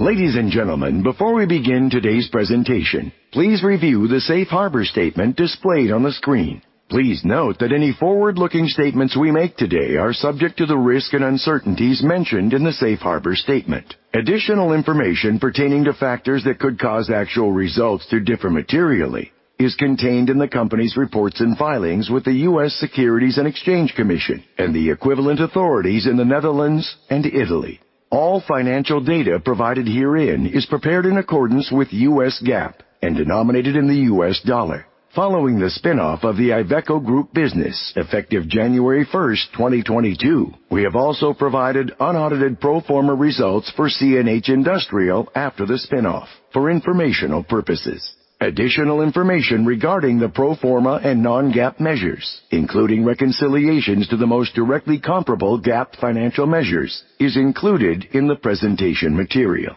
Ladies and gentlemen, before we begin today's presentation, please review the safe harbor statement displayed on the screen. Please note that any forward-looking statements we make today are subject to the risk and uncertainties mentioned in the safe harbor statement. Additional information pertaining to factors that could cause actual results to differ materially is contained in the company's reports and filings with the U.S. Securities and Exchange Commission and the equivalent authorities in the Netherlands and Italy. All financial data provided herein is prepared in accordance with U.S. GAAP and denominated in the US dollar. Following the spin-off of the Iveco Group business effective January 1, 2022, we have also provided unaudited pro forma results for CNH Industrial after the spin-off for informational purposes. Additional information regarding the pro forma and non-GAAP measures, including reconciliations to the most directly comparable GAAP financial measures, is included in the presentation material.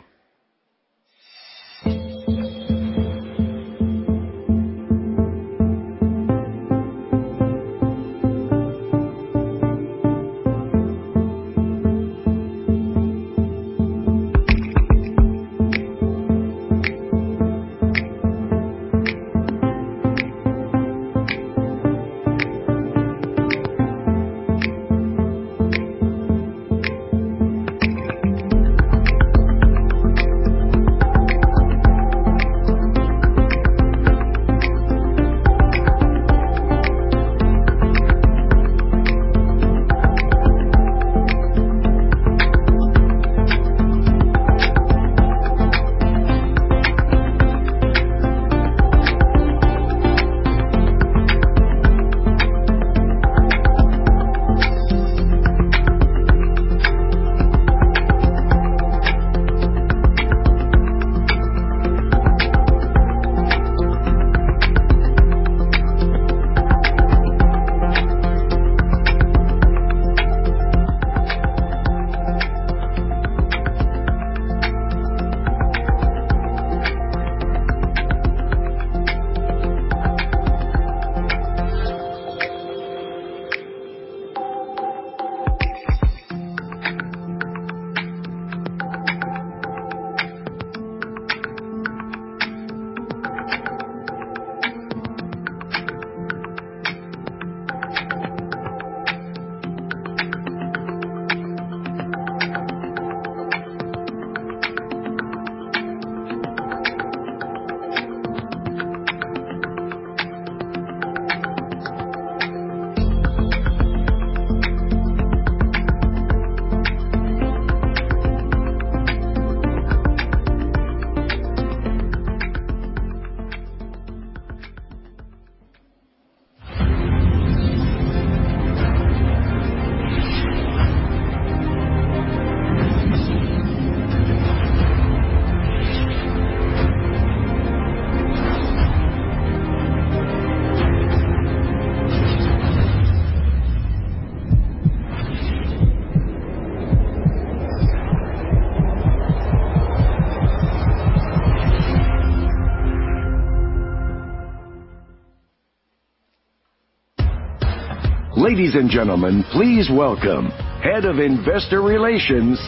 Ladies and gentlemen, please welcome Head of Investor Relations,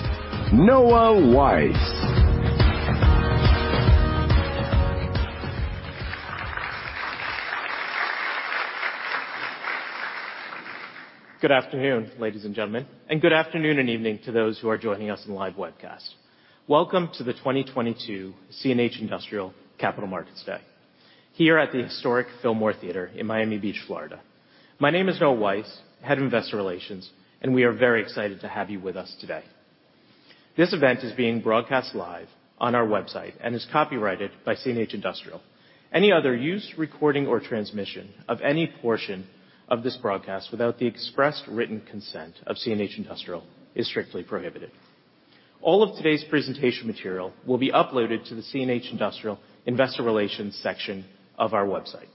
Noah Weiss. Good afternoon, ladies and gentlemen. Good afternoon and evening to those who are joining us in the live webcast. Welcome to the 2022 CNH Industrial Capital Markets Day here at the historic Fillmore Theater in Miami Beach, Florida. My name is Noah Weiss, Head of Investor Relations, and we are very excited to have you with us today. This event is being broadcast live on our website and is copyrighted by CNH Industrial. Any other use, recording or transmission of any portion of this broadcast without the expressed written consent of CNH Industrial is strictly prohibited. All of today's presentation material will be uploaded to the CNH Industrial Investor Relations section of our website.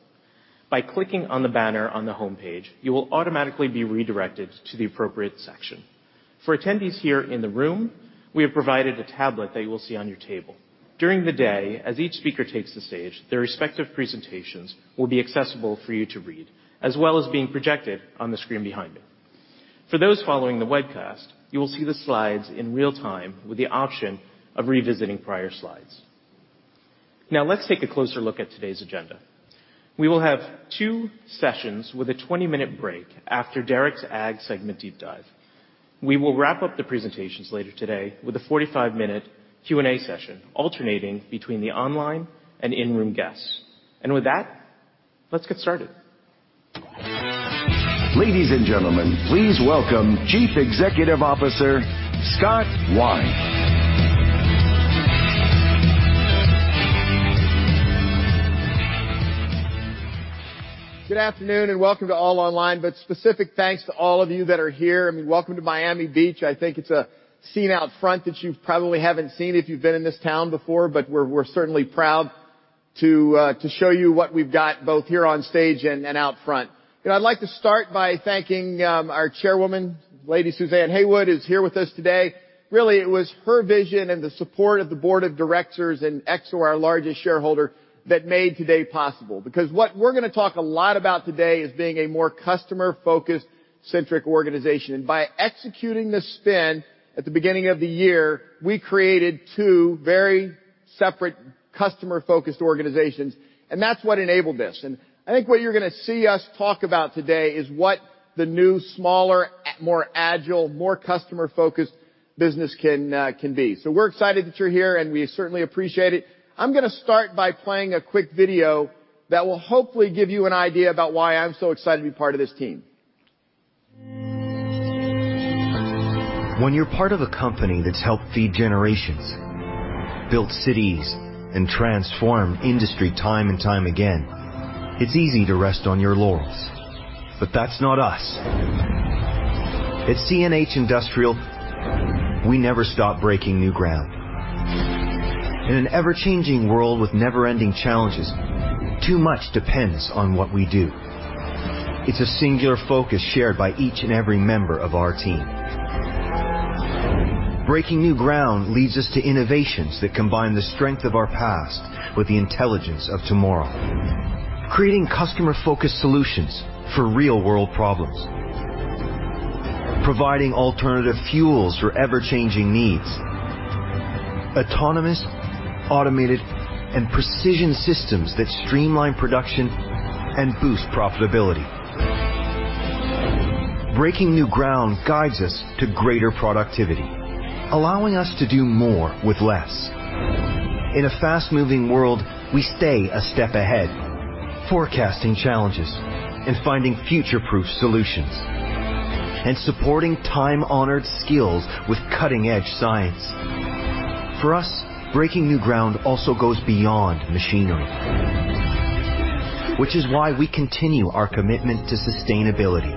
By clicking on the banner on the homepage, you will automatically be redirected to the appropriate section. For attendees here in the room, we have provided a tablet that you will see on your table. During the day, as each speaker takes the stage, their respective presentations will be accessible for you to read, as well as being projected on the screen behind me. For those following the webcast, you will see the slides in real time with the option of revisiting prior slides. Now let's take a closer look at today's agenda. We will have two sessions with a 20-minute break after Derek's Ag segment deep dive. We will wrap up the presentations later today with a 45-minute Q&A session alternating between the online and in-room guests. With that, let's get started. Ladies and gentlemen, please welcome Chief Executive Officer, Scott Wine. Good afternoon, and welcome to all online, but specific thanks to all of you that are here. I mean, welcome to Miami Beach. I think it's a scene out front that you probably haven't seen if you've been in this town before, but we're certainly proud to show you what we've got both here on stage and out front. You know, I'd like to start by thanking our chairwoman, Lady Suzanne Heywood, who's here with us today. Really, it was her vision and the support of the board of directors and Exor, our largest shareholder, that made today possible. Because what we're gonna talk a lot about today is being a more customer-focused centric organization. By executing the spin at the beginning of the year, we created two very separate customer-focused organizations, and that's what enabled this. I think what you're gonna see us talk about today is what the new, smaller, more agile, more customer-focused business can be. We're excited that you're here, and we certainly appreciate it. I'm gonna start by playing a quick video that will hopefully give you an idea about why I'm so excited to be part of this team. When you're part of a company that's helped feed generations, built cities, and transformed industry time and time again, it's easy to rest on your laurels. But that's not us. At CNH Industrial, we never stop breaking new ground. In an ever-changing world with never-ending challenges, too much depends on what we do. It's a singular focus shared by each and every member of our team. Breaking new ground leads us to innovations that combine the strength of our past with the intelligence of tomorrow. Creating customer-focused solutions for real-world problems. Providing alternative fuels for ever-changing needs. Autonomous, automated, and precision systems that streamline production and boost profitability. Breaking new ground guides us to greater productivity, allowing us to do more with less. In a fast-moving world, we stay a step ahead, forecasting challenges and finding future-proof solutions, and supporting time-honored skills with cutting-edge science. For us, breaking new ground also goes beyond machinery. Which is why we continue our commitment to sustainability.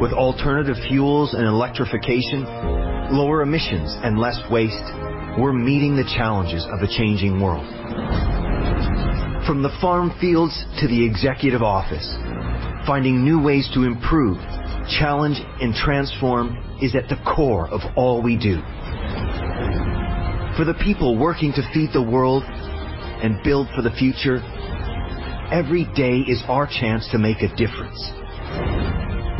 With alternative fuels and electrification, lower emissions and less waste, we're meeting the challenges of a changing world. From the farm fields to the executive office, finding new ways to improve, challenge, and transform is at the core of all we do. For the people working to feed the world and build for the future, every day is our chance to make a difference.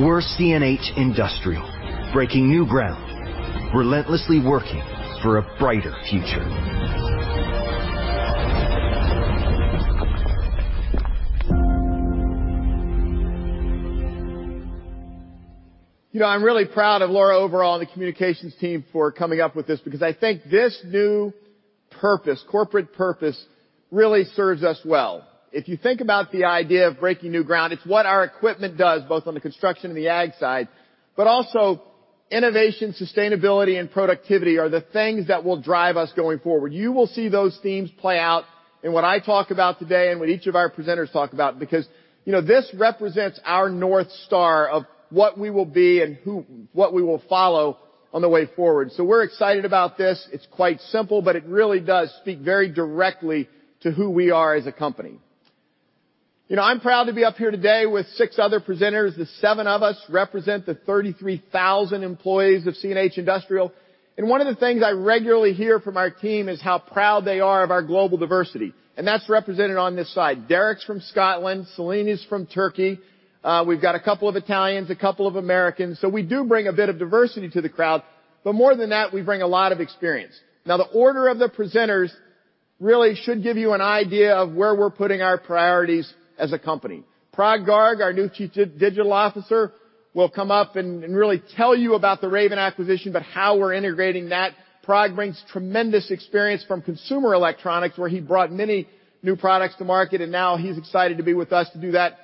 We're CNH Industrial, breaking new ground, relentlessly working for a brighter future. You know, I'm really proud of Laura Overall and the communications team for coming up with this because I think this new purpose, corporate purpose really serves us well. If you think about the idea of breaking new ground, it's what our equipment does, both on the construction and the Ag side, but also innovation, sustainability, and productivity are the things that will drive us going forward. You will see those themes play out in what I talk about today and what each of our presenters talk about because, you know, this represents our North Star of what we will be and what we will follow on the way forward. We're excited about this. It's quite simple, but it really does speak very directly to who we are as a company. You know, I'm proud to be up here today with six other presenters. The seven of us represent the 33,000 employees of CNH Industrial. One of the things I regularly hear from our team is how proud they are of our global diversity, and that's represented on this side. Derek's from Scotland, Selin is from Turkey, we've got a couple of Italians, a couple of Americans, so we do bring a bit of diversity to the crowd. More than that, we bring a lot of experience. Now, the order of the presenters really should give you an idea of where we're putting our priorities as a company. Parag Garg, our new Chief Digital Officer, will come up and really tell you about the Raven acquisition, but how we're integrating that. Parag brings tremendous experience from consumer electronics, where he brought many new products to market, and now he's excited to be with us to do that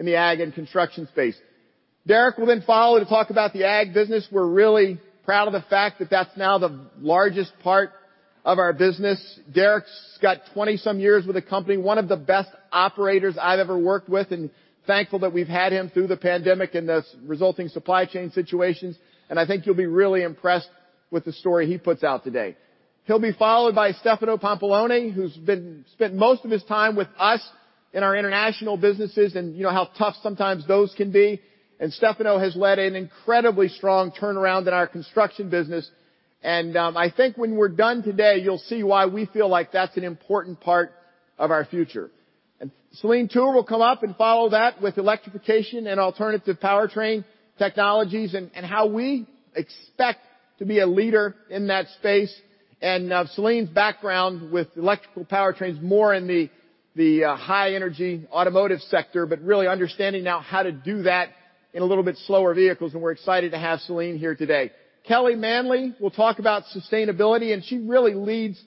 in the Ag and construction space. Derek will then follow to talk about the Ag business. We're really proud of the fact that that's now the largest part of our business. Derek's got 20-some years with the company, one of the best operators I've ever worked with, and thankful that we've had him through the pandemic and the resulting supply chain situations. I think you'll be really impressed with the story he puts out today. He'll be followed by Stefano Pampalone, who's spent most of his time with us in our international businesses, and you know how tough sometimes those can be. Stefano has led an incredibly strong turnaround in our construction business. I think when we're done today, you'll see why we feel like that's an important part of our future. Selin Tur will come up and follow that with electrification and alternative powertrain technologies and how we expect to be a leader in that space. Selin's background with electrical powertrains more in the high energy automotive sector, but really understanding now how to do that in a little bit slower vehicles, and we're excited to have Selin here today. Kelly Manley will talk about sustainability, and she really leads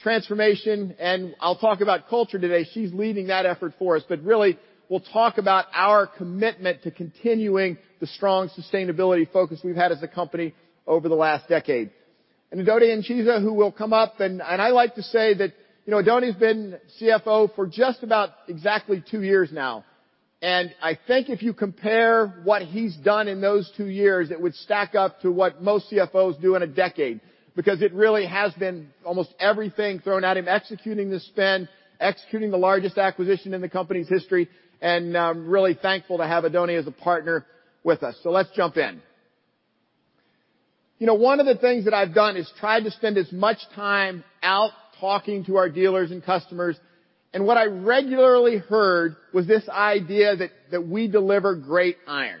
transformation. I'll talk about culture today. She's leading that effort for us. Really we'll talk about our commitment to continuing the strong sustainability focus we've had as a company over the last decade. Oddone Incisa who will come up and I like to say that, you know, Oddone Incisa's been CFO for just about exactly two years now. I think if you compare what he's done in those two years, it would stack up to what most CFOs do in a decade because it really has been almost everything thrown at him, executing the spin, executing the largest acquisition in the company's history, and really thankful to have Oddone Incisa as a partner with us. Let's jump in. You know, one of the things that I've done is tried to spend as much time out talking to our dealers and customers, and what I regularly heard was this idea that we deliver great iron.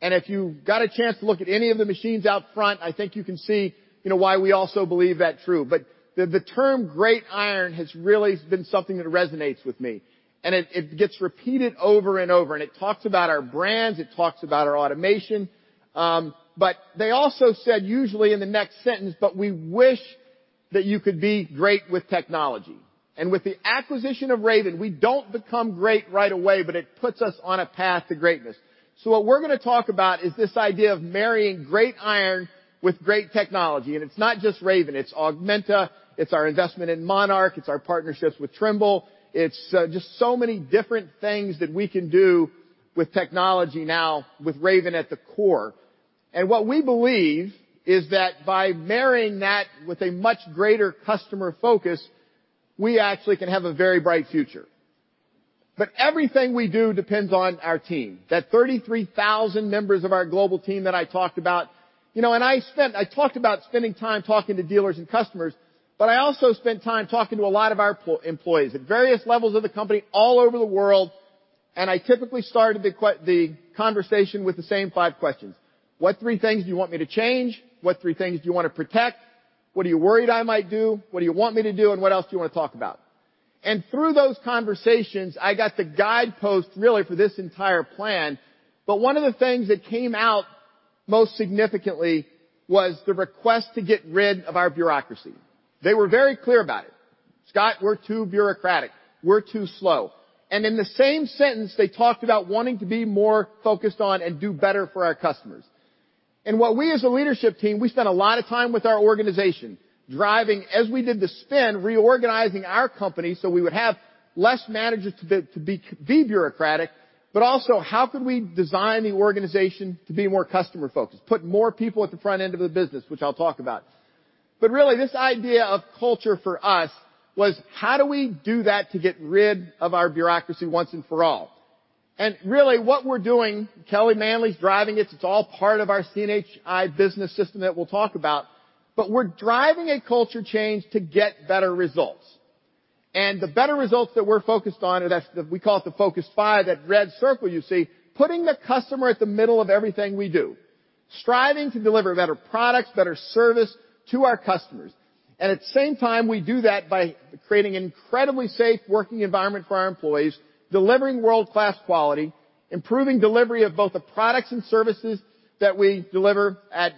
If you've got a chance to look at any of the machines out front, I think you can see, you know, why we also believe that true. But the term great iron has really been something that resonates with me, and it gets repeated over and over, and it talks about our brands, it talks about our automation. But they also said, usually in the next sentence, "But we wish that you could be great with technology." With the acquisition of Raven, we don't become great right away, but it puts us on a path to greatness. What we're gonna talk about is this idea of marrying great iron with great technology. It's not just Raven, it's Augmenta, it's our investment in Monarch, it's our partnerships with Trimble. It's just so many different things that we can do with technology now with Raven at the core. What we believe is that by marrying that with a much greater customer focus, we actually can have a very bright future. Everything we do depends on our team, that 33,000 members of our global team that I talked about. I talked about spending time talking to dealers and customers, but I also spent time talking to a lot of our employees at various levels of the company all over the world, and I typically started the conversation with the same five questions. What three things do you want me to change? What three things do you wanna protect? What are you worried I might do? What do you want me to do, and what else do you wanna talk about? Through those conversations, I got the guidepost really for this entire plan. One of the things that came out most significantly was the request to get rid of our bureaucracy. They were very clear about it. "Scott, we're too bureaucratic. We're too slow." In the same sentence, they talked about wanting to be more focused on and do better for our customers. What we as a leadership team, we spent a lot of time with our organization, driving, as we did the spin, reorganizing our company so we would have less managers to be bureaucratic, but also how could we design the organization to be more customer-focused, put more people at the front end of the business, which I'll talk about. Really this idea of culture for us was how do we do that to get rid of our bureaucracy once and for all? Really, what we're doing, Kelly Manley's driving it's all part of our CNHi business system that we'll talk about, but we're driving a culture change to get better results. The better results that we're focused on are that, we call it the focus five, that red circle you see, putting the customer at the middle of everything we do. Striving to deliver better products, better service to our customers. At the same time, we do that by creating incredibly safe working environment for our employees, delivering world-class quality, improving delivery of both the products and services that we deliver at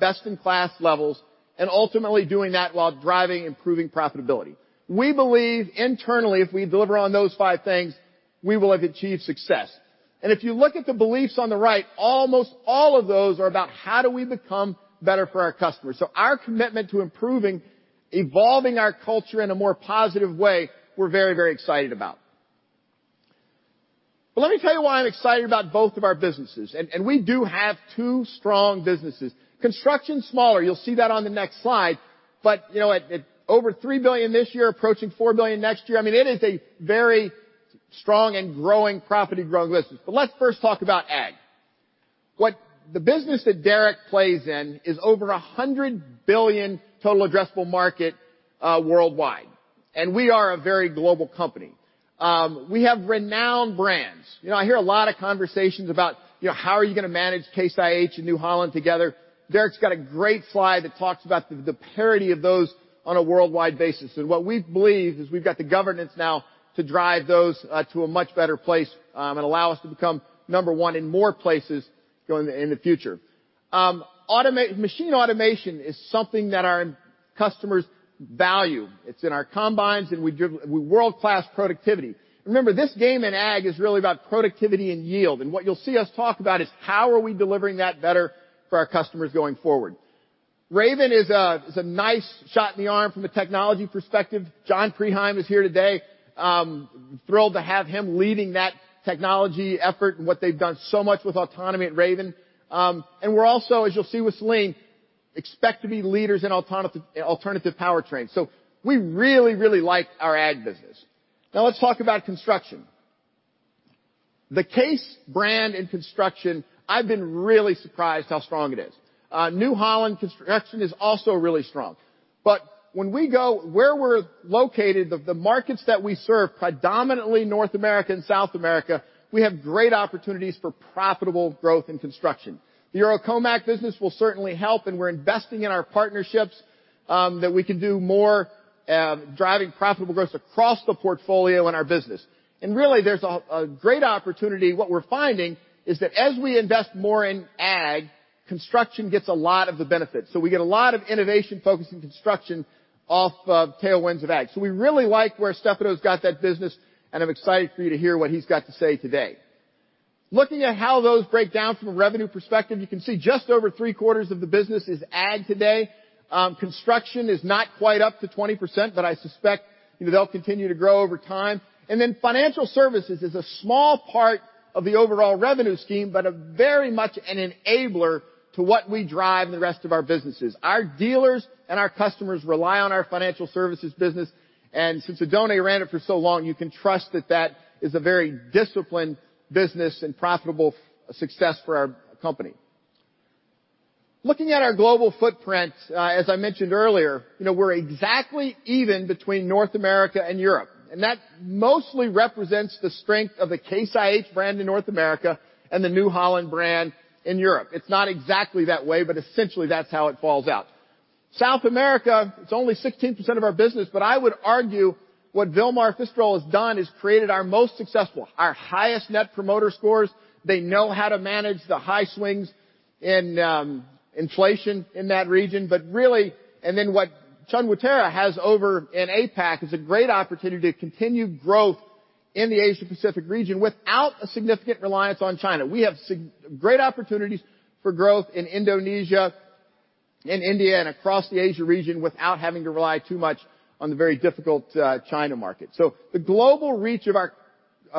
best-in-class levels, and ultimately doing that while driving improving profitability. We believe internally, if we deliver on those five things, we will have achieved success. If you look at the beliefs on the right, almost all of those are about how do we become better for our customers? So our commitment to improving, evolving our culture in a more positive way, we're very, very excited about. Let me tell you why I'm excited about both of our businesses and we do have two strong businesses. Construction's smaller, you'll see that on the next slide. At over $3 billion this year, approaching $4 billion next year, it is a very strong and growing, profitability growing business. Let's first talk about Ag. The business that Derek plays in is over $100 billion total addressable market, worldwide, and we are a very global company. We have renowned brands. You know, I hear a lot of conversations about, you know, how are you gonna manage Case IH and New Holland together? Derek's got a great slide that talks about the parity of those on a worldwide basis. What we believe is we've got the governance now to drive those to a much better place, and allow us to become number one in more places going in the future. Machine automation is something that our customers value. It's in our combines and we drive world-class productivity. Remember, this game in Ag is really about productivity and yield. What you'll see us talk about is how are we delivering that better for our customers going forward. Raven is a nice shot in the arm from a technology perspective. John Preheim is here today. Thrilled to have him leading that technology effort and what they've done so much with autonomy at Raven. We're also, as you'll see with Ling, expect to be leaders in autonomy, alternative powertrains. We really, really like our Ag business. Now let's talk about construction. The Case brand in construction, I've been really surprised how strong it is. New Holland Construction is also really strong. Where we're located, the markets that we serve, predominantly North America and South America, we have great opportunities for profitable growth in construction. The Eurocomach business will certainly help, and we're investing in our partnerships that we can do more driving profitable growth across the portfolio in our business. Really, there's a great opportunity. What we're finding is that as we invest more in Ag, construction gets a lot of the benefits. We get a lot of innovation focused in construction off of tailwinds of Ag. We really like where Stefano's got that business, and I'm excited for you to hear what he's got to say today. Looking at how those break down from a revenue perspective, you can see just over three-quarters of the business is Ag today. Construction is not quite up to 20%, but I suspect, you know, they'll continue to grow over time. Then financial services is a small part of the overall revenue scheme, but very much an enabler to what we drive in the rest of our businesses. Our dealers and our customers rely on our financial services business, and since Oddone ran it for so long, you can trust that that is a very disciplined business and profitable success for our company. Looking at our global footprint, as I mentioned earlier, you know, we're exactly even between North America and Europe. That mostly represents the strength of the Case IH brand in North America and the New Holland brand in Europe. It's not exactly that way, but essentially that's how it falls out. South America, it's only 16% of our business, but I would argue what Vilmar Fistarol has done is created our most successful, our highest net promoter scores. They know how to manage the high swings in inflation in that region. What Chun Woytera has over in APAC is a great opportunity to continue growth in the Asia-Pacific region without a significant reliance on China. We have great opportunities for growth in Indonesia, in India, and across the Asia region without having to rely too much on the very difficult China market. The global reach of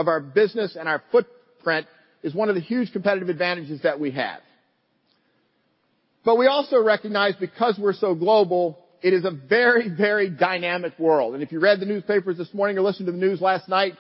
our business and our footprint is one of the huge competitive advantages that we have. We also recognize because we're so global, it is a very, very dynamic world. If you read the newspapers this morning or listened to the news last night,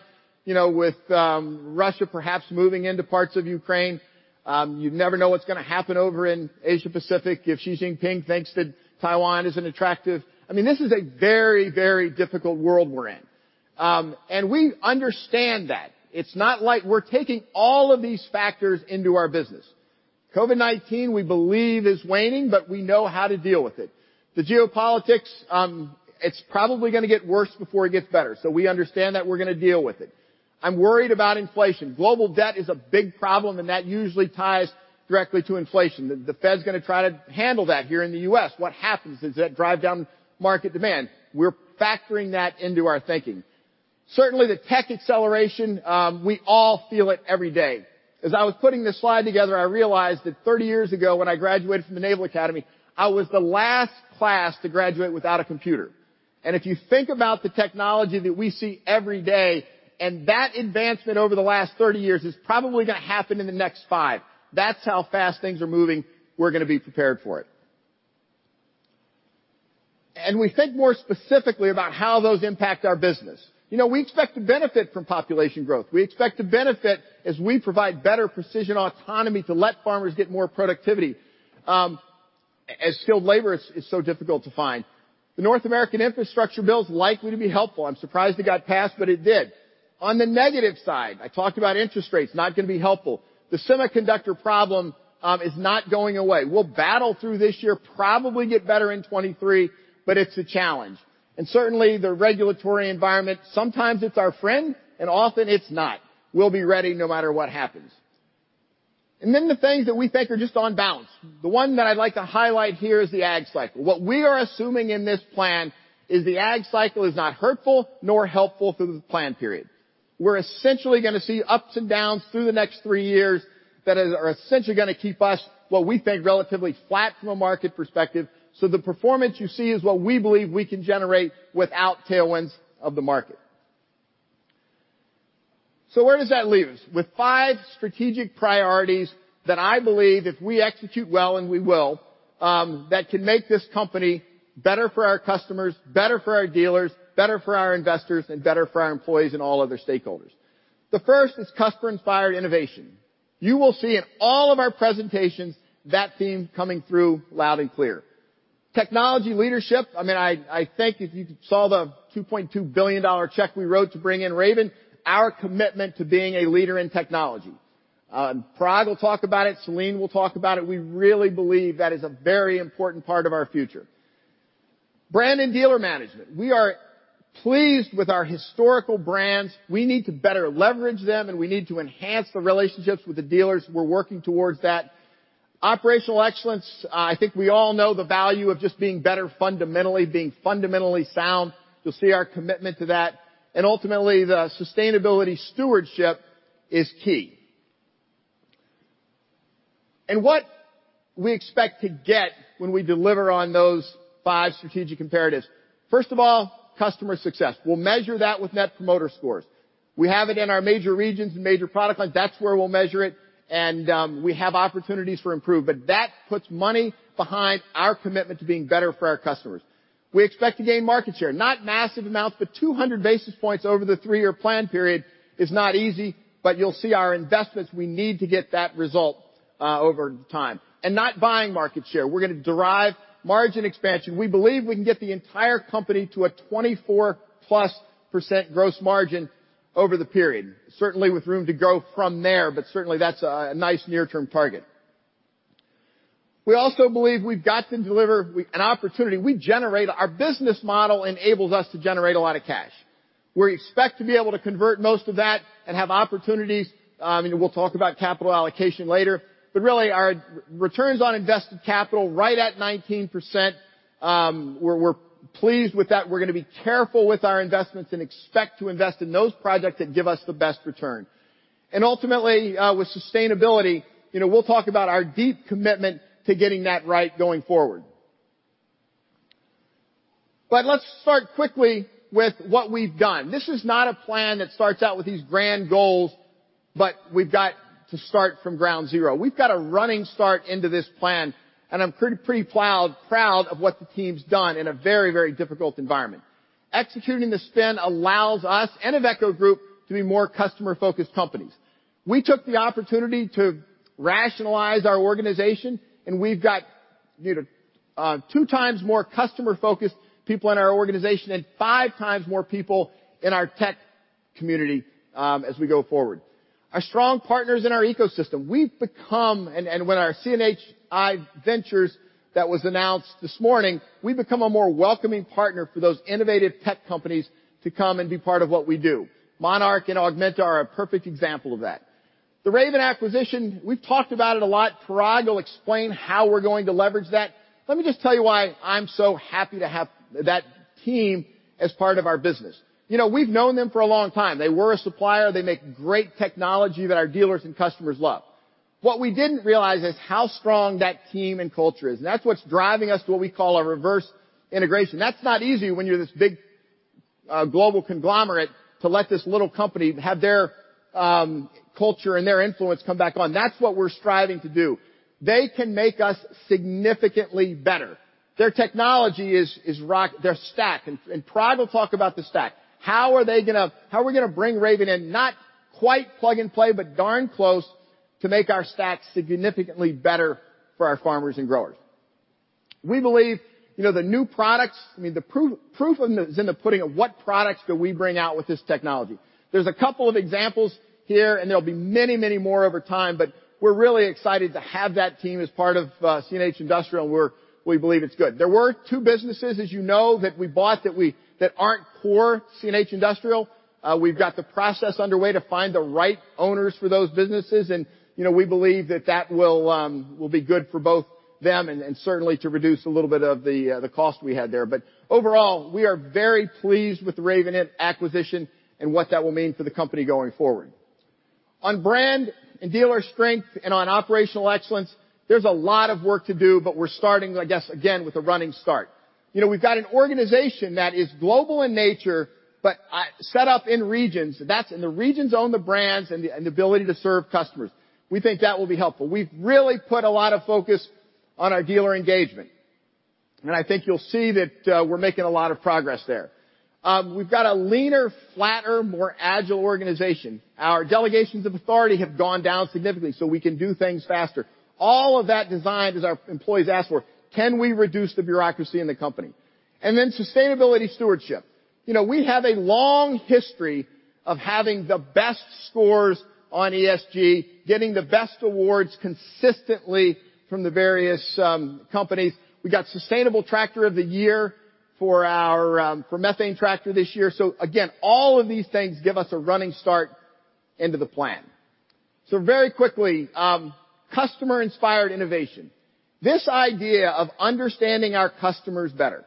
you know, with Russia perhaps moving into parts of Ukraine, you never know what's gonna happen over in Asia-Pacific if Xi Jinping thinks that Taiwan is an attractive. I mean, this is a very, very difficult world we're in. We understand that. It's not like we're taking all of these factors into our business. COVID-19 we believe is waning, but we know how to deal with it. The geopolitics, it's probably gonna get worse before it gets better, so we understand that we're gonna deal with it. I'm worried about inflation. Global debt is a big problem, and that usually ties directly to inflation. The Fed's gonna try to handle that here in the U.S. What happens is that drives down market demand. We're factoring that into our thinking. Certainly, the tech acceleration, we all feel it every day. As I was putting this slide together, I realized that 30 years ago, when I graduated from the Naval Academy, I was the last class to graduate without a computer. If you think about the technology that we see every day and that advancement over the last 30 years is probably gonna happen in the next five. That's how fast things are moving. We're gonna be prepared for it. We think more specifically about how those impact our business. You know, we expect to benefit from population growth. We expect to benefit as we provide better precision autonomy to let farmers get more productivity, as skilled labor is so difficult to find. The North American Infrastructure Bill is likely to be helpful. I'm surprised it got passed, but it did. On the negative side, I talked about interest rates, not gonna be helpful. The semiconductor problem is not going away. We'll battle through this year, probably get better in 2023, but it's a challenge. Certainly, the regulatory environment, sometimes it's our friend, and often it's not. We'll be ready no matter what happens. Then the things that we think are just on balance. The one that I'd like to highlight here is the Ag cycle. What we are assuming in this plan is the Ag cycle is not hurtful nor helpful through the plan period. We're essentially gonna see ups and downs through the next three years that are essentially gonna keep us what we think relatively flat from a market perspective. The performance you see is what we believe we can generate without tailwinds of the market. Where does that leave us? With five strategic priorities that I believe if we execute well, and we will, that can make this company better for our customers, better for our dealers, better for our investors, and better for our employees and all other stakeholders. The first is customer-inspired innovation. You will see in all of our presentations that theme coming through loud and clear. Technology leadership, I think if you saw the $2.2 billion check we wrote to bring in Raven, our commitment to being a leader in technology. Parag will talk about it, Selin will talk about it. We really believe that is a very important part of our future. Brand and dealer management. We are pleased with our historical brands. We need to better leverage them, and we need to enhance the relationships with the dealers. We're working towards that. Operational excellence. I think we all know the value of just being better fundamentally, being fundamentally sound. You'll see our commitment to that. Ultimately, the sustainability stewardship is key. What we expect to get when we deliver on those five strategic imperatives. First of all, customer success. We'll measure that with net promoter scores. We have it in our major regions and major product lines. That's where we'll measure it, and we have opportunities for improvement. That puts money behind our commitment to being better for our customers. We expect to gain market share, not massive amounts, but 200 basis points over the three-year plan period is not easy, but you'll see our investments. We need to get that result, over time. Not buying market share. We're gonna derive margin expansion. We believe we can get the entire company to a 24%+ gross margin over the period. Certainly with room to grow from there, but certainly that's a nice near-term target. We also believe we've got to deliver an opportunity. Our business model enables us to generate a lot of cash. We expect to be able to convert most of that and have opportunities, and we'll talk about capital allocation later. Really our returns on invested capital right at 19%, we're pleased with that. We're gonna be careful with our investments and expect to invest in those projects that give us the best return. Ultimately, with sustainability, you know, we'll talk about our deep commitment to getting that right going forward. Let's start quickly with what we've done. This is not a plan that starts out with these grand goals, but we've got to start from ground zero. We've got a running start into this plan, and I'm pretty proud of what the team's done in a very difficult environment. Executing the spin allows us and Iveco Group to be more customer-focused companies. We took the opportunity to rationalize our organization, and we've got, you know, 2xs more customer-focused people in our organization and 5x more people in our tech community as we go forward. Our strong partners in our ecosystem, we've become and with our CNH Industrial Ventures that was announced this morning, we've become a more welcoming partner for those innovative tech companies to come and be part of what we do. Monarch and Augmenta are a perfect example of that. The Raven acquisition, we've talked about it a lot. Parag will explain how we're going to leverage that. Let me just tell you why I'm so happy to have that team as part of our business. You know, we've known them for a long time. They were a supplier. They make great technology that our dealers and customers love. What we didn't realize is how strong that team and culture is, and that's what's driving us to what we call a reverse integration. That's not easy when you're this big global conglomerate to let this little company have their culture and their influence come back on. That's what we're striving to do. They can make us significantly better. Their technology is rock. Their stack, and Parag will talk about the stack. How are we gonna bring Raven in? Not quite plug and play, but darn close to make our stack significantly better for our farmers and growers. We believe the new products, the proof is in the pudding of what products do we bring out with this technology. There's a couple of examples here, and there'll be many, many more over time, but we're really excited to have that team as part of CNH Industrial, and we believe it's good. There were two businesses that we bought that aren't core CNH Industrial. We've got the process underway to find the right owners for those businesses and we believe that will be good for both them and certainly to reduce a little bit of the cost we had there. Overall, we are very pleased with the Raven acquisition and what that will mean for the company going forward. On brand and dealer strength and on operational excellence, there's a lot of work to do, but we're starting, I guess, again, with a running start. You know, we've got an organization that is global in nature but set up in regions. The regions own the brands and the ability to serve customers. We think that will be helpful. We've really put a lot of focus on our dealer engagement, and I think you'll see that we're making a lot of progress there. We've got a leaner, flatter, more agile organization. Our delegations of authority have gone down significantly, so we can do things faster. All of that designed as our employees asked for. Can we reduce the bureaucracy in the company? Then sustainability stewardship. You know, we have a long history of having the best scores on ESG, getting the best awards consistently from the various companies. We got Sustainable Tractor of the Year for our methane tractor this year. Again, all of these things give us a running start into the plan. Very quickly, customer-inspired innovation. This idea of understanding our customers better.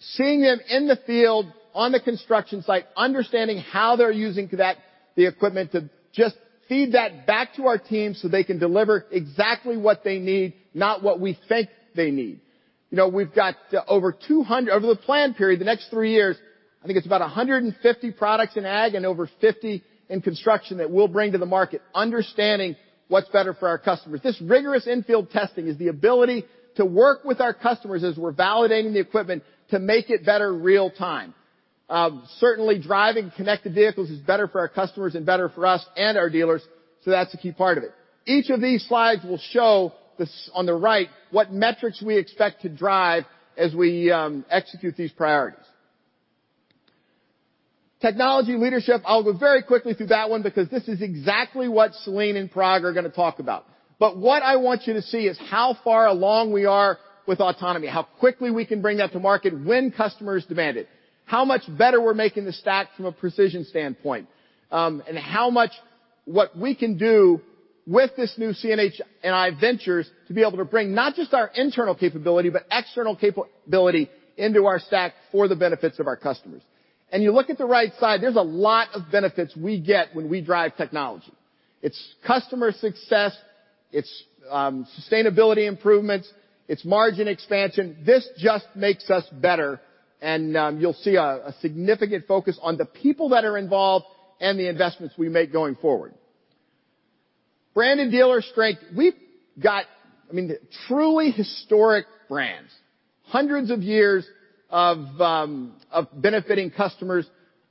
Seeing them in the field, on the construction site, understanding how they're using the equipment to just feed that back to our team, so they can deliver exactly what they need, not what we think they need. You know, we've got over 200 Over the plan period, the next three years, I think it's about 150 products in ag and over 50 in construction that we'll bring to the market, understanding what's better for our customers. This rigorous in-field testing is the ability to work with our customers as we're validating the equipment to make it better real-time. Certainly driving connected vehicles is better for our customers and better for us and our dealers, so that's a key part of it. Each of these slides will show this on the right, what metrics we expect to drive as we execute these priorities. Technology leadership, I'll go very quickly through that one because this is exactly what Selin and Parag are gonna talk about. What I want you to see is how far along we are with autonomy, how quickly we can bring that to market when customers demand it, how much better we're making the stack from a precision standpoint, and how much what we can do with this new CNH Industrial Ventures to be able to bring not just our internal capability but external capability into our stack for the benefits of our customers. You look at the right side, there's a lot of benefits we get when we drive technology. It's customer success, it's sustainability improvements, it's margin expansion. This just makes us better and you'll see a significant focus on the people that are involved and the investments we make going forward. Brand and dealer strength. We've got, I mean, truly historic brands, hundreds of years of benefiting customers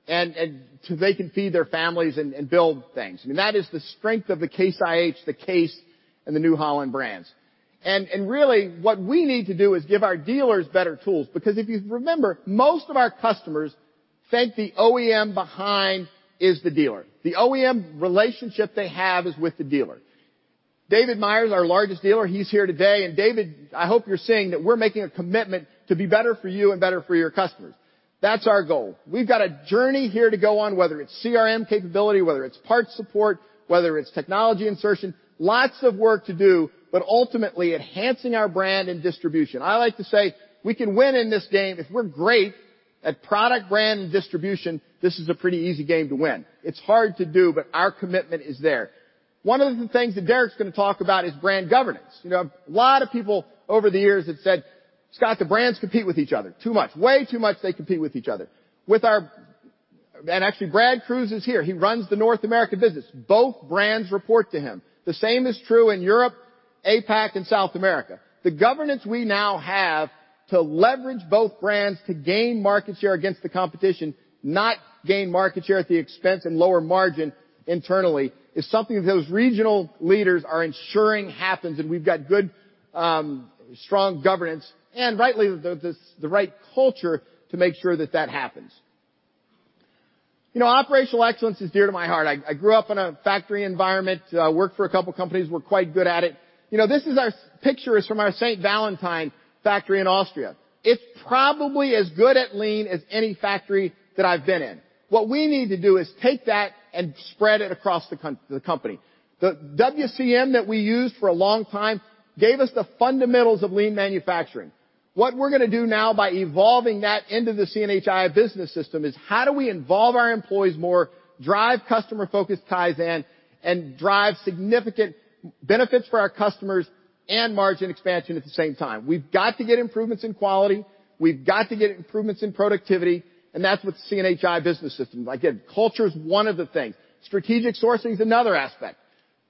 and so they can feed their families and build things. I mean, that is the strength of the Case IH, the Case, and the New Holland brands. Really what we need to do is give our dealers better tools because if you remember, most of our customers think the OEM behind is the dealer. The OEM relationship they have is with the dealer. David Meyer, our largest dealer, he's here today. David, I hope you're seeing that we're making a commitment to be better for you and better for your customers. That's our goal. We've got a journey here to go on, whether it's CRM capability, whether it's parts support, whether it's technology insertion. Lots of work to do, but ultimately enhancing our brand and distribution. I like to say we can win in this game. If we're great at product brand and distribution, this is a pretty easy game to win. It's hard to do, but our commitment is there. One of the things that Derek Neilson's gonna talk about is brand governance. You know, a lot of people over the years have said, "Scott, the brands compete with each other too much. Way too much, they compete with each other." Actually, Brad Crews is here. He runs the North American business. Both brands report to him. The same is true in Europe, APAC and South America. The governance we now have to leverage both brands to gain market share against the competition, not gain market share at the expense and lower margin internally, is something that those regional leaders are ensuring happens, and we've got good, strong governance and rightly the right culture to make sure that that happens. You know, operational excellence is dear to my heart. I grew up in a factory environment, worked for a couple of companies, we're quite good at it. You know, this is our picture from our St. Valentin factory in Austria. It's probably as good at lean as any factory that I've been in. What we need to do is take that and spread it across the company. The WCM that we used for a long time gave us the fundamentals of lean manufacturing. What we're gonna do now by evolving that into the CNHi business system is how do we involve our employees more, drive customer-focused Kaizen, and drive significant margin benefits for our customers and margin expansion at the same time. We've got to get improvements in quality, we've got to get improvements in productivity, and that's with the CNHi business system. Again, culture is one of the things. Strategic sourcing is another aspect.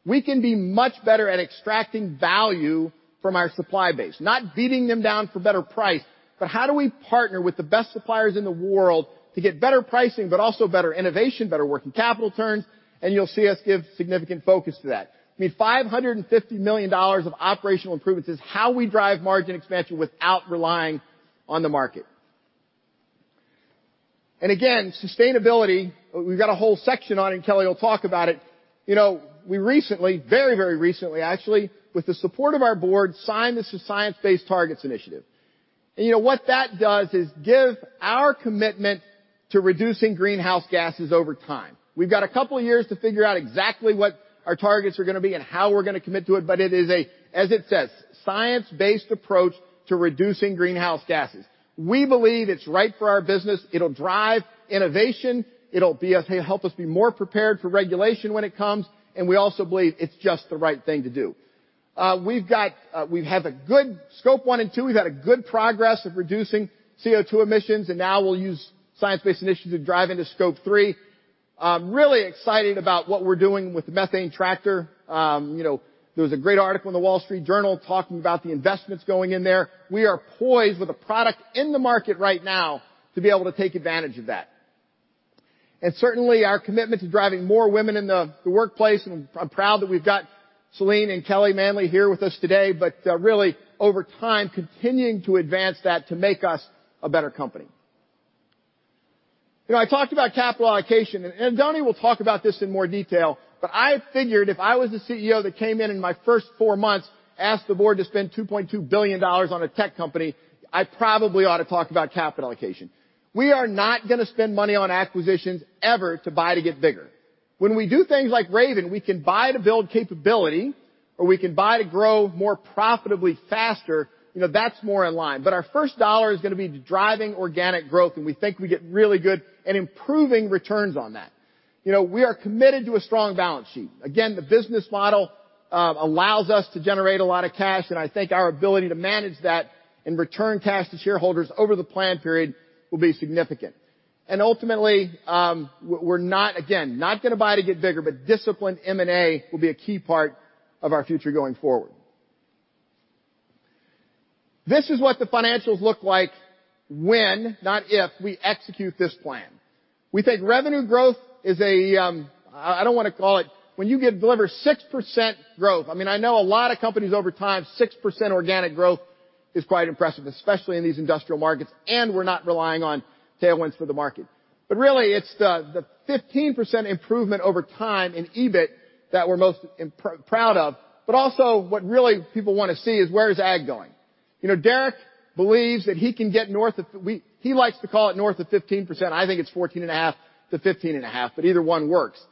We can be much better at extracting value from our supply base, not beating them down for better price, but how do we partner with the best suppliers in the world to get better pricing, but also better innovation, better working capital turns, and you'll see us give significant focus to that. I mean, $550 million of operational improvements is how we drive margin expansion without relying on the market. Again, sustainability, we've got a whole section on it, and Kelly will talk about it. You know, we recently, very, very recently actually, with the support of our board, signed the Science Based Targets initiative. You know what that does is give our commitment to reducing greenhouse gases over time. We've got a couple of years to figure out exactly what our targets are gonna be and how we're gonna commit to it, but it is a, as it says, science-based approach to reducing greenhouse gases. We believe it's right for our business. It'll drive innovation. It'll help us be more prepared for regulation when it comes, and we also believe it's just the right thing to do. We've had a good Scope 1 and 2. We've had a good progress of reducing CO2 emissions, and now we'll use science-based initiatives to drive into Scope 3. I'm really excited about what we're doing with the methane tractor. You know, there was a great article in The Wall Street Journal talking about the investments going in there. We are poised with a product in the market right now to be able to take advantage of that. Certainly, our commitment to driving more women in the workplace, and I'm proud that we've got Selin and Kelly Manley here with us today. Really over time, continuing to advance that to make us a better company. You know, I talked about capital allocation, and Oddone will talk about this in more detail, but I figured if I was the CEO that came in in my first four months, asked the board to spend $2.2 billion on a tech company, I probably ought to talk about capital allocation. We are not gonna spend money on acquisitions ever to buy to get bigger. When we do things like Raven, we can buy to build capability, or we can buy to grow more profitably faster, you know, that's more in line. Our first dollar is gonna be driving organic growth, and we think we get really good and improving returns on that. You know, we are committed to a strong balance sheet. Again, the business model allows us to generate a lot of cash, and I think our ability to manage that and return cash to shareholders over the plan period will be significant. Ultimately, we're not, again, not gonna buy to get bigger, but disciplined M&A will be a key part of our future going forward. This is what the financials look like when, not if, we execute this plan. We think revenue growth is a I don't wanna call it. When you deliver 6% growth, I mean, I know a lot of companies over time, 6% organic growth is quite impressive, especially in these industrial markets, and we're not relying on tailwinds for the market. Really it's the 15% improvement over time in EBIT that we're most proud of. Also what really people wanna see is where is ag going. You know, Derek believes that he can get north of 15%. I think it's 14.5%-15.5%, but either one works.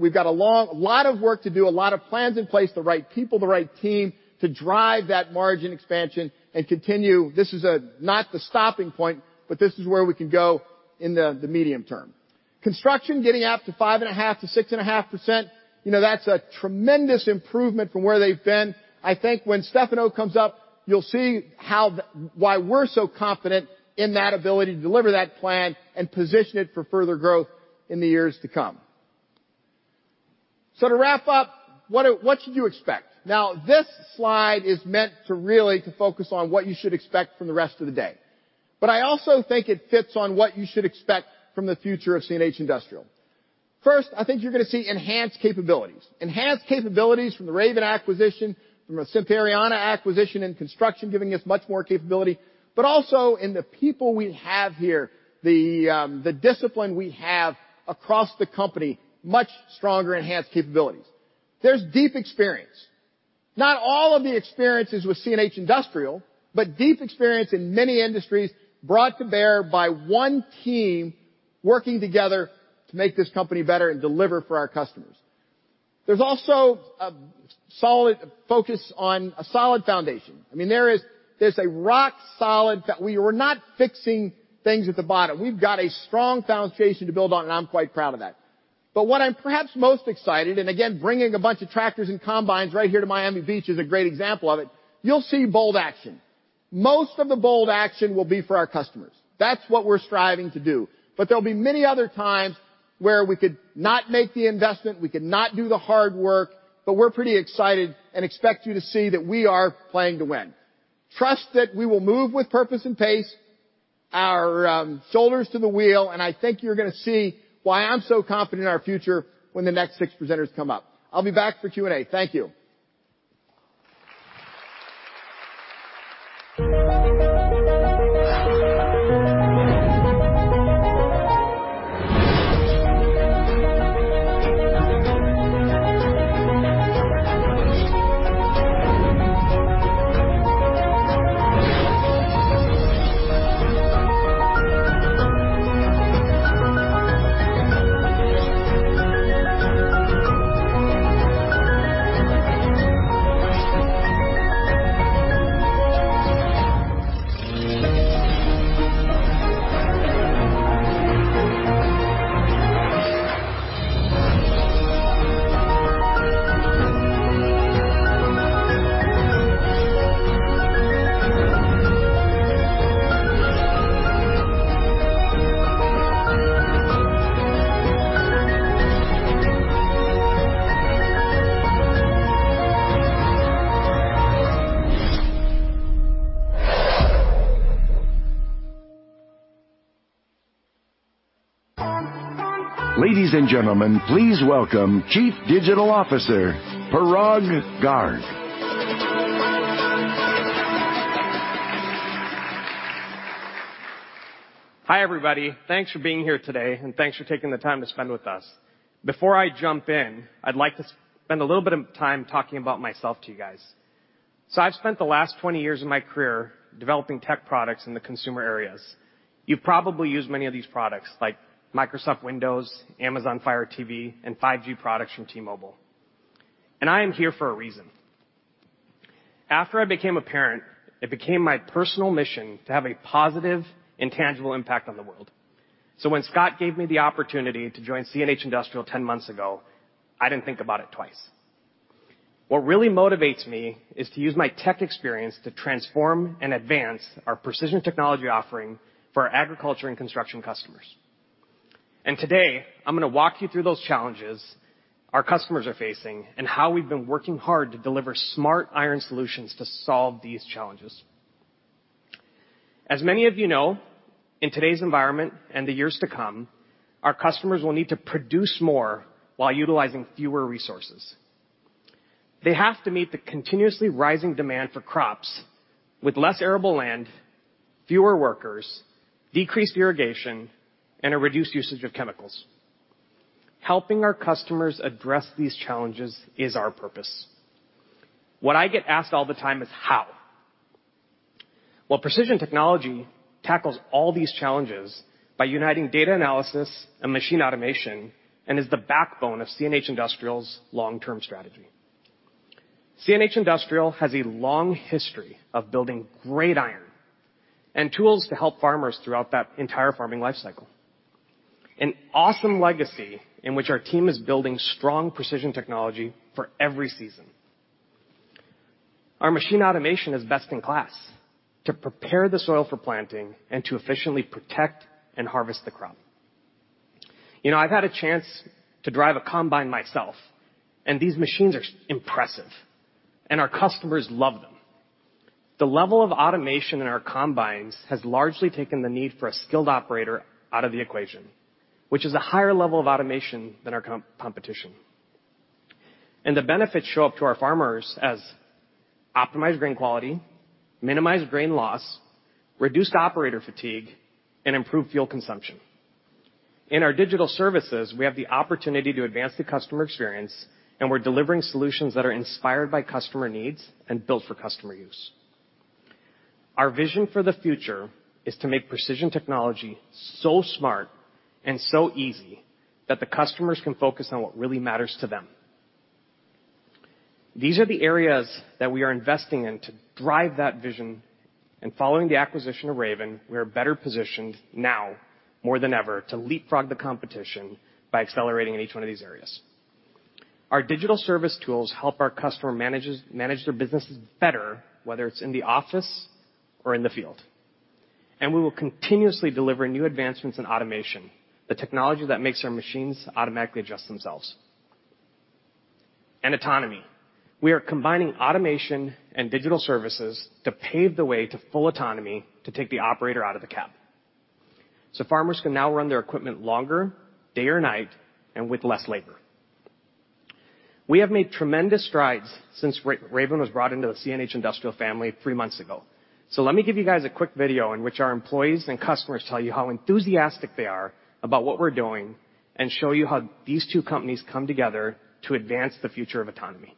We've got a lot of work to do, a lot of plans in place, the right people, the right team to drive that margin expansion and continue. This is not the stopping point, but this is where we can go in the medium term. Construction, getting up to 5.5%-6.5%, you know, that's a tremendous improvement from where they've been. I think when Stefano comes up, you'll see why we're so confident in that ability to deliver that plan and position it for further growth in the years to come. To wrap up, what should you expect? This slide is meant to really, to focus on what you should expect from the rest of the day. I also think it fits on what you should expect from the future of CNH Industrial. First, I think you're gonna see enhanced capabilities. Enhanced capabilities from the Raven acquisition, from a Sampierana acquisition and construction, giving us much more capability. Also in the people we have here, the discipline we have across the company, much stronger, enhanced capabilities. There's deep experience. Not all of the experience is with CNH Industrial, but deep experience in many industries brought to bear by one team working together to make this company better and deliver for our customers. There's also a solid focus on a solid foundation. I mean, there's a rock solid foundation. We were not fixing things at the bottom. We've got a strong foundation to build on, and I'm quite proud of that. But what I'm perhaps most excited, and again, bringing a bunch of tractors and combines right here to Miami Beach is a great example of it. You'll see bold action. Most of the bold action will be for our customers. That's what we're striving to do. There'll be many other times where we could not make the investment, we could not do the hard work, but we're pretty excited and expect you to see that we are playing to win. Trust that we will move with purpose and pace, our shoulders to the wheel, and I think you're gonna see why I'm so confident in our future when the next six presenters come up. I'll be back for Q&A. Thank you. Ladies and gentlemen, please welcome Chief Digital Officer, Parag Garg. Hi, everybody. Thanks for being here today, and thanks for taking the time to spend with us. Before I jump in, I'd like to spend a little bit of time talking about myself to you guys. I've spent the last 20 years of my career developing tech products in the consumer areas. You've probably used many of these products like Microsoft Windows, Amazon Fire TV, and 5G products from T-Mobile. I am here for a reason. After I became a parent, it became my personal mission to have a positive and tangible impact on the world. When Scott gave me the opportunity to join CNH Industrial 10 months ago, I didn't think about it twice. What really motivates me is to use my tech experience to transform and advance our precision technology offering for our agriculture and construction customers. Today, I'm gonna walk you through those challenges our customers are facing and how we've been working hard to deliver smart iron solutions to solve these challenges. As many of you know, in today's environment and the years to come, our customers will need to produce more while utilizing fewer resources. They have to meet the continuously rising demand for crops with less arable land, fewer workers, decreased irrigation, and a reduced usage of chemicals. Helping our customers address these challenges is our purpose. What I get asked all the time is how. Well, precision technology tackles all these challenges by uniting data analysis and machine automation and is the backbone of CNH Industrial's long-term strategy. CNH Industrial has a long history of building great iron and tools to help farmers throughout that entire farming life cycle. An awesome legacy in which our team is building strong precision technology for every season. Our machine automation is best in class to prepare the soil for planting and to efficiently protect and harvest the crop. You know, I've had a chance to drive a combine myself, and these machines are impressive, and our customers love them. The level of automation in our combines has largely taken the need for a skilled operator out of the equation, which is a higher level of automation than our competition. The benefits show up to our farmers as optimized grain quality, minimized grain loss, reduced operator fatigue, and improved fuel consumption. In our digital services, we have the opportunity to advance the customer experience, and we're delivering solutions that are inspired by customer needs and built for customer use. Our vision for the future is to make precision technology so smart and so easy that the customers can focus on what really matters to them. These are the areas that we are investing in to drive that vision. Following the acquisition of Raven, we are better positioned now more than ever to leapfrog the competition by accelerating in each one of these areas. Our digital service tools help our customers manage their businesses better, whether it's in the office or in the field. We will continuously deliver new advancements in automation, the technology that makes our machines automatically adjust themselves, and autonomy. We are combining automation and digital services to pave the way to full autonomy to take the operator out of the cab so farmers can now run their equipment longer, day or night, and with less labor. We have made tremendous strides since Raven was brought into the CNH Industrial family three months ago. Let me give you guys a quick video in which our employees and customers tell you how enthusiastic they are about what we're doing and show you how these two companies come together to advance the future of autonomy.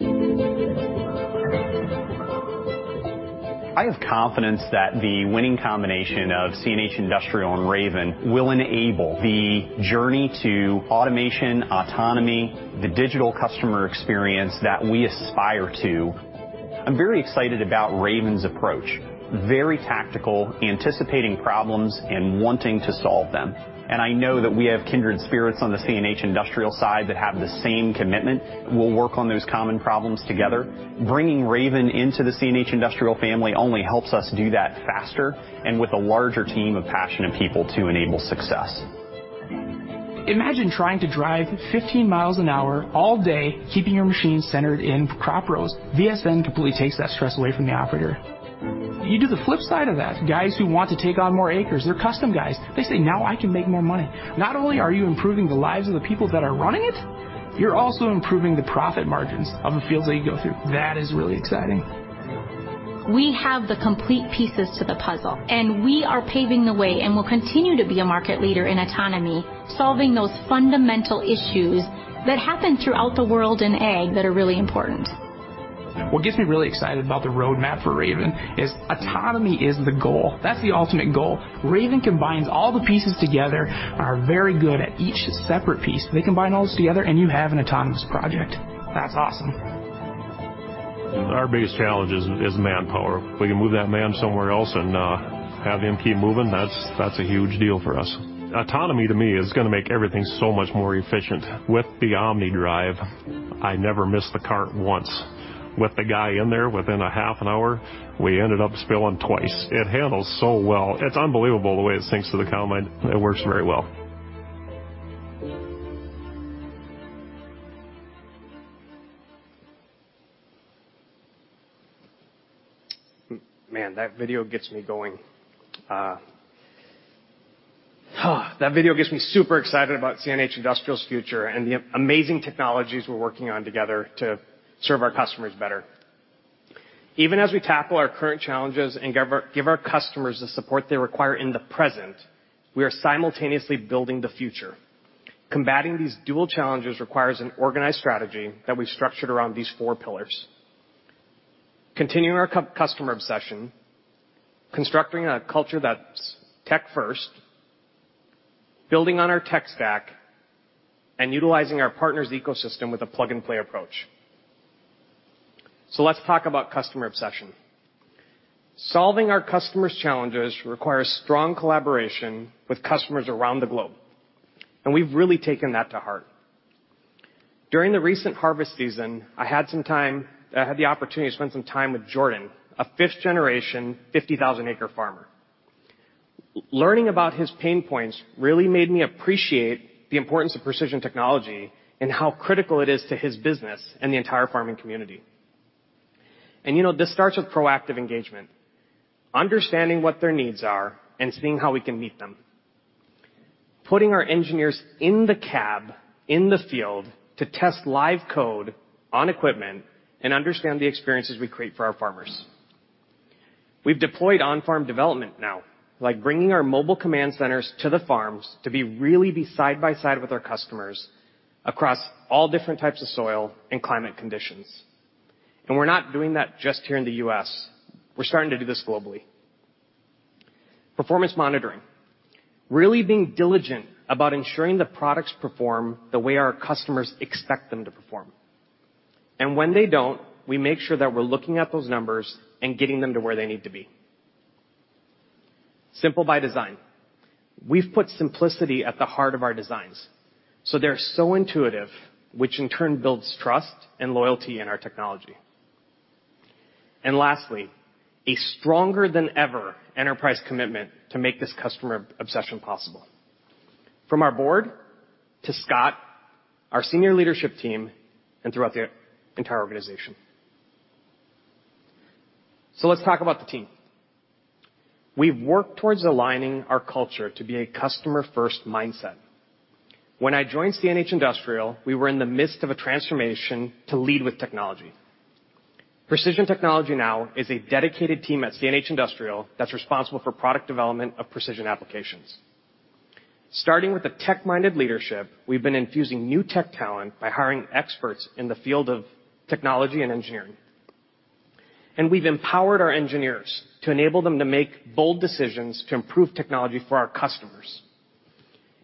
I have confidence that the winning combination of CNH Industrial and Raven will enable the journey to automation, autonomy, the digital customer experience that we aspire to. I'm very excited about Raven's approach. Very tactical, anticipating problems and wanting to solve them. I know that we have kindred spirits on the CNH Industrial side that have the same commitment. We'll work on those common problems together. Bringing Raven into the CNH Industrial family only helps us do that faster and with a larger team of passionate people to enable success. Imagine trying to drive 15 miles an hour all day, keeping your machine centered in crop rows. VSN completely takes that stress away from the operator. You do the flip side of that. Guys who want to take on more acres, they're custom guys. They say, "Now I can make more money." Not only are you improving the lives of the people that are running it, you're also improving the profit margins of the fields that you go through. That is really exciting. We have the complete pieces to the puzzle, and we are paving the way and will continue to be a market leader in autonomy, solving those fundamental issues that happen throughout the world in ag that are really important. What gets me really excited about the roadmap for Raven is autonomy is the goal. That's the ultimate goal. Raven combines all the pieces together. They are very good at each separate piece. They combine all this together and you have an autonomous project. That's awesome. Our biggest challenge is manpower. We can move that man somewhere else and have him keep moving. That's a huge deal for us. Autonomy to me is gonna make everything so much more efficient. With the OMNiDRIVE, I never missed the cart once. With the guy in there, within a half an hour, we ended up spilling twice. It handles so well. It's unbelievable the way it sinks to the combine. It works very well. Man, that video gets me going. That video gets me super excited about CNH Industrial's future and the amazing technologies we're working on together to serve our customers better. Even as we tackle our current challenges and give our customers the support they require in the present, we are simultaneously building the future. Combating these dual challenges requires an organized strategy that we've structured around these four pillars: continuing our customer obsession, constructing a culture that's tech-first, building on our tech stack, and utilizing our partners' ecosystem with a plug-and-play approach. Let's talk about customer obsession. Solving our customers' challenges requires strong collaboration with customers around the globe, and we've really taken that to heart. During the recent harvest season, I had the opportunity to spend some time with Jordan, a fifth-generation, 50,000-acre farmer. Learning about his pain points really made me appreciate the importance of precision technology and how critical it is to his business and the entire farming community. You know, this starts with proactive engagement. Understanding what their needs are and seeing how we can meet them. Putting our engineers in the cab, in the field to test live code on equipment and understand the experiences we create for our farmers. We've deployed on-farm development now, like bringing our mobile command centers to the farms to be really side by side with our customers across all different types of soil and climate conditions. We're not doing that just here in the U.S. We're starting to do this globally. Performance monitoring, really being diligent about ensuring the products perform the way our customers expect them to perform. When they don't, we make sure that we're looking at those numbers and getting them to where they need to be. Simple by design. We've put simplicity at the heart of our designs, so they're so intuitive, which in turn builds trust and loyalty in our technology. Lastly, a stronger than ever enterprise commitment to make this customer obsession possible, from our board to Scott, our senior leadership team, and throughout the entire organization. Let's talk about the team. We've worked towards aligning our culture to be a customer-first mindset. When I joined CNH Industrial, we were in the midst of a transformation to lead with technology. Precision Technology now is a dedicated team at CNH Industrial that's responsible for product development of precision applications. Starting with the tech-minded leadership, we've been infusing new tech talent by hiring experts in the field of technology and engineering. We've empowered our engineers to enable them to make bold decisions to improve technology for our customers.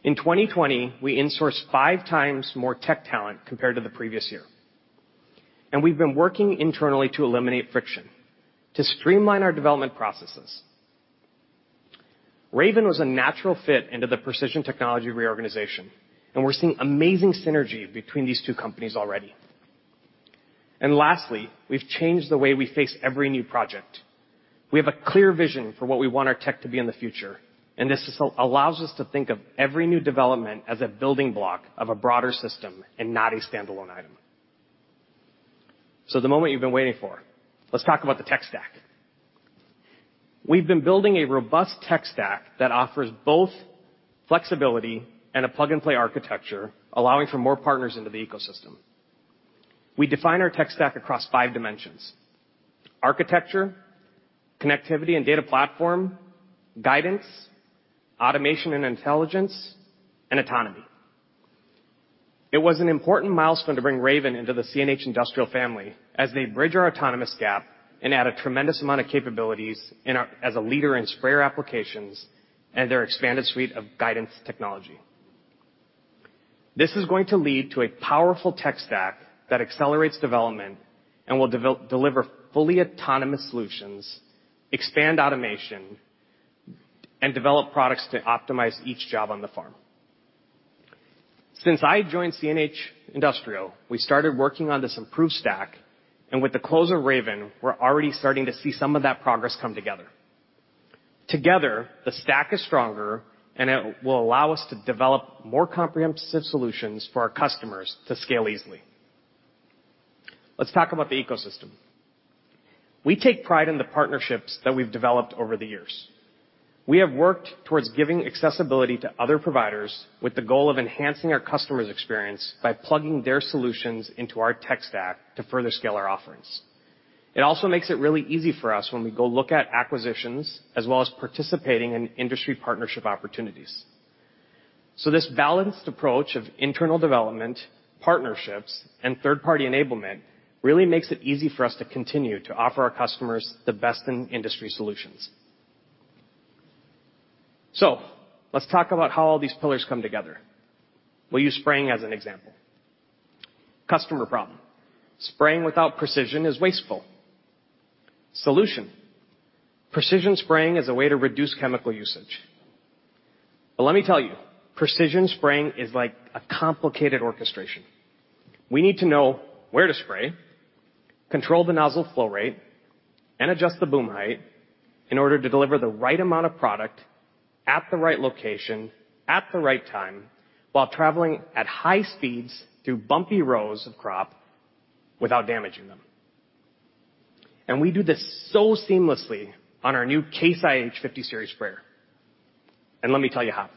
In 2020, we insourced 5x more tech talent compared to the previous year. We've been working internally to eliminate friction, to streamline our development processes. Raven was a natural fit into the precision technology reorganization, and we're seeing amazing synergy between these two companies already. Lastly, we've changed the way we face every new project. We have a clear vision for what we want our tech to be in the future, and this allows us to think of every new development as a building block of a broader system and not a standalone item. The moment you've been waiting for. Let's talk about the tech stack. We've been building a robust tech stack that offers both flexibility and a plug-and-play architecture, allowing for more partners into the ecosystem. We define our tech stack across five dimensions: architecture, connectivity and data platform, guidance, automation and intelligence, and autonomy. It was an important milestone to bring Raven into the CNH Industrial family as they bridge our autonomous gap and add a tremendous amount of capabilities as a leader in sprayer applications and their expanded suite of guidance technology. This is going to lead to a powerful tech stack that accelerates development and will deliver fully autonomous solutions, expand automation, and develop products to optimize each job on the farm. Since I joined CNH Industrial, we started working on this improved stack, and with the close of Raven, we're already starting to see some of that progress come together. Together, the stack is stronger, and it will allow us to develop more comprehensive solutions for our customers to scale easily. Let's talk about the ecosystem. We take pride in the partnerships that we've developed over the years. We have worked towards giving accessibility to other providers with the goal of enhancing our customers' experience by plugging their solutions into our tech stack to further scale our offerings. It also makes it really easy for us when we go look at acquisitions as well as participating in industry partnership opportunities. This balanced approach of internal development, partnerships, and third-party enablement really makes it easy for us to continue to offer our customers the best in industry solutions. Let's talk about how all these pillars come together. We'll use spraying as an example. Customer problem, spraying without precision is wasteful. Solution, precision spraying is a way to reduce chemical usage. Let me tell you, precision spraying is like a complicated orchestration. We need to know where to spray, control the nozzle flow rate, and adjust the boom height in order to deliver the right amount of product at the right location at the right time while traveling at high speeds through bumpy rows of crop without damaging them. We do this so seamlessly on our new Case IH 50 series sprayer. Let me tell you how.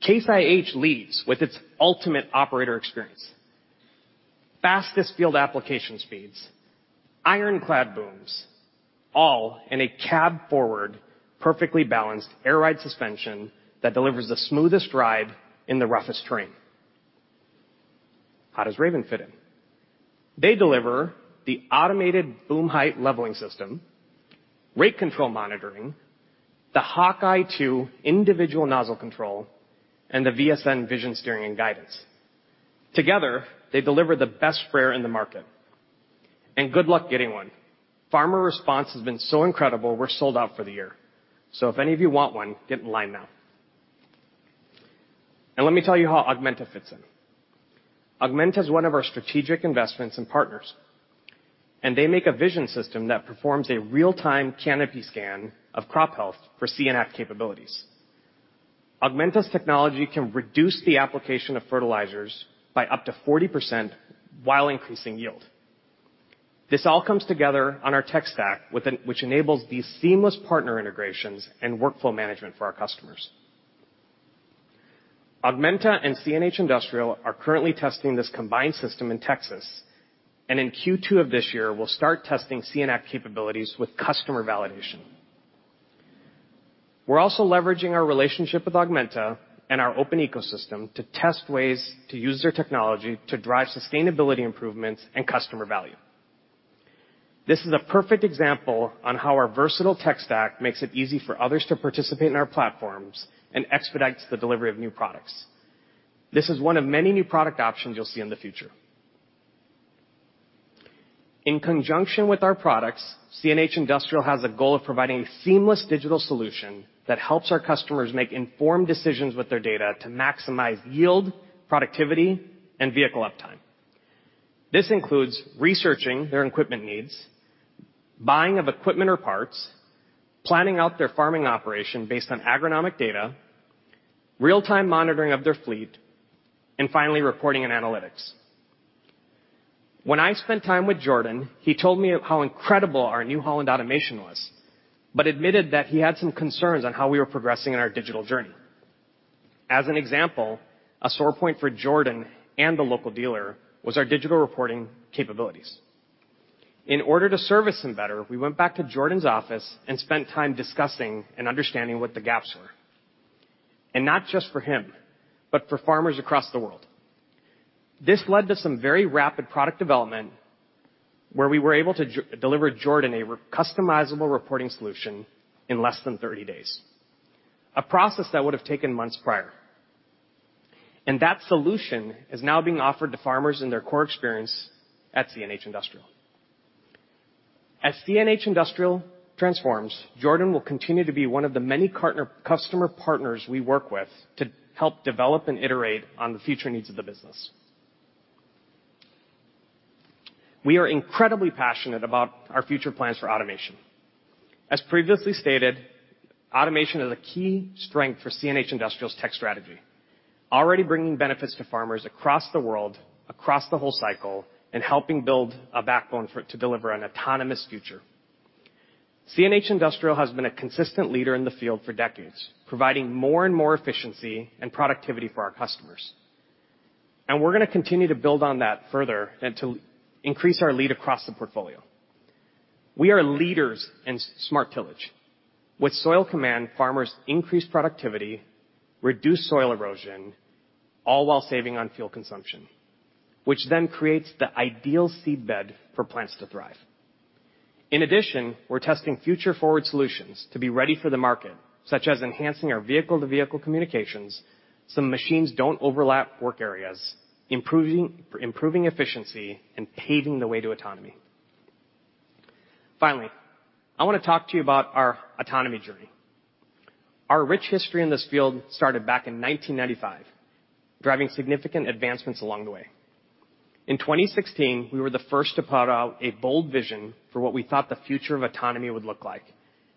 Case IH leads with its ultimate operator experience. Fastest field application speeds, ironclad booms, all in a cab-forward, perfectly balanced air ride suspension that delivers the smoothest ride in the roughest terrain. How does Raven fit in? They deliver the automated boom height leveling system, rate control monitoring, the Hawkeye II individual nozzle control, and the VSN vision steering and guidance. Together, they deliver the best sprayer in the market. Good luck getting one. Farmer response has been so incredible, we're sold out for the year. If any of you want one, get in line now. Let me tell you how Augmenta fits in. Augmenta is one of our strategic investments and partners, and they make a vision system that performs a real-time canopy scan of crop health for CNH capabilities. Augmenta's technology can reduce the application of fertilizers by up to 40% while increasing yield. This all comes together on our tech stack, which enables these seamless partner integrations and workflow management for our customers. Augmenta and CNH Industrial are currently testing this combined system in Texas, and in Q2 of this year, we'll start testing CNH capabilities with customer validation. We're also leveraging our relationship with Augmenta and our open ecosystem to test ways to use their technology to drive sustainability improvements and customer value. This is a perfect example of how our versatile tech stack makes it easy for others to participate in our platforms and expedites the delivery of new products. This is one of many new product options you'll see in the future. In conjunction with our products, CNH Industrial has a goal of providing seamless digital solutions that helps our customers make informed decisions with their data to maximize yield, productivity, and vehicle uptime. This includes researching their equipment needs, buying of equipment or parts, planning out their farming operation based on agronomic data, real-time monitoring of their fleet, and finally, reporting and analytics. When I spent time with Jordan, he told me of how incredible our New Holland automation was, but admitted that he had some concerns on how we were progressing in our digital journey. As an example, a sore point for Jordan and the local dealer was our digital reporting capabilities. In order to service him better, we went back to Jordan's office and spent time discussing and understanding what the gaps were. Not just for him, but for farmers across the world. This led to some very rapid product development where we were able to deliver Jordan a customizable reporting solution in less than 30 days, a process that would have taken months prior. That solution is now being offered to farmers in their core experience at CNH Industrial. As CNH Industrial transforms, Jordan will continue to be one of the many partner. Customer partners we work with to help develop and iterate on the future needs of the business. We are incredibly passionate about our future plans for automation. As previously stated, automation is a key strength for CNH Industrial's tech strategy, already bringing benefits to farmers across the world, across the whole cycle, and helping build a backbone for it to deliver an autonomous future. CNH Industrial has been a consistent leader in the field for decades, providing more and more efficiency and productivity for our customers. We're gonna continue to build on that further and to increase our lead across the portfolio. We are leaders in smart tillage. With Soil Command, farmers increase productivity, reduce soil erosion, all while saving on fuel consumption, which then creates the ideal seedbed for plants to thrive. In addition, we're testing future forward solutions to be ready for the market, such as enhancing our vehicle-to-vehicle communications, so machines don't overlap work areas, improving efficiency and paving the way to autonomy. Finally, I wanna talk to you about our autonomy journey. Our rich history in this field started back in 1995, driving significant advancements along the way. In 2016, we were the first to put out a bold vision for what we thought the future of autonomy would look like,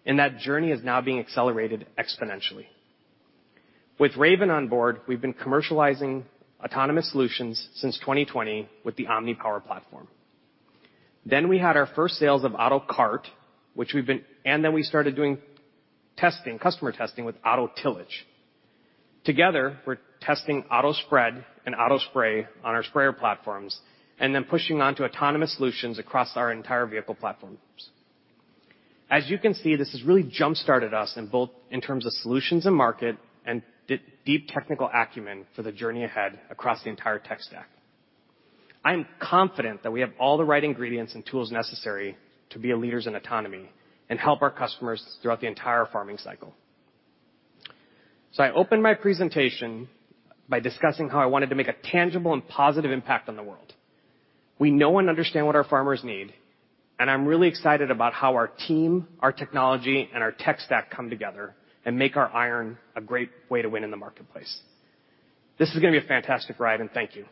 and that journey is now being accelerated exponentially. With Raven on board, we've been commercializing autonomous solutions since 2020 with the OMNiPOWER platform. We had our first sales of AutoCart. We started doing testing, customer testing with Auto-Tillage. Together, we're testing Auto-Spread and Auto-Spray on our sprayer platforms, and then pushing on to autonomous solutions across our entire vehicle platforms. As you can see, this has really jumpstarted us in both terms of solutions and market and deep technical acumen for the journey ahead across the entire tech stack. I'm confident that we have all the right ingredients and tools necessary to be leaders in autonomy and help our customers throughout the entire farming cycle. I opened my presentation by discussing how I wanted to make a tangible and positive impact on the world. We know and understand what our farmers need, and I'm really excited about how our team, our technology, and our tech stack come together and make our iron a great way to win in the marketplace. This is gonna be a fantastic ride, and thank you.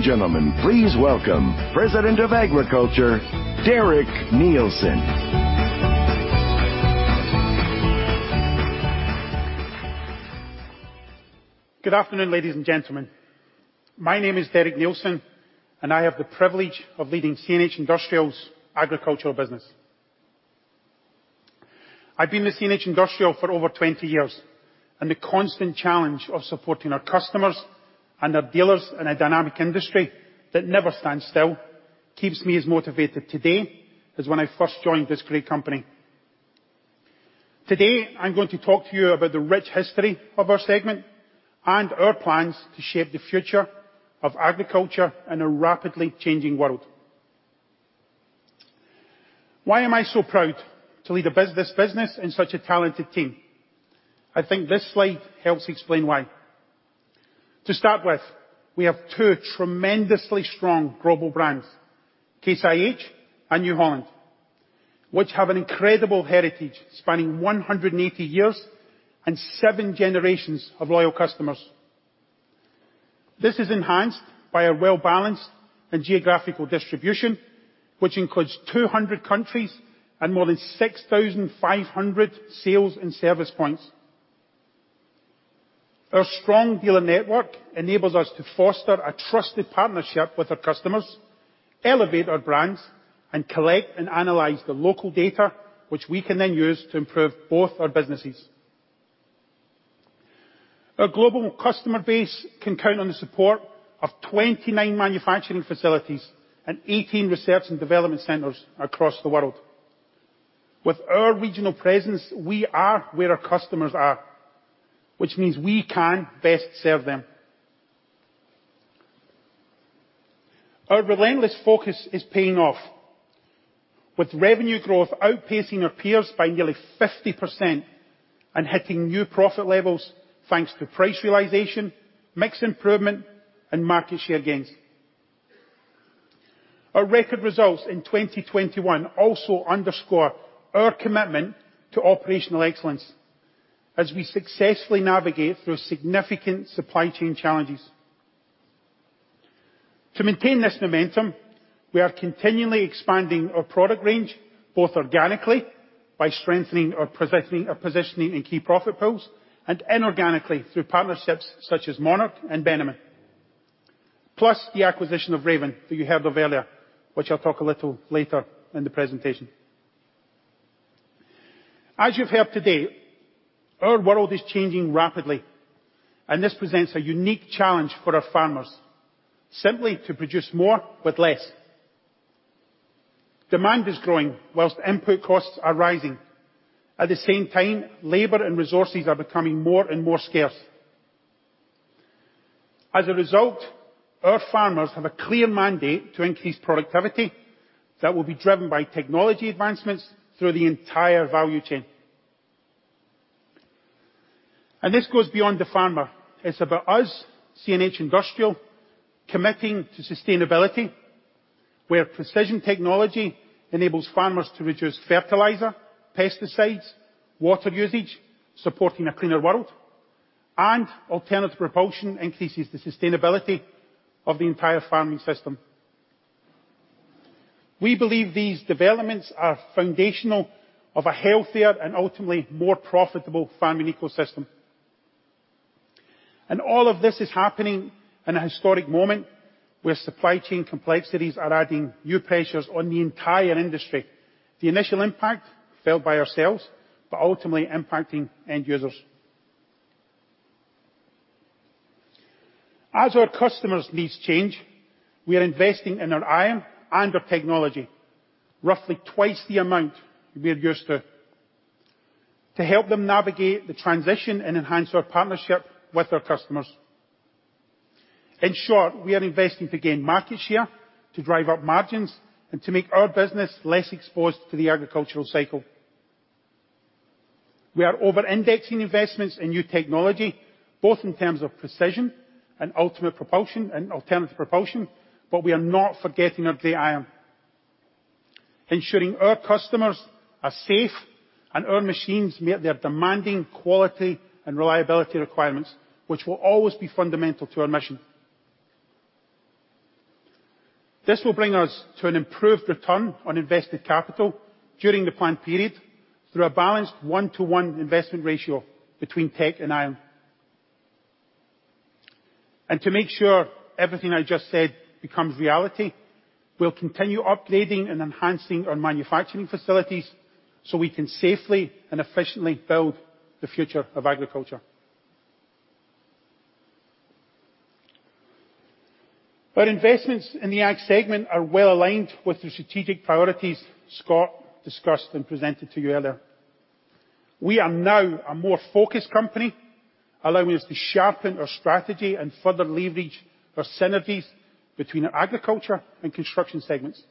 Ladies and gentlemen, please welcome President of Agriculture, Derek Neilson. Good afternoon, ladies and gentlemen. My name is Derek Neilson, and I have the privilege of leading CNH Industrial's agricultural business. I've been with CNH Industrial for over 20 years, and the constant challenge of supporting our customers and our dealers in a dynamic industry that never stands still keeps me as motivated today as when I first joined this great company. Today, I'm going to talk to you about the rich history of our segment and our plans to shape the future of agriculture in a rapidly changing world. Why am I so proud to lead this business and such a talented team? I think this slide helps explain why. To start with, we have two tremendously strong global brands, Case IH and New Holland, which have an incredible heritage spanning 180 years and seven generations of loyal customers. This is enhanced by a well-balanced and geographical distribution, which includes 200 countries and more than 6,500 sales and service points. Our strong dealer network enables us to foster a trusted partnership with our customers, elevate our brands, and collect and analyze the local data which we can then use to improve both our businesses. Our global customer base can count on the support of 29 manufacturing facilities and 18 research and development centers across the world. With our regional presence, we are where our customers are, which means we can best serve them. Our relentless focus is paying off with revenue growth outpacing our peers by nearly 50% and hitting new profit levels, thanks to price realization, mix improvement, and market share gains. Our record results in 2021 also underscore our commitment to operational excellence as we successfully navigate through significant supply chain challenges. To maintain this momentum, we are continually expanding our product range, both organically by strengthening our positioning in key profit pools and inorganically through partnerships such as Monarch and Bennamann, plus the acquisition of Raven, who you heard of earlier, which I'll talk a little later in the presentation. As you've heard today, our world is changing rapidly, and this presents a unique challenge for our farmers simply to produce more with less. Demand is growing while input costs are rising. At the same time, labor and resources are becoming more and more scarce. As a result, our farmers have a clear mandate to increase productivity that will be driven by technology advancements through the entire value chain. This goes beyond the farmer. It's about us, CNH Industrial, committing to sustainability where precision technology enables farmers to reduce fertilizer, pesticides, water usage, supporting a cleaner world, and alternative propulsion increases the sustainability of the entire farming system. We believe these developments are foundational to a healthier and ultimately more profitable farming ecosystem. All of this is happening in a historic moment where supply chain complexities are adding new pressures on the entire industry, the initial impact felt by ourselves, but ultimately impacting end users. As our customers' needs change, we are investing in our iron and our technology, roughly twice the amount we're used to help them navigate the transition and enhance our partnership with our customers. In short, we are investing to gain market share, to drive up margins, and to make our business less exposed to the agricultural cycle. We are over-indexing investments in new technology, both in terms of precision and ultimate propulsion and alternative propulsion, but we are not forgetting our gray iron, ensuring our customers are safe and our machines meet their demanding quality and reliability requirements, which will always be fundamental to our mission. This will bring us to an improved return on invested capital during the planned period through a balanced one-to-one investment ratio between tech and iron. To make sure everything I just said becomes reality, we'll continue upgrading and enhancing our manufacturing facilities, so we can safely and efficiently build the future of agriculture. Our investments in the ag segment are well-aligned with the strategic priorities Scott discussed and presented to you earlier. We are now a more focused company, allowing us to sharpen our strategy and further leverage our synergies between our agriculture and construction segments.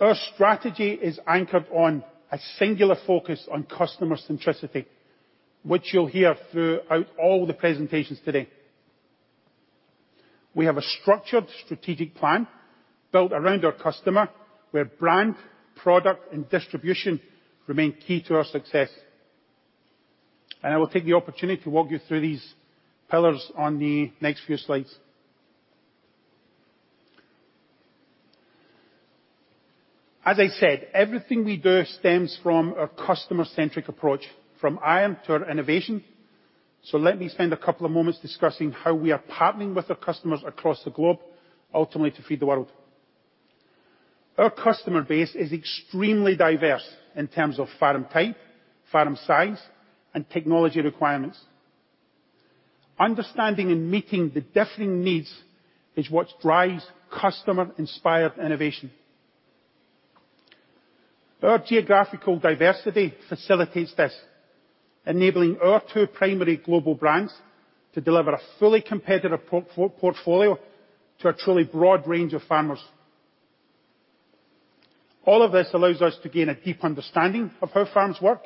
Our strategy is anchored on a singular focus on customer centricity, which you'll hear throughout all the presentations today. We have a structured strategic plan built around our customer where brand, product, and distribution remain key to our success. I will take the opportunity to walk you through these pillars on the next few slides. As I said, everything we do stems from our customer-centric approach, from iron to our innovation, so let me spend a couple of moments discussing how we are partnering with our customers across the globe, ultimately to feed the world. Our customer base is extremely diverse in terms of farm type, farm size, and technology requirements. Understanding and meeting the differing needs is what drives customer-inspired innovation. Our geographical diversity facilitates this, enabling our two primary global brands to deliver a fully competitive portfolio to a truly broad range of farmers. All of this allows us to gain a deep understanding of how farms work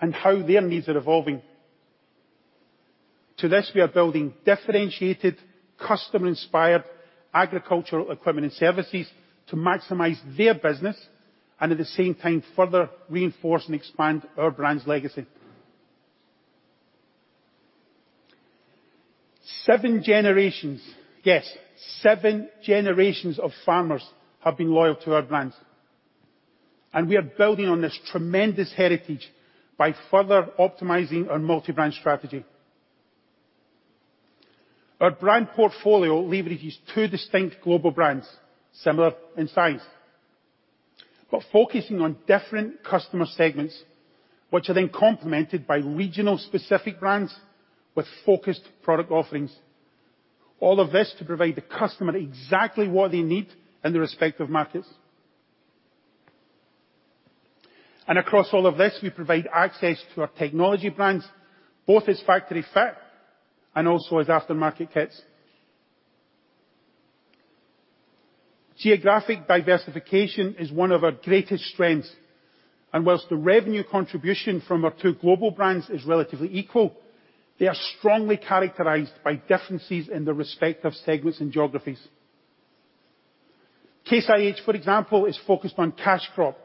and how their needs are evolving. To this, we are building differentiated, customer-inspired agricultural equipment and services to maximize their business, and at the same time, further reinforce and expand our brand's legacy. Seven generations, yes, seven generations of farmers have been loyal to our brands, and we are building on this tremendous heritage by further optimizing our multi-brand strategy. Our brand portfolio leverages two distinct global brands, similar in size. We're focusing on different customer segments, which are then complemented by regional specific brands with focused product offerings, all of this to provide the customer exactly what they need in their respective markets. Across all of this, we provide access to our technology brands, both as factory fit and also as aftermarket kits. Geographic diversification is one of our greatest strengths, and while the revenue contribution from our two global brands is relatively equal, they are strongly characterized by differences in their respective segments and geographies. Case IH, for example, is focused on cash crop,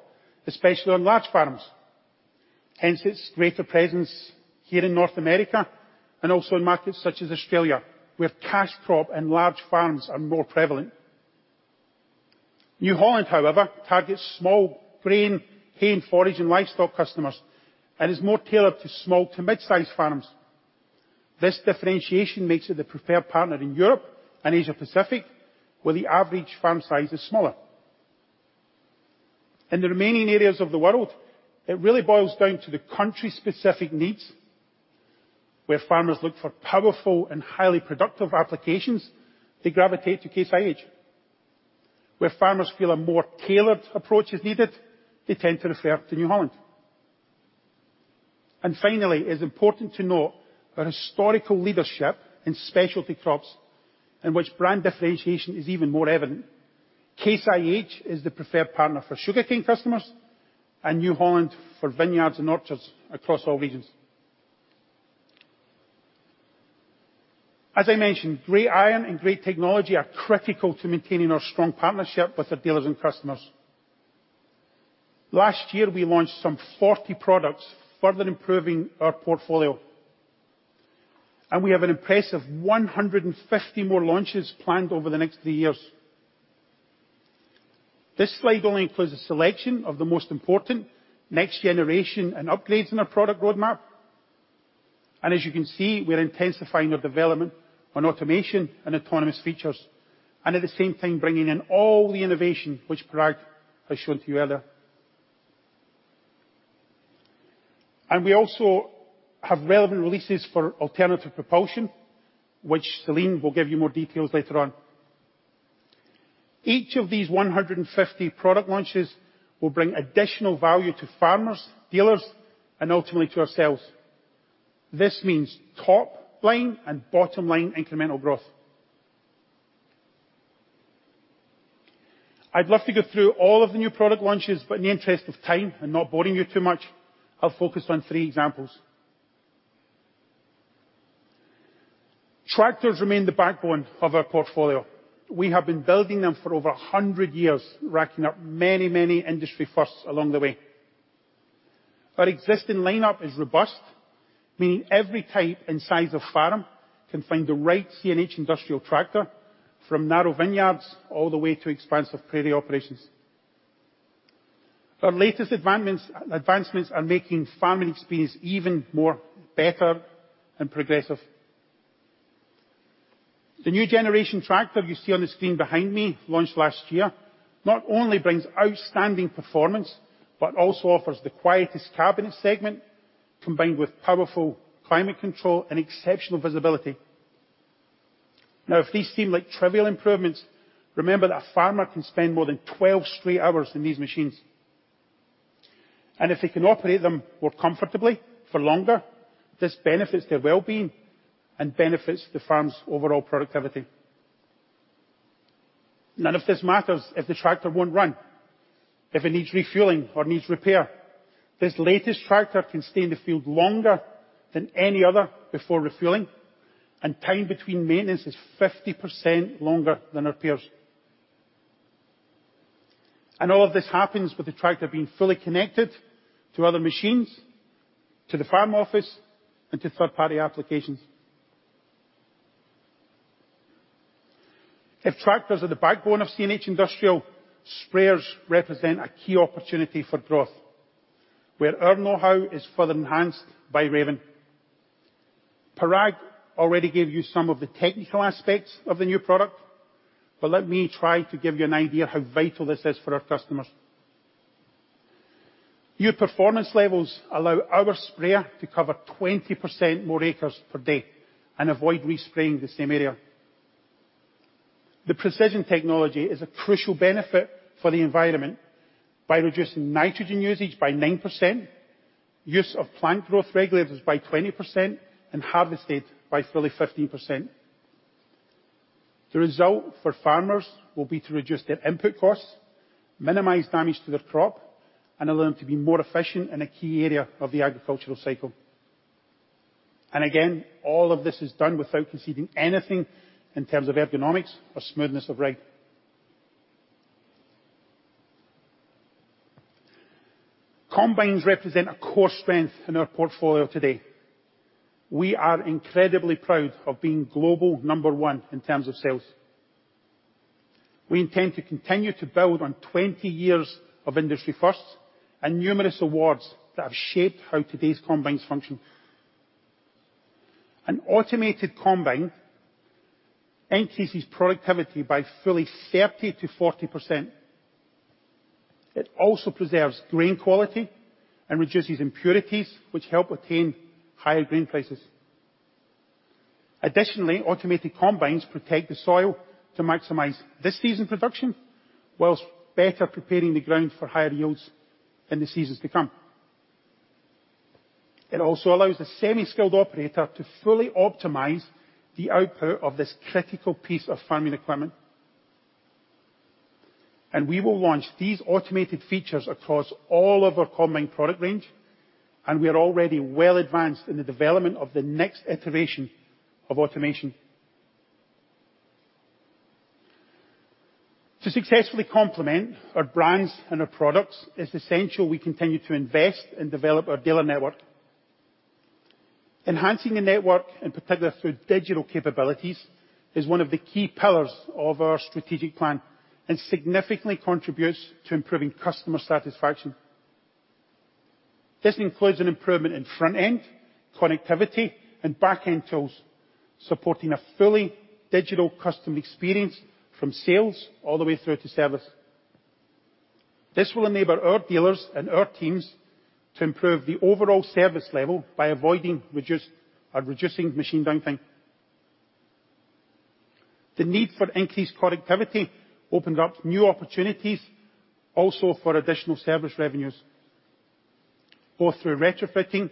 especially on large farms, hence its greater presence here in North America and also in markets such as Australia, where cash crop and large farms are more prevalent. New Holland, however, targets small grain, hay and forage, and livestock customers, and is more tailored to small to mid-size farms. This differentiation makes it the preferred partner in Europe and Asia-Pacific, where the average farm size is smaller. In the remaining areas of the world, it really boils down to the country's specific needs. Where farmers look for powerful and highly productive applications, they gravitate to Case IH. Where farmers feel a more tailored approach is needed, they tend to refer to New Holland. Finally, it's important to note our historical leadership in specialty crops in which brand differentiation is even more evident. Case IH is the preferred partner for sugarcane customers and New Holland for vineyards and orchards across all regions. As I mentioned, great iron and great technology are critical to maintaining our strong partnership with our dealers and customers. Last year, we launched some 40 products, further improving our portfolio, and we have an impressive 150 more launches planned over the next three years. This slide only includes a selection of the most important next generation and upgrades in our product roadmap, and as you can see, we're intensifying our development on automation and autonomous features, and at the same time, bringing in all the innovation which Parag has shown to you earlier. We also have relevant releases for alternative propulsion, which Selin will give you more details later on. Each of these 150 product launches will bring additional value to farmers, dealers, and ultimately to ourselves. This means top line and bottom line incremental growth. I'd love to go through all of the new product launches, but in the interest of time and not boring you too much, I'll focus on three examples. Tractors remain the backbone of our portfolio. We have been building them for over 100 years, racking up many, many industry firsts along the way. Our existing lineup is robust, meaning every type and size of farm can find the right CNH Industrial tractor from narrow vineyards all the way to expansive prairie operations. Our latest advancements are making farming experience even more better and progressive. The new generation tractor you see on the screen behind me, launched last year, not only brings outstanding performance, but also offers the quietest cabin segment combined with powerful climate control and exceptional visibility. Now, if these seem like trivial improvements, remember that a farmer can spend more than 12 straight hours in these machines, and if they can operate them more comfortably for longer, this benefits their wellbeing and benefits the farm's overall productivity. None of this matters if the tractor won't run, if it needs refueling or needs repair. This latest tractor can stay in the field longer than any other before refueling, and time between maintenance is 50% longer than our peers. All of this happens with the tractor being fully connected to other machines, to the farm office, and to third-party applications. If tractors are the backbone of CNH Industrial, sprayers represent a key opportunity for growth where our know-how is further enhanced by Raven. Parag already gave you some of the technical aspects of the new product, but let me try to give you an idea how vital this is for our customers. New performance levels allow our sprayer to cover 20% more acres per day and avoid respraying the same area. The precision technology is a crucial benefit for the environment by reducing nitrogen usage by 9%, use of plant growth regulators by 20% and herbicides by fully 15%. The result for farmers will be to reduce their input costs, minimize damage to their crop, and allow them to be more efficient in a key area of the agricultural cycle. Again, all of this is done without conceding anything in terms of ergonomics or smoothness of ride. Combines represent a core strength in our portfolio today. We are incredibly proud of being global number one in terms of sales. We intend to continue to build on 20 years of industry firsts and numerous awards that have shaped how today's combines function. An automated combine increases productivity by fully 30%-40%. It also preserves grain quality and reduces impurities, which help attain higher grain prices. Additionally, automated combines protect the soil to maximize this season's production, while better preparing the ground for higher yields in the seasons to come. It also allows a semi-skilled operator to fully optimize the output of this critical piece of farming equipment. We will launch these automated features across all of our combine product range, and we are already well advanced in the development of the next iteration of automation. To successfully complement our brands and our products, it's essential we continue to invest and develop our dealer network. Enhancing the network, in particular through digital capabilities, is one of the key pillars of our strategic plan and significantly contributes to improving customer satisfaction. This includes an improvement in front end, connectivity, and back end tools, supporting a fully digital customer experience from sales all the way through to servicing. This will enable our dealers and our teams to improve the overall service level by avoiding, reducing machine downtime. The need for increased productivity opens up new opportunities also for additional service revenues, both through retrofitting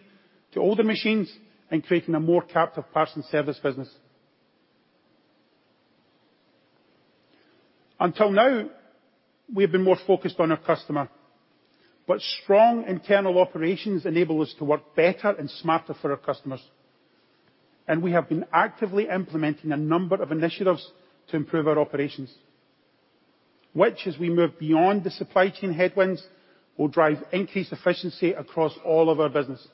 to older machines and creating a more captive parts and service business. Until now, we have been more focused on our customer, but strong internal operations enable us to work better and smarter for our customers. We have been actively implementing a number of initiatives to improve our operations, which, as we move beyond the supply chain headwinds, will drive increased efficiency across all of our business.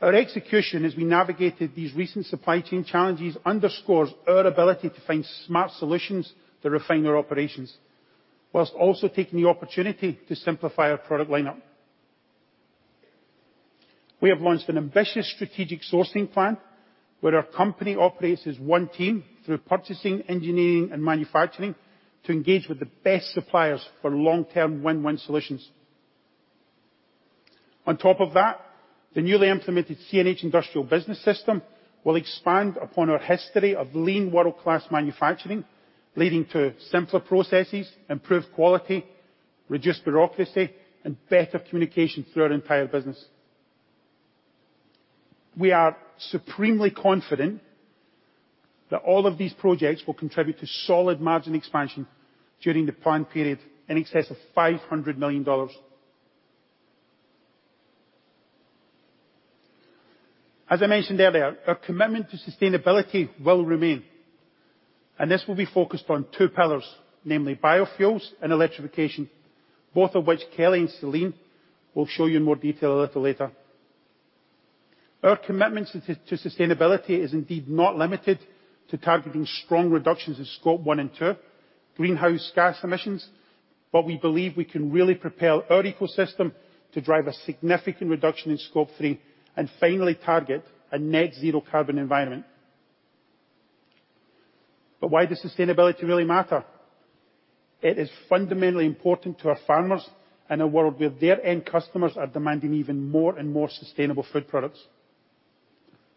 Our execution as we navigated these recent supply chain challenges underscores our ability to find smart solutions to refine our operations, while also taking the opportunity to simplify our product lineup. We have launched an ambitious strategic sourcing plan where our company operates as one team through purchasing, engineering, and manufacturing to engage with the best suppliers for long-term win-win solutions. On top of that, the newly implemented CNH Industrial business system will expand upon our history of lean world-class manufacturing, leading to simpler processes, improved quality, reduced bureaucracy, and better communication through our entire business. We are supremely confident that all of these projects will contribute to solid margin expansion during the plan period in excess of $500 million. As I mentioned earlier, our commitment to sustainability will remain, and this will be focused on two pillars, namely biofuels and electrification, both of which Kelly and Selin will show you in more detail a little later. Our commitment to sustainability is indeed not limited to targeting strong reductions in Scope 1 and 2 greenhouse gas emissions, but we believe we can really propel our ecosystem to drive a significant reduction in Scope 3 and finally target a net zero carbon environment. Why does sustainability really matter? It is fundamentally important to our farmers in a world where their end customers are demanding even more and more sustainable food products.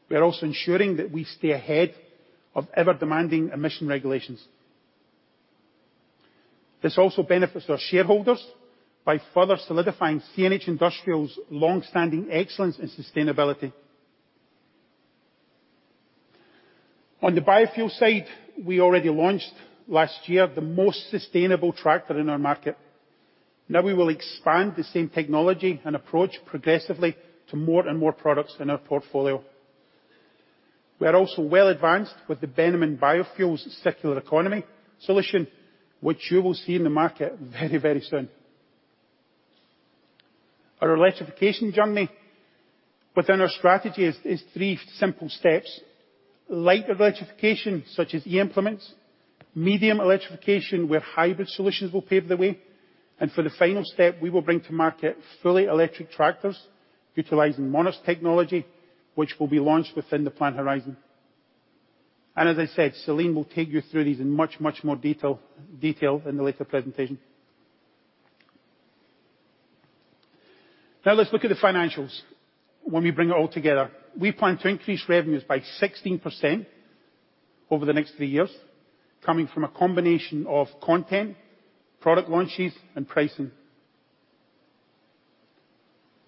We are also ensuring that we stay ahead of ever-demanding emission regulations. This also benefits our shareholders by further solidifying CNH Industrial's long-standing excellence in sustainability. On the biofuel side, we already launched last year the most sustainable tractor in our market. Now we will expand the same technology and approach progressively to more and more products in our portfolio. We are also well advanced with the Bennamann Biofuels circular economy solution, which you will see in the market very, very soon. Our electrification journey within our strategy is three simple steps: light electrification, such as eImplements, medium electrification, where hybrid solutions will pave the way, and for the final step, we will bring to market fully electric tractors utilizing Monarch technology, which will be launched within the plan horizon. As I said, Selin will take you through these in much more detail in the later presentation. Now let's look at the financials when we bring it all together. We plan to increase revenues by 16% over the next three years, coming from a combination of content, product launches, and pricing.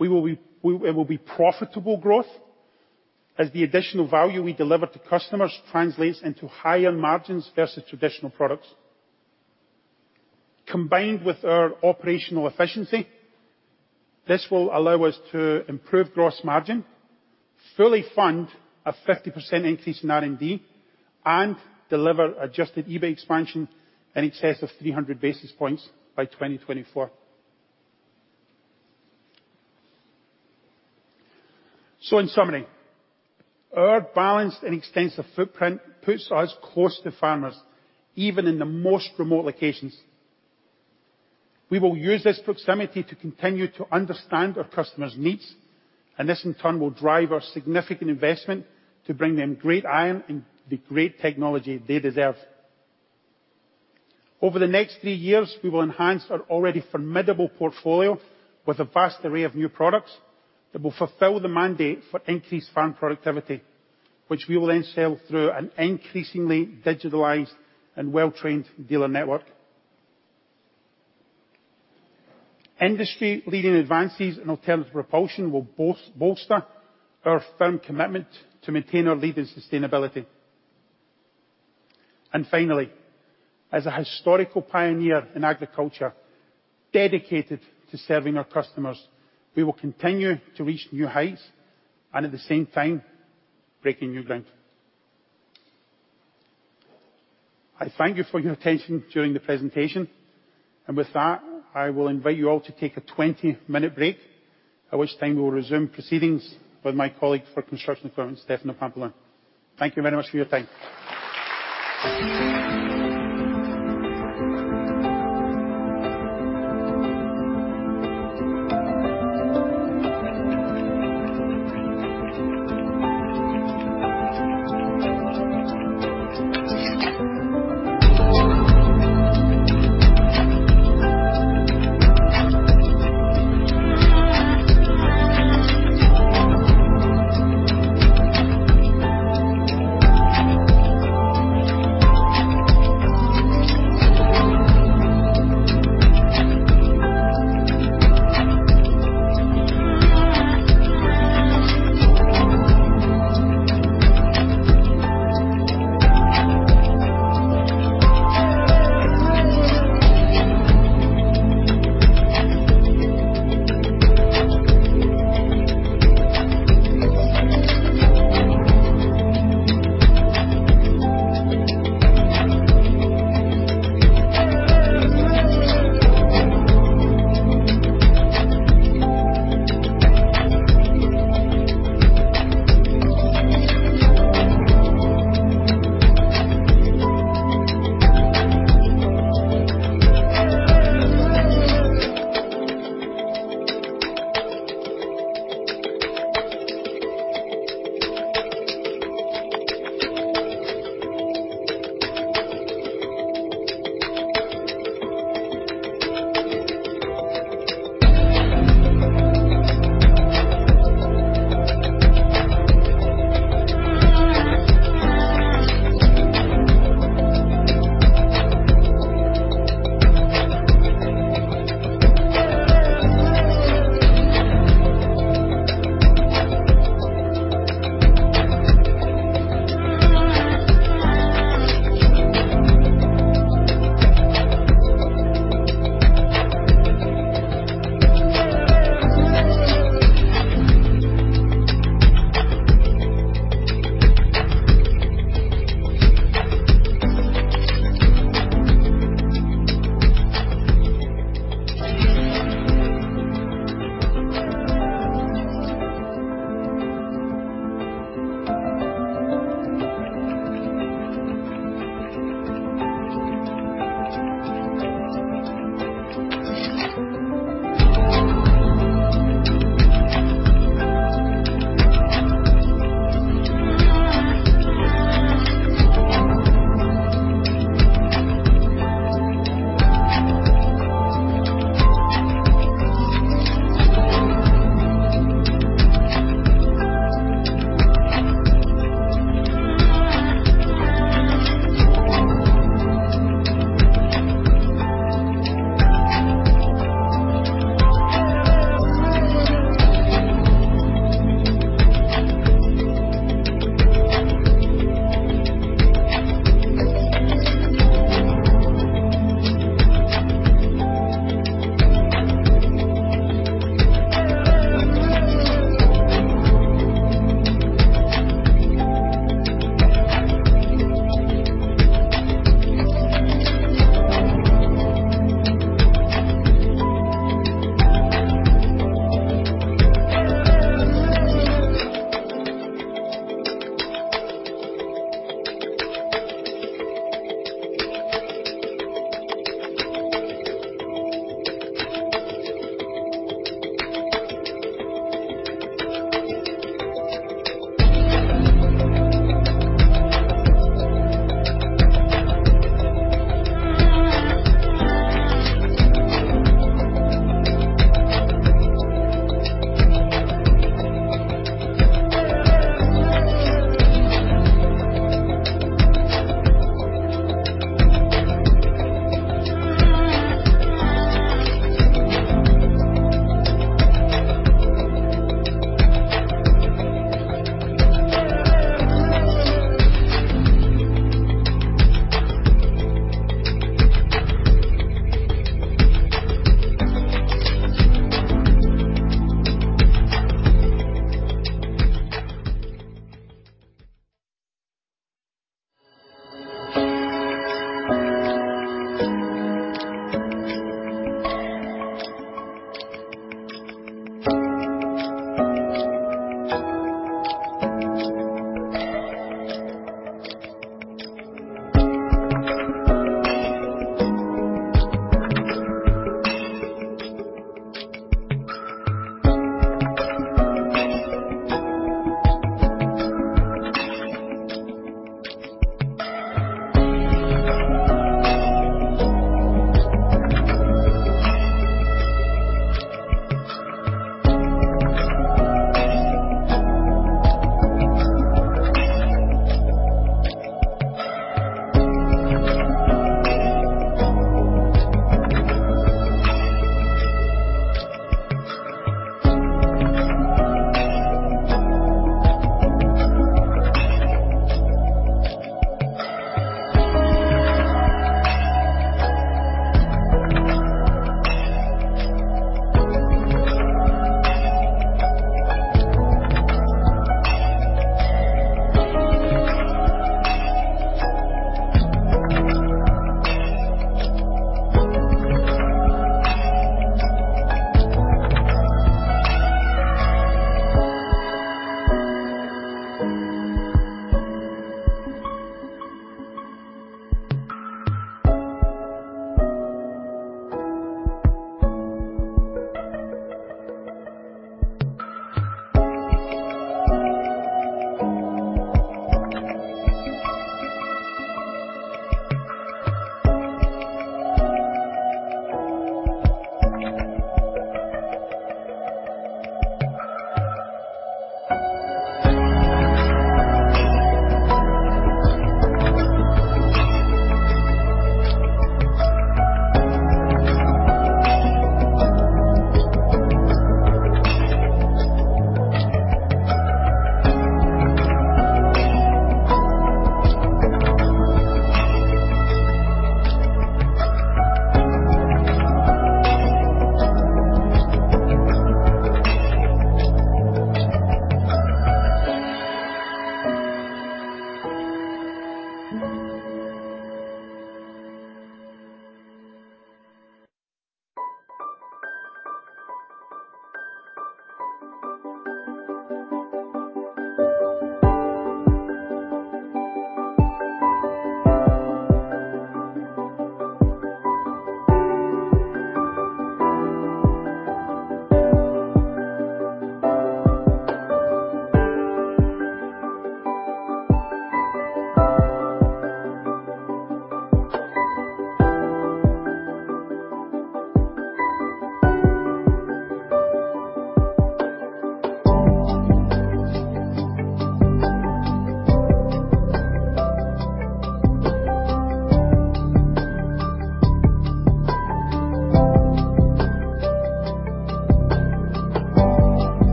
It will be profitable growth as the additional value we deliver to customers translates into higher margins versus traditional products. Combined with our operational efficiency, this will allow us to improve gross margin, fully fund a 50% increase in R&D, and deliver adjusted EBIT expansion in excess of 300 basis points by 2024. In summary, our balanced and extensive footprint puts us close to farmers, even in the most remote locations. We will use this proximity to continue to understand our customers' needs, and this in turn will drive our significant investment to bring them great iron and the great technology they deserve. Over the next three years, we will enhance our already formidable portfolio with a vast array of new products that will fulfill the mandate for increased farm productivity, which we will then sell through an increasingly digitalized and well-trained dealer network. Industry-leading advances in alternative propulsion will bolster our firm commitment to maintain our lead in sustainability. Finally, as a historical pioneer in agriculture, dedicated to serving our customers, we will continue to reach new heights and at the same time, breaking new ground. I thank you for your attention during the presentation. With that, I will invite you all to take a 20-minute break, at which time we will resume proceedings with my colleague for Construction Equipment, Stefano Pampalone. Thank you very much for your time.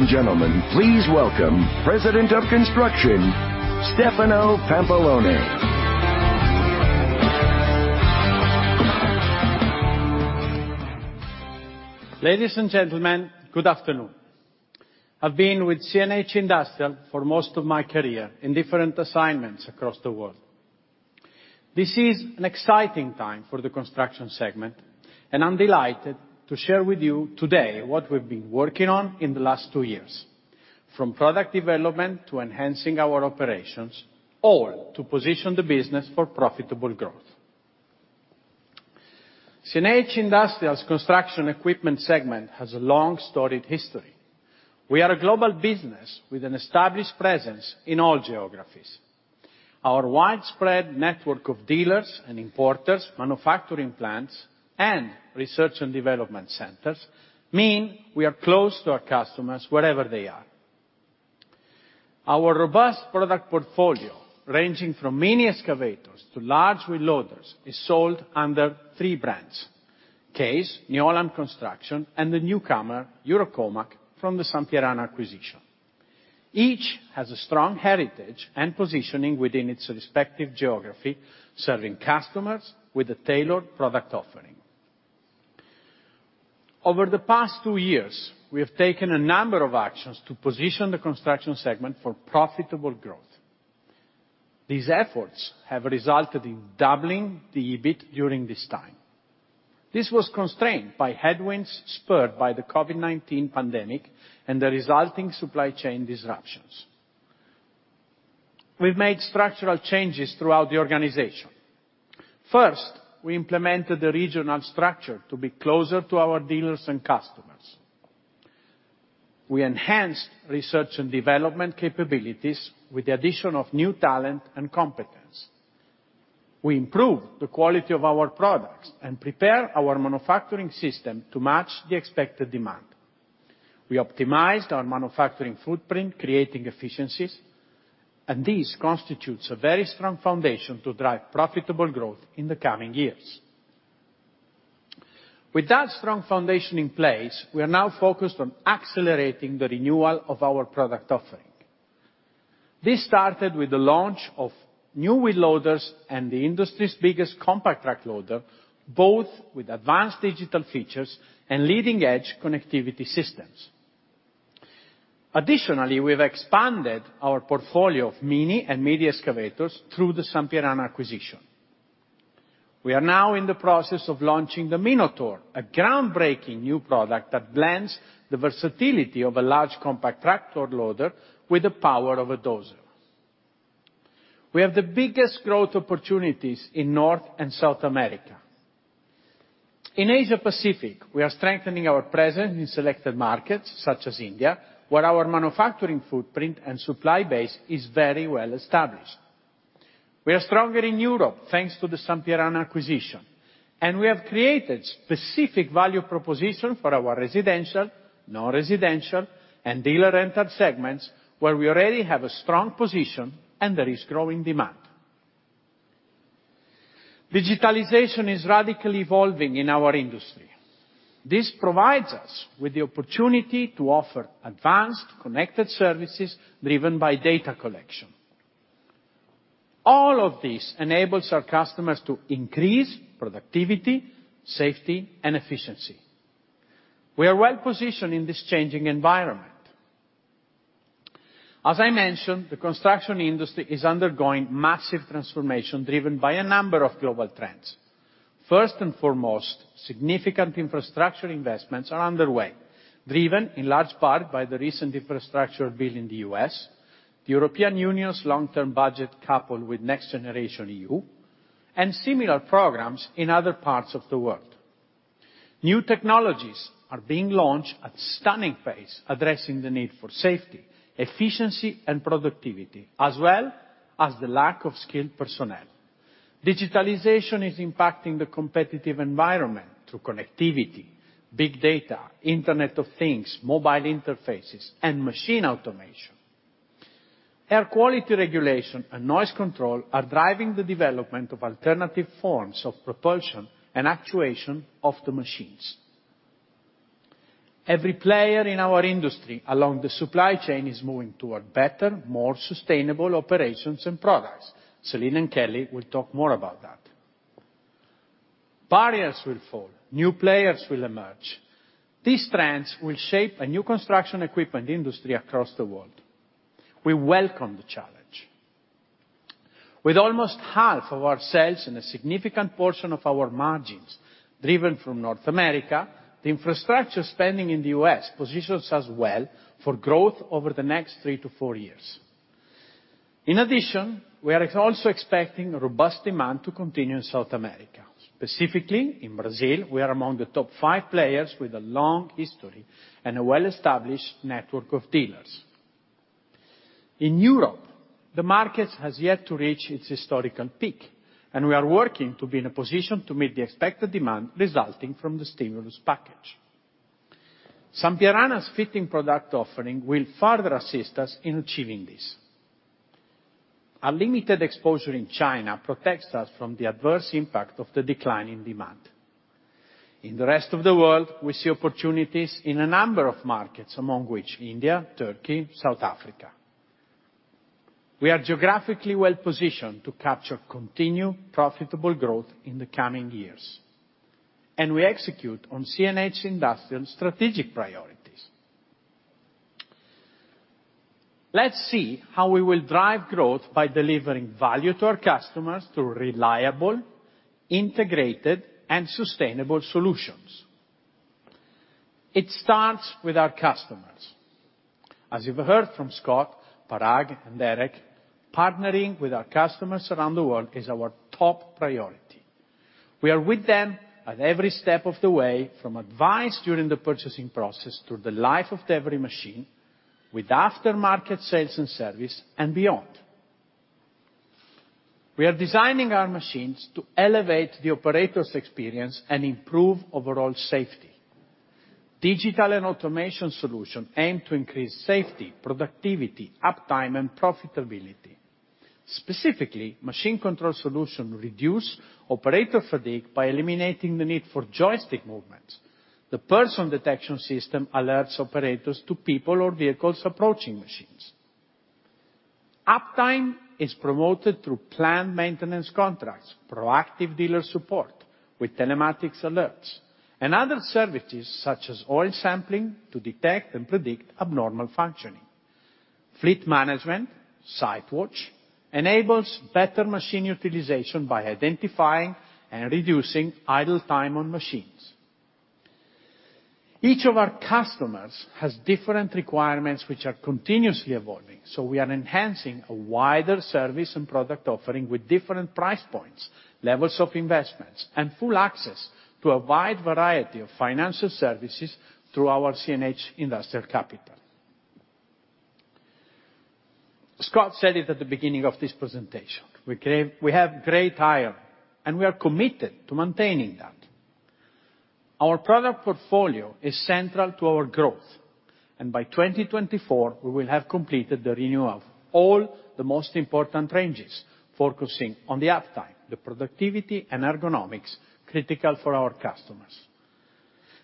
Ladies and gentlemen, please welcome President of Construction, Stefano Pampalone. Ladies and gentlemen, good afternoon. I've been with CNH Industrial for most of my career in different assignments across the world. This is an exciting time for the construction segment, and I'm delighted to share with you today what we've been working on in the last two years, from product development to enhancing our operations, all to position the business for profitable growth. CNH Industrial's construction equipment segment has a long, storied history. We are a global business with an established presence in all geographies. Our widespread network of dealers and importers, manufacturing plants, and research and development centers mean we are close to our customers wherever they are. Our robust product portfolio, ranging from mini excavators to large wheel loaders, is sold under three brands: Case, New Holland Construction, and the newcomer, Eurocomach from the Sampierana acquisition. Each has a strong heritage and positioning within its respective geography, serving customers with a tailored product offering. Over the past two years, we have taken a number of actions to position the construction segment for profitable growth. These efforts have resulted in doubling the EBIT during this time. This was constrained by headwinds spurred by the COVID-19 pandemic and the resulting supply chain disruptions. We've made structural changes throughout the organization. First, we implemented the regional structure to be closer to our dealers and customers. We enhanced research and development capabilities with the addition of new talent and competence. We improved the quality of our products and prepared our manufacturing system to match the expected demand. We optimized our manufacturing footprint, creating efficiencies, and this constitutes a very strong foundation to drive profitable growth in the coming years. With that strong foundation in place, we are now focused on accelerating the renewal of our product offering. This started with the launch of new wheel loaders and the industry's biggest compact track loader, both with advanced digital features and leading-edge connectivity systems. Additionally, we've expanded our portfolio of mini and midi excavators through the Sampierana acquisition. We are now in the process of launching the Minotaur, a groundbreaking new product that blends the versatility of a large compact track loader with the power of a dozer. We have the biggest growth opportunities in North and South America. In Asia-Pacific, we are strengthening our presence in selected markets such as India, where our manufacturing footprint and supply base is very well established. We are stronger in Europe, thanks to the Sampierana acquisition, and we have created specific value proposition for our residential, non-residential, and dealer rental segments, where we already have a strong position and there is growing demand. Digitalization is radically evolving in our industry. This provides us with the opportunity to offer advanced connected services driven by data collection. All of this enables our customers to increase productivity, safety, and efficiency. We are well-positioned in this changing environment. As I mentioned, the construction industry is undergoing massive transformation, driven by a number of global trends. First and foremost, significant infrastructure investments are underway, driven in large part by the recent infrastructure bill in the U.S., the European Union's long-term budget coupled with NextGenerationEU, and similar programs in other parts of the world. New technologies are being launched at stunning pace, addressing the need for safety, efficiency, and productivity, as well as the lack of skilled personnel. Digitalization is impacting the competitive environment through connectivity, big data, Internet of Things, mobile interfaces, and machine automation. Air quality regulation and noise control are driving the development of alternative forms of propulsion and actuation of the machines. Every player in our industry along the supply chain is moving toward better, more sustainable operations and products. Selin and Kelly will talk more about that. Barriers will fall, new players will emerge. These trends will shape a new construction equipment industry across the world. We welcome the challenge. With almost half of our sales and a significant portion of our margins driven from North America, the infrastructure spending in the U.S. positions us well for growth over the next three to four years. In addition, we are also expecting robust demand to continue in South America. Specifically, in Brazil, we are among the top five players with a long history and a well-established network of dealers. In Europe, the market has yet to reach its historical peak, and we are working to be in a position to meet the expected demand resulting from the stimulus package. Sampierana's fitting product offering will further assist us in achieving this. Our limited exposure in China protects us from the adverse impact of the decline in demand. In the rest of the world, we see opportunities in a number of markets, among which India, Turkey, South Africa. We are geographically well-positioned to capture continued profitable growth in the coming years, and we execute on CNH Industrial strategic priorities. Let's see how we will drive growth by delivering value to our customers through reliable, integrated, and sustainable solutions. It starts with our customers. As you've heard from Scott, Parag, and Derek, partnering with our customers around the world is our top priority. We are with them at every step of the way, from advice during the purchasing process through the life of every machine, with aftermarket sales and service, and beyond. We are designing our machines to elevate the operator's experience and improve overall safety. Digital and automation solution aim to increase safety, productivity, uptime, and profitability. Specifically, machine control solution reduce operator fatigue by eliminating the need for joystick movements. The person detection system alerts operators to people or vehicles approaching machines. Uptime is promoted through planned maintenance contracts, proactive dealer support with telematics alerts, and other services such as oil sampling to detect and predict abnormal functioning. Fleet Management, SiteWatch, enables better machine utilization by identifying and reducing idle time on machines. Each of our customers has different requirements which are continuously evolving, so we are enhancing a wider service and product offering with different price points, levels of investments, and full access to a wide variety of financial services through our CNH Industrial Capital. Scott said it at the beginning of this presentation, we have great iron, and we are committed to maintaining that. Our product portfolio is central to our growth. By 2024, we will have completed the renewal of all the most important ranges, focusing on the uptime, the productivity, and ergonomics critical for our customers.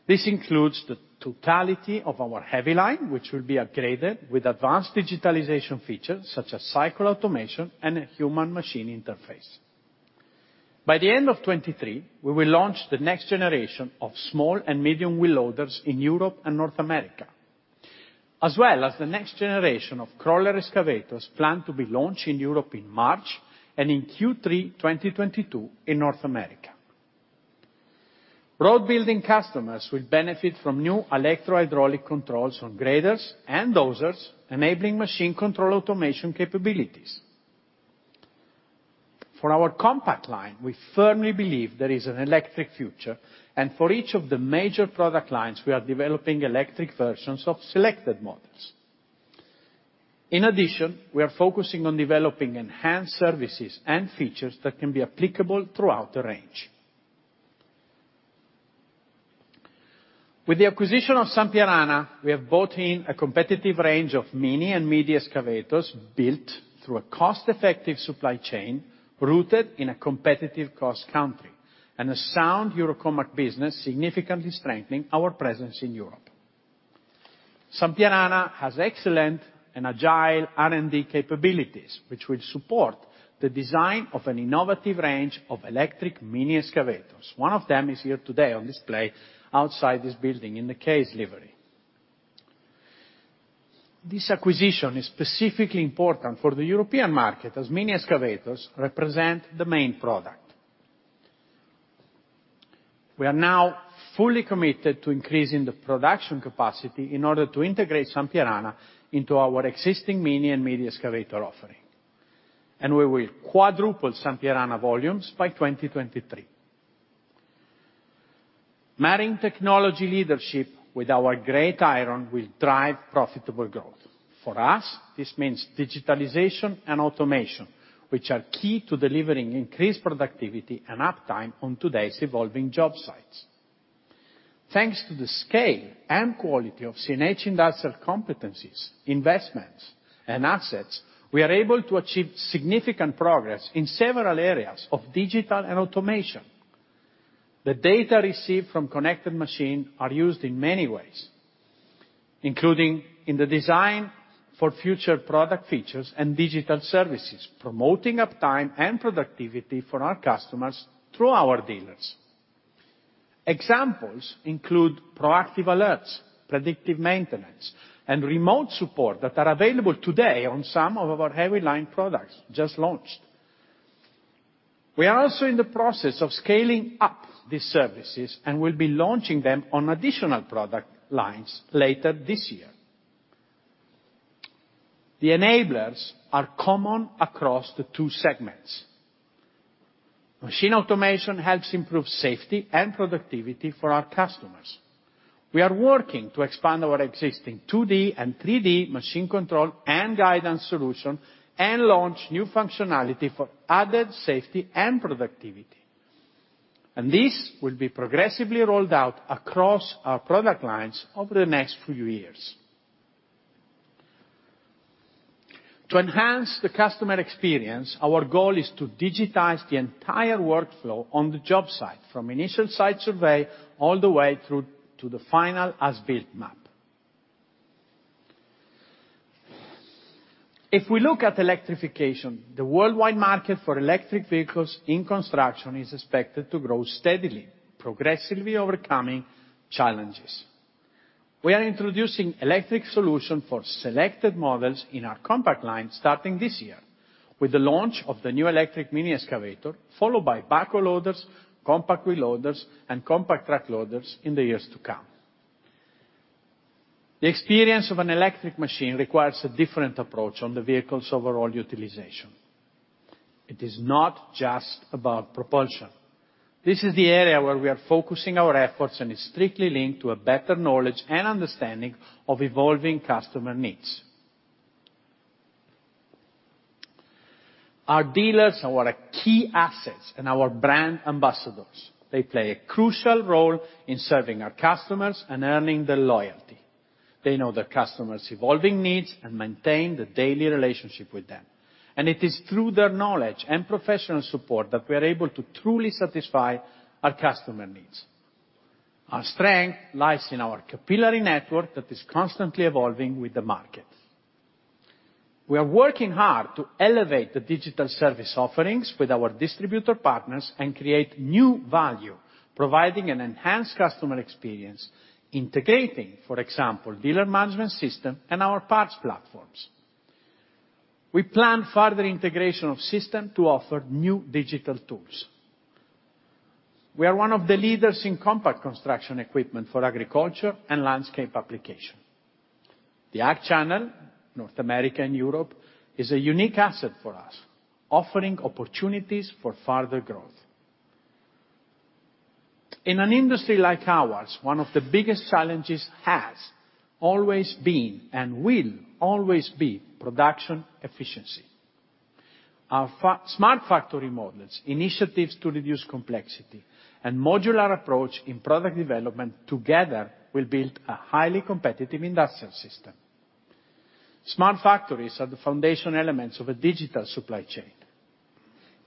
This includes the totality of our heavy line, which will be upgraded with advanced digitalization features, such as cycle automation and a human machine interface. By the end of 2023, we will launch the next generation of small and medium wheel loaders in Europe and North America, as well as the next generation of crawler excavators planned to be launched in Europe in March, and in Q3 2022 in North America. Road building customers will benefit from new electro-hydraulic controls on graders and dozers, enabling machine control automation capabilities. For our compact line, we firmly believe there is an electric future, and for each of the major product lines, we are developing electric versions of selected models. In addition, we are focusing on developing enhanced services and features that can be applicable throughout the range. With the acquisition of Sampierana, we have bought in a competitive range of mini and midi excavators built through a cost-effective supply chain, rooted in a competitive cost country, and a sound Eurocomach business, significantly strengthening our presence in Europe. Sampierana has excellent and agile R&D capabilities, which will support the design of an innovative range of electric mini excavators. One of them is here today on display outside this building in the Case livery. This acquisition is specifically important for the European market, as mini excavators represent the main product. We are now fully committed to increasing the production capacity in order to integrate Sampierana into our existing mini and midi excavator offering, and we will quadruple Sampierana volumes by 2023. Marrying technology leadership with our great iron will drive profitable growth. For us, this means digitalization and automation, which are key to delivering increased productivity and uptime on today's evolving job sites. Thanks to the scale and quality of CNH Industrial competencies, investments, and assets, we are able to achieve significant progress in several areas of digital and automation. The data received from connected machines are used in many ways, including in the design for future product features and digital services, promoting uptime and productivity for our customers through our dealers. Examples include proactive alerts, predictive maintenance, and remote support that are available today on some of our heavy-line products just launched. We are also in the process of scaling up these services, and will be launching them on additional product lines later this year. The enablers are common across the two segments. Machine automation helps improve safety and productivity for our customers. We are working to expand our existing 2D and 3D machine control and guidance solution, and launch new functionality for added safety and productivity, and this will be progressively rolled out across our product lines over the next few years. To enhance the customer experience, our goal is to digitize the entire workflow on the job site, from initial site survey all the way through to the final as-built map. If we look at electrification, the worldwide market for electric vehicles in construction is expected to grow steadily, progressively overcoming challenges. We are introducing electric solution for selected models in our compact line starting this year with the launch of the new electric mini excavator, followed by backhoe loaders, compact wheel loaders, and compact track loaders in the years to come. The experience of an electric machine requires a different approach on the vehicle's overall utilization. It is not just about propulsion. This is the area where we are focusing our efforts, and is strictly linked to a better knowledge and understanding of evolving customer needs. Our dealers are our key assets and our brand ambassadors. They play a crucial role in serving our customers and earning their loyalty. They know the customers' evolving needs and maintain the daily relationship with them, and it is through their knowledge and professional support that we're able to truly satisfy our customer needs. Our strength lies in our capillary network that is constantly evolving with the market. We are working hard to elevate the digital service offerings with our distributor partners and create new value, providing an enhanced customer experience, integrating, for example, dealer management system and our parts platforms. We plan further integration of system to offer new digital tools. We are one of the leaders in compact construction equipment for agriculture and landscape application. The Ag channel, North America and Europe, is a unique asset for us, offering opportunities for further growth. In an industry like ours, one of the biggest challenges has always been and will always be production efficiency. Our smart factory models, initiatives to reduce complexity, and modular approach in product development together will build a highly competitive industrial system. Smart factories are the foundation elements of a digital supply chain,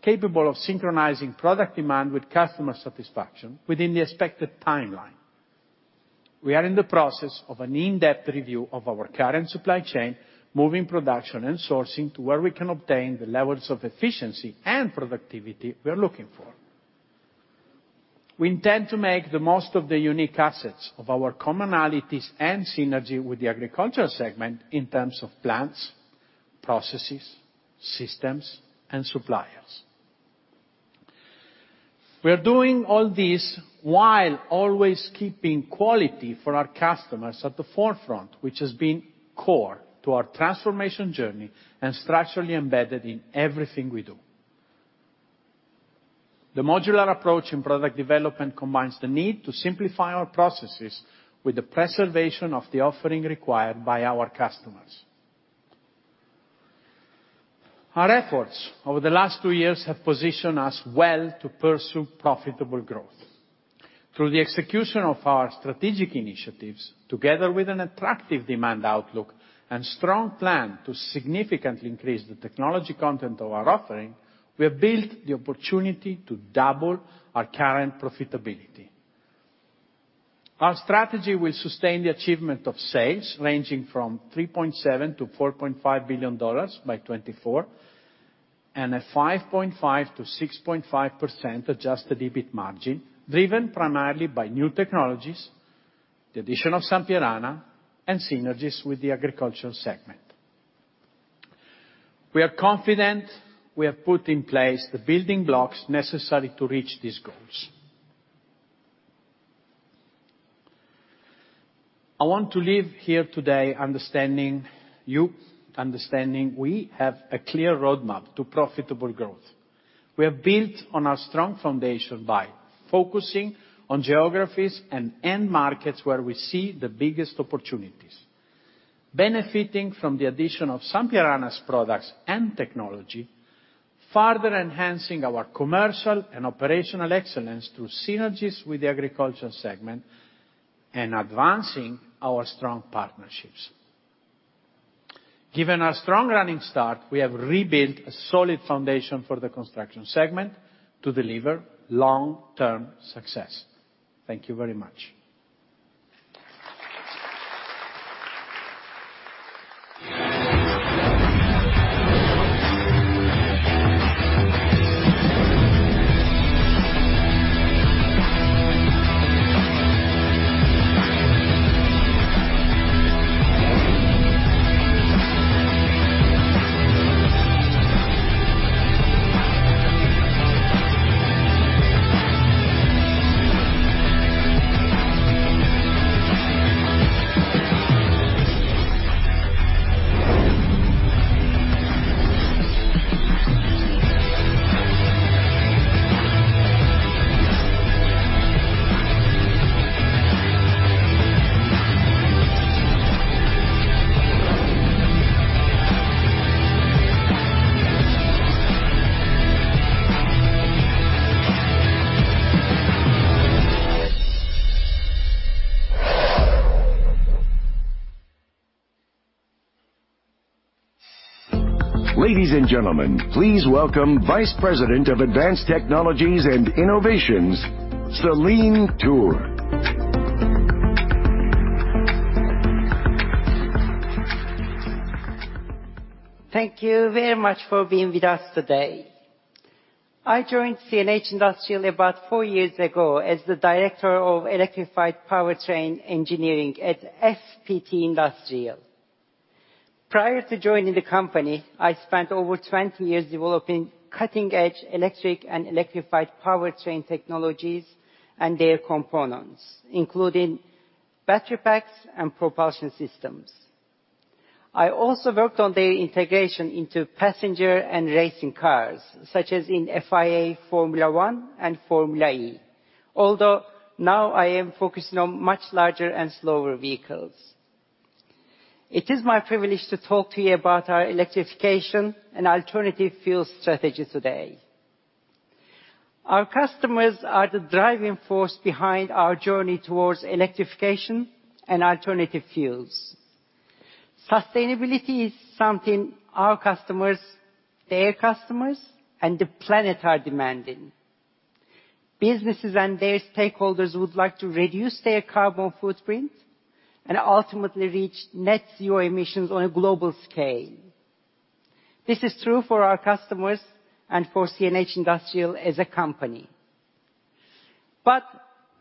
capable of synchronizing product demand with customer satisfaction within the expected timeline. We are in the process of an in-depth review of our current supply chain, moving production and sourcing to where we can obtain the levels of efficiency and productivity we are looking for. We intend to make the most of the unique assets of our commonalities and synergy with the agricultural segment in terms of plants, processes, systems, and suppliers. We are doing all this while always keeping quality for our customers at the forefront, which has been core to our transformation journey and structurally embedded in everything we do. The modular approach in product development combines the need to simplify our processes with the preservation of the offering required by our customers. Our efforts over the last two years have positioned us well to pursue profitable growth. Through the execution of our strategic initiatives, together with an attractive demand outlook and strong plan to significantly increase the technology content of our offering, we have built the opportunity to double our current profitability. Our strategy will sustain the achievement of sales ranging from $3.7 billion-$4.5 billion by 2024, and a 5.5%-6.5% adjusted EBIT margin, driven primarily by new technologies, the addition of Sampierana, and synergies with the agricultural segment. We are confident we have put in place the building blocks necessary to reach these goals. I want to leave here today understanding you, understanding we have a clear roadmap to profitable growth. We have built on our strong foundation by focusing on geographies and end markets where we see the biggest opportunities, benefiting from the addition of Sampierana's products and technology, further enhancing our commercial and operational excellence through synergies with the agricultural segment, and advancing our strong partnerships. Given our strong running start, we have rebuilt a solid foundation for the construction segment to deliver long-term success. Thank you very much. Ladies and gentlemen, please welcome Vice President of Advanced Technologies and Innovations, Selin Tur. Thank you very much for being with us today. I joined CNH Industrial about four years ago as the Director of Electrified Powertrain Engineering at FPT Industrial. Prior to joining the company, I spent over 20 years developing cutting-edge electric and electrified powertrain technologies and their components, including battery packs and propulsion systems. I also worked on their integration into passenger and racing cars, such as in FIA, Formula One, and Formula E, although now I am focusing on much larger and slower vehicles. It is my privilege to talk to you about our electrification and alternative fuel strategy today. Our customers are the driving force behind our journey towards electrification and alternative fuels. Sustainability is something our customers, their customers, and the planet are demanding. Businesses and their stakeholders would like to reduce their carbon footprint and ultimately reach net zero emissions on a global scale. This is true for our customers and for CNH Industrial as a company.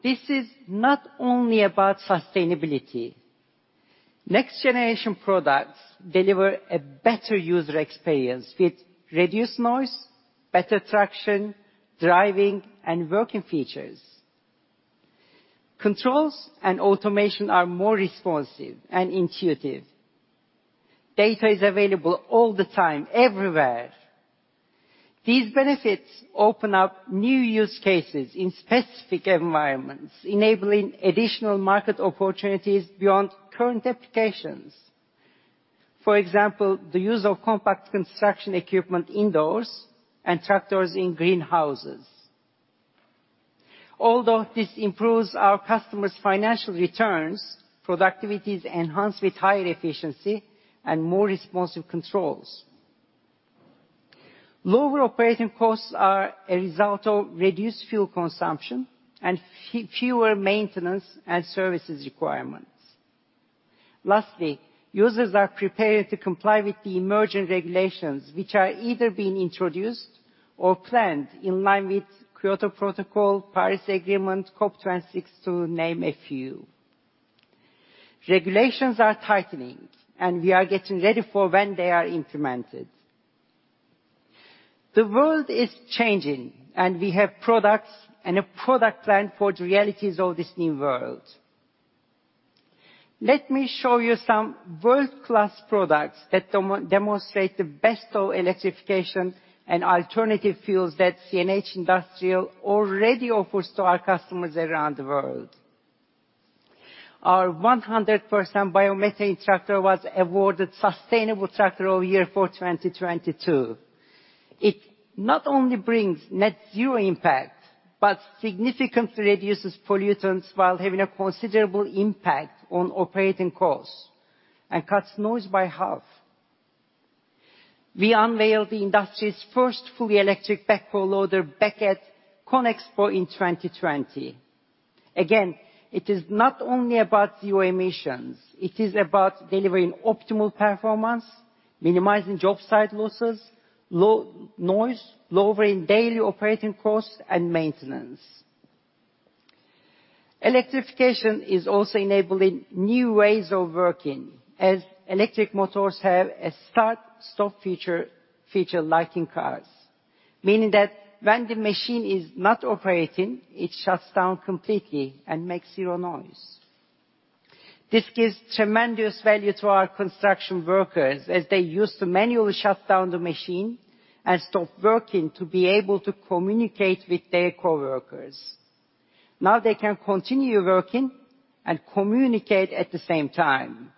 This is not only about sustainability. Next generation products deliver a better user experience with reduced noise, better traction, driving, and working features. Controls and automation are more responsive and intuitive. Data is available all the time, everywhere. These benefits open up new use cases in specific environments, enabling additional market opportunities beyond current applications. For example, the use of compact construction equipment indoors and tractors in greenhouses. Although this improves our customers' financial returns, productivity is enhanced with higher efficiency and more responsive controls. Lower operating costs are a result of reduced fuel consumption and fewer maintenance and services requirements. Lastly, users are prepared to comply with the emerging regulations, which are either being introduced or planned in line with Kyoto Protocol, Paris Agreement, COP26 to name a few. Regulations are tightening, and we are getting ready for when they are implemented. The world is changing, and we have products and a product plan for the realities of this new world. Let me show you some world-class products that demonstrate the best of electrification and alternative fuels that CNH Industrial already offers to our customers around the world. Our 100% biomethane tractor was awarded Sustainable Tractor of the Year for 2022. It not only brings net zero impact, but significantly reduces pollutants while having a considerable impact on operating costs and cuts noise by half. We unveiled the industry's first fully electric backhoe loader back at CONEXPO in 2020. Again, it is not only about zero emissions, it is about delivering optimal performance, minimizing job site losses, noise, lowering daily operating costs and maintenance. Electrification is also enabling new ways of working as electric motors have a start-stop feature like in cars, meaning that when the machine is not operating, it shuts down completely and makes zero noise. This gives tremendous value to our construction workers as they used to manually shut down the machine and stop working to be able to communicate with their coworkers. Now they can continue working and communicate at the same time.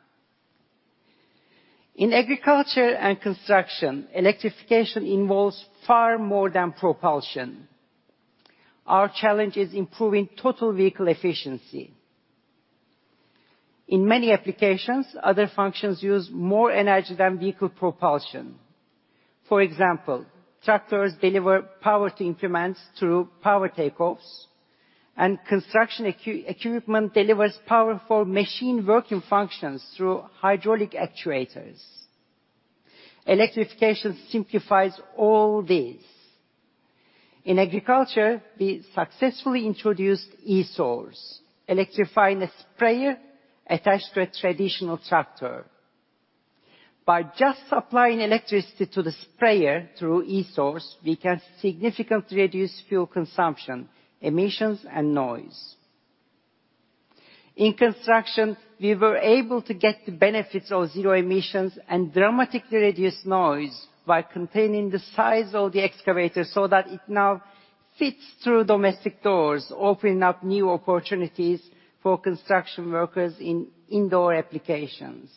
In agriculture and construction, electrification involves far more than propulsion. Our challenge is improving total vehicle efficiency. In many applications, other functions use more energy than vehicle propulsion. For example, tractors deliver power to implements through power take-offs, and construction equipment delivers powerful machine working functions through hydraulic actuators. Electrification simplifies all this. In agriculture, we successfully introduced e-Source, electrifying a sprayer attached to a traditional tractor. By just supplying electricity to the sprayer through e-Source, we can significantly reduce fuel consumption, emissions, and noise. In construction, we were able to get the benefits of zero emissions and dramatically reduce noise by containing the size of the excavator so that it now fits through domestic doors, opening up new opportunities for construction workers in indoor applications.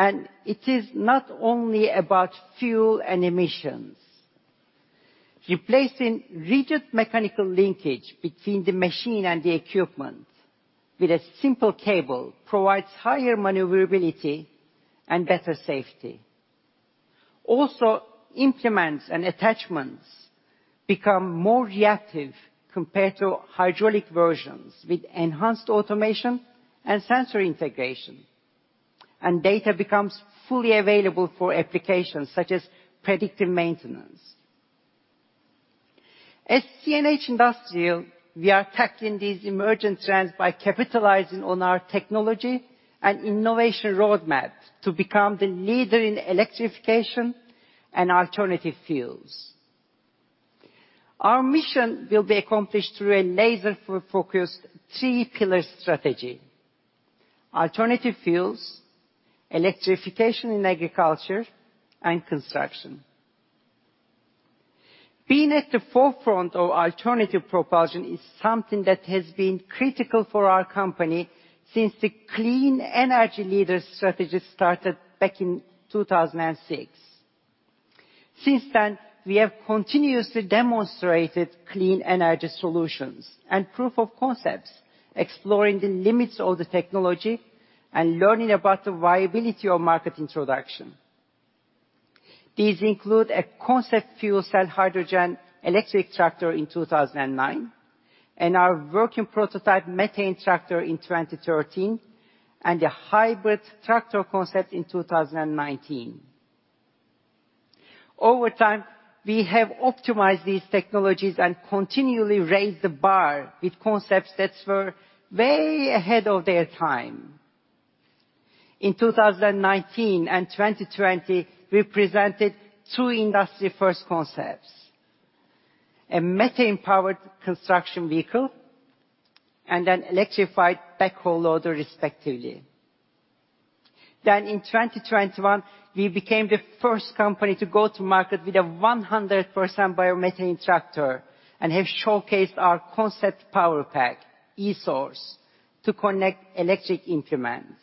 It is not only about fuel and emissions. Replacing rigid mechanical linkage between the machine and the equipment with a simple cable provides higher maneuverability and better safety. Also, implements and attachments become more reactive compared to hydraulic versions with enhanced automation and sensor integration. Data becomes fully available for applications such as predictive maintenance. As CNH Industrial, we are tackling these emerging trends by capitalizing on our technology and innovation roadmap to become the leader in electrification and alternative fuels. Our mission will be accomplished through a laser-focused three-pillar strategy, alternative fuels, electrification in agriculture, and construction. Being at the forefront of alternative propulsion is something that has been critical for our company since the clean energy leader strategy started back in 2006. Since then, we have continuously demonstrated clean energy solutions and proof of concepts, exploring the limits of the technology and learning about the viability of market introduction. These include a concept fuel cell hydrogen electric tractor in 2009, and our working prototype methane tractor in 2013, and a hybrid tractor concept in 2019. Over time, we have optimized these technologies and continually raised the bar with concepts that were way ahead of their time. In 2019 and 2020, we presented two industry-first concepts. A methane-powered construction vehicle, and an electrified backhoe loader respectively. In 2021, we became the first company to go to market with a 100% biomethane tractor, and have showcased our concept power pack, e-Source, to connect electric implements.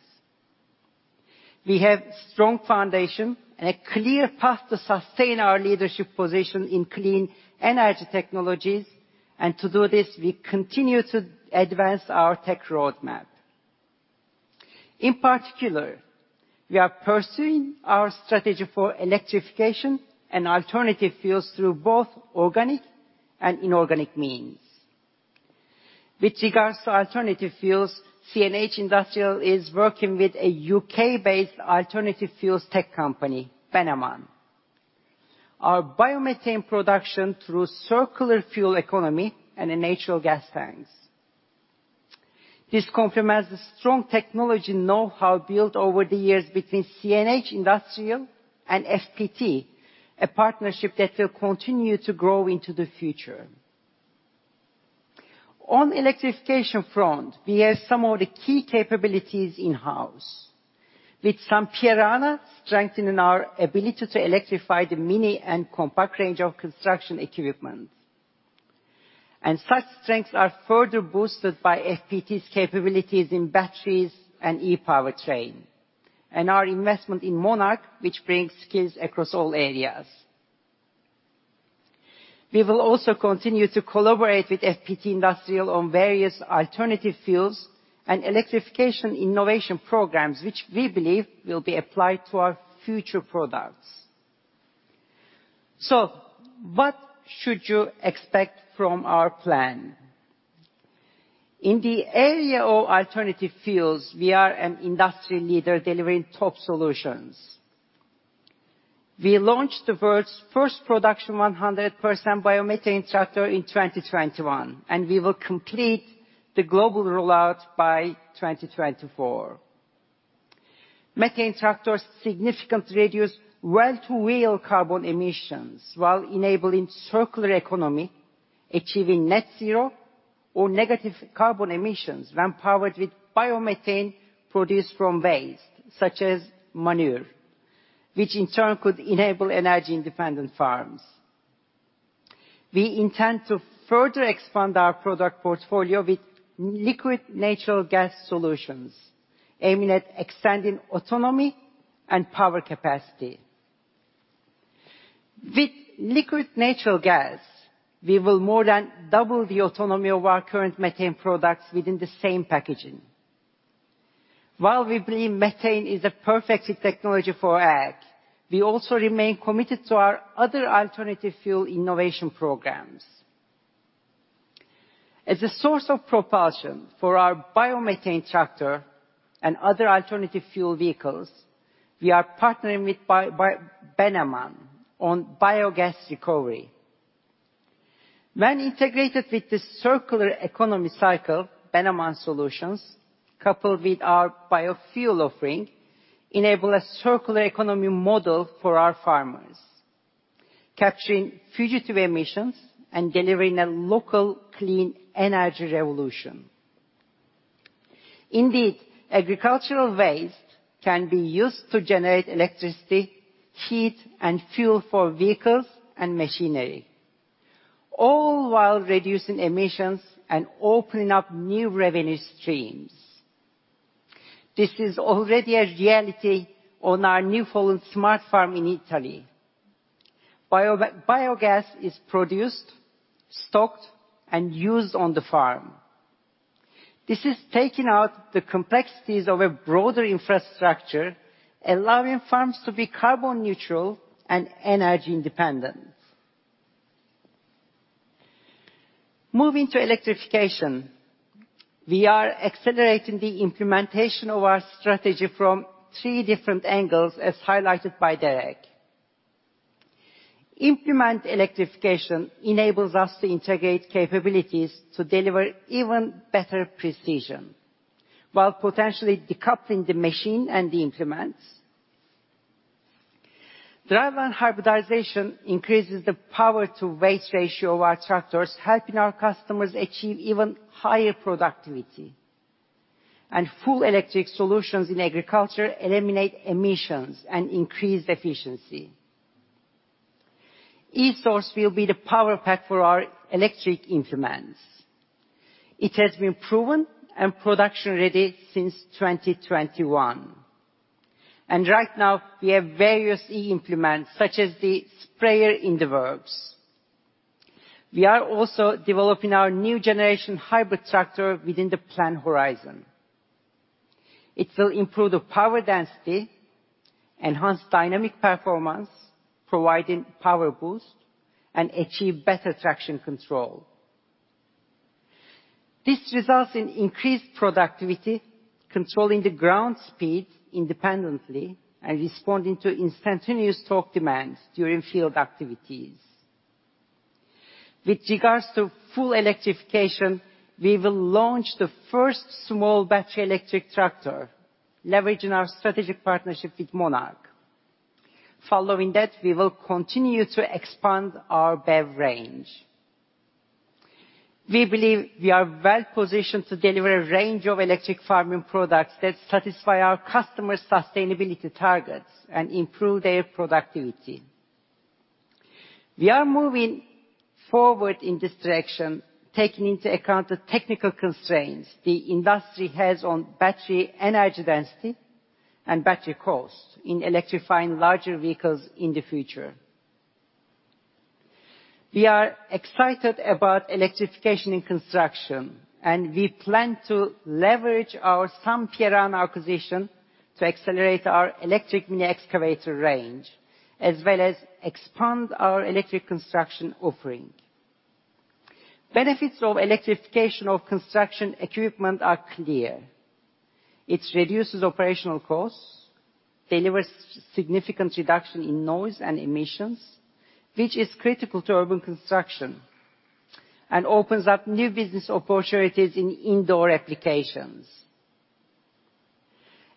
We have strong foundation and a clear path to sustain our leadership position in clean energy technologies, and to do this, we continue to advance our tech roadmap. In particular, we are pursuing our strategy for electrification and alternative fuels through both organic and inorganic means. With regards to alternative fuels, CNH Industrial is working with a UK-based alternative fuels tech company, Bennamann, our biomethane production through circular fuel economy and in natural gas tanks. This complements the strong technology know-how built over the years between CNH Industrial and FPT, a partnership that will continue to grow into the future. On the electrification front, we have some of the key capabilities in-house, with Sampierana strengthening our ability to electrify the mini and compact range of construction equipment. Such strengths are further boosted by FPT's capabilities in batteries and e-powertrain, and our investment in Monarch, which brings skills across all areas. We will also continue to collaborate with FPT Industrial on various alternative fuels and electrification innovation programs, which we believe will be applied to our future products. What should you expect from our plan? In the area of alternative fuels, we are an industry leader delivering top solutions. We launched the world's first production 100% biomethane tractor in 2021, and we will complete the global rollout by 2024. Methane tractors significantly reduce well-to-wheel carbon emissions while enabling circular economy, achieving net zero or negative carbon emissions when powered with biomethane produced from waste, such as manure, which in turn could enable energy-independent farms. We intend to further expand our product portfolio with liquid natural gas solutions, aiming at extending autonomy and power capacity. With liquid natural gas, we will more than double the autonomy of our current methane products within the same packaging. While we believe methane is a perfect fit technology for Ag, we also remain committed to our other alternative fuel innovation programs. As a source of propulsion for our biomethane tractor and other alternative fuel vehicles, we are partnering with Bennamann on biogas recovery. When integrated with the circular economy cycle, Bennamann solutions, coupled with our biofuel offering, enable a circular economy model for our farmers, capturing fugitive emissions and delivering a local clean energy revolution. Indeed, agricultural waste can be used to generate electricity, heat, and fuel for vehicles and machinery, all while reducing emissions and opening up new revenue streams. This is already a reality on our New Holland smart farm in Italy. Biogas is produced, stocked, and used on the farm. This is taking out the complexities of a broader infrastructure, allowing farms to be carbon neutral and energy independent. Moving to electrification, we are accelerating the implementation of our strategy from three different angles, as highlighted by Derek. Implement electrification enables us to integrate capabilities to deliver even better precision, while potentially decoupling the machine and the implements. Driveline hybridization increases the power-to-weight ratio of our tractors, helping our customers achieve even higher productivity. Full electric solutions in agriculture eliminate emissions and increase efficiency. e-Source will be the power pack for our electric implements. It has been proven and production-ready since 2021. Right now, we have various eImplements, such as the sprayer in the works. We are also developing our new generation hybrid tractor within the planned horizon. It will improve the power density, enhance dynamic performance, providing power boost, and achieve better traction control. This results in increased productivity, controlling the ground speed independently and responding to instantaneous torque demands during field activities. With regards to full electrification, we will launch the first small battery electric tractor, leveraging our strategic partnership with Monarch. Following that, we will continue to expand our BEV range. We believe we are well-positioned to deliver a range of electric farming products that satisfy our customers' sustainability targets and improve their productivity. We are moving forward in this direction, taking into account the technical constraints the industry has on battery energy density and battery costs in electrifying larger vehicles in the future. We are excited about electrification and construction, and we plan to leverage our Sampierana acquisition to accelerate our electric mini excavator range, as well as expand our electric construction offering. Benefits of electrification of construction equipment are clear. It reduces operational costs, delivers significant reduction in noise and emissions, which is critical to urban construction, and opens up new business opportunities in indoor applications.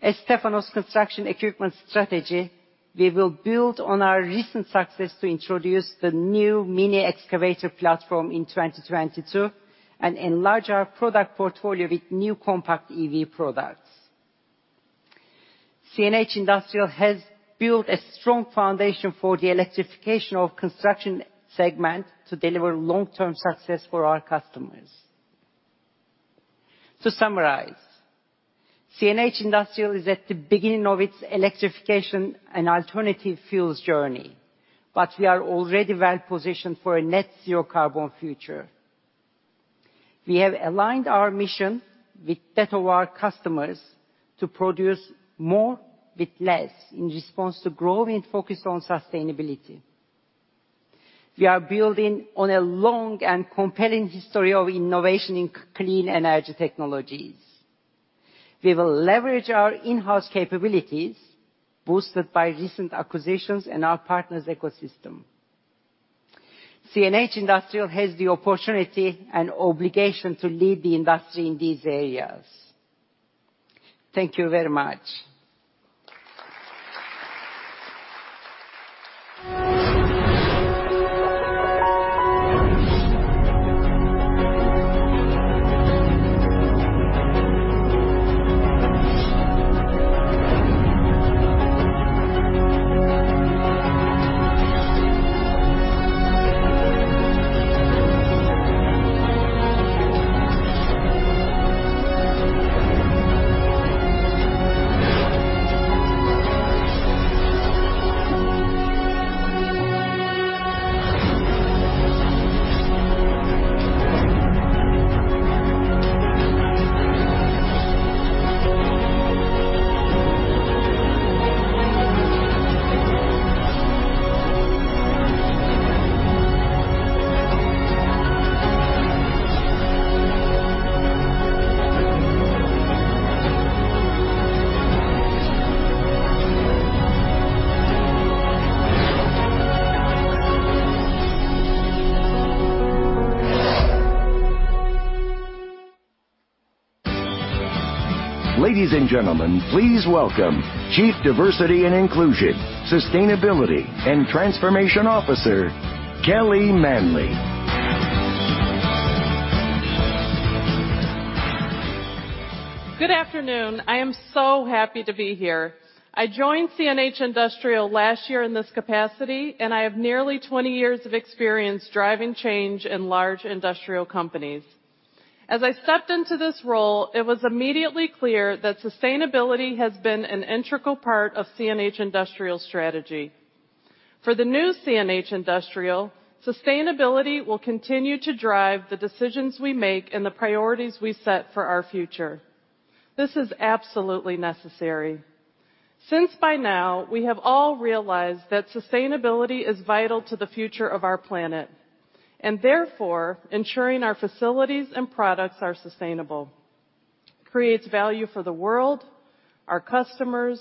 As Stefano's construction equipment strategy, we will build on our recent success to introduce the new mini excavator platform in 2022, and enlarge our product portfolio with new compact EV products. CNH Industrial has built a strong foundation for the electrification of construction segment to deliver long-term success for our customers. To summarize, CNH Industrial is at the beginning of its electrification and alternative fuels journey, but we are already well-positioned for a net zero carbon future. We have aligned our mission with that of our customers to produce more with less in response to growing focus on sustainability. We are building on a long and compelling history of innovation in clean energy technologies. We will leverage our in-house capabilities boosted by recent acquisitions and our partners' ecosystem. CNH Industrial has the opportunity and obligation to lead the industry in these areas. Thank you very much. Ladies and gentlemen, please welcome Chief Diversity and Inclusion, Sustainability and Transformation Officer, Kelly Manley. Good afternoon. I am so happy to be here. I joined CNH Industrial last year in this capacity, and I have nearly 20 years of experience driving change in large industrial companies. As I stepped into this role, it was immediately clear that sustainability has been an integral part of CNH Industrial's strategy. For the new CNH Industrial, sustainability will continue to drive the decisions we make and the priorities we set for our future. This is absolutely necessary. Since by now, we have all realized that sustainability is vital to the future of our planet, and therefore ensuring our facilities and products are sustainable creates value for the world, our customers,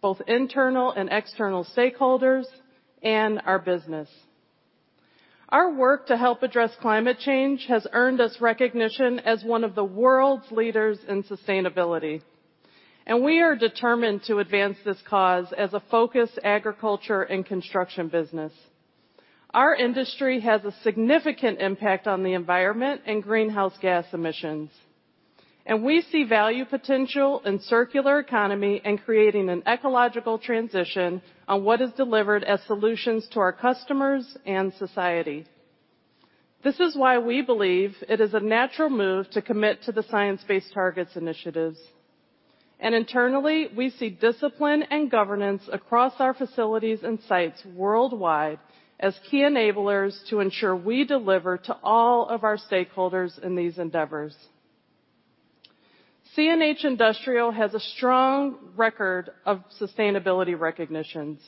both internal and external stakeholders, and our business. Our work to help address climate change has earned us recognition as one of the world's leaders in sustainability, and we are determined to advance this cause as a focused agriculture and construction business. Our industry has a significant impact on the environment and greenhouse gas emissions, and we see value potential in circular economy and creating an ecological transition on what is delivered as solutions to our customers and society. This is why we believe it is a natural move to commit to the Science Based Targets initiatives. Internally, we see discipline and governance across our facilities and sites worldwide as key enablers to ensure we deliver to all of our stakeholders in these endeavors. CNH Industrial has a strong record of sustainability recognitions.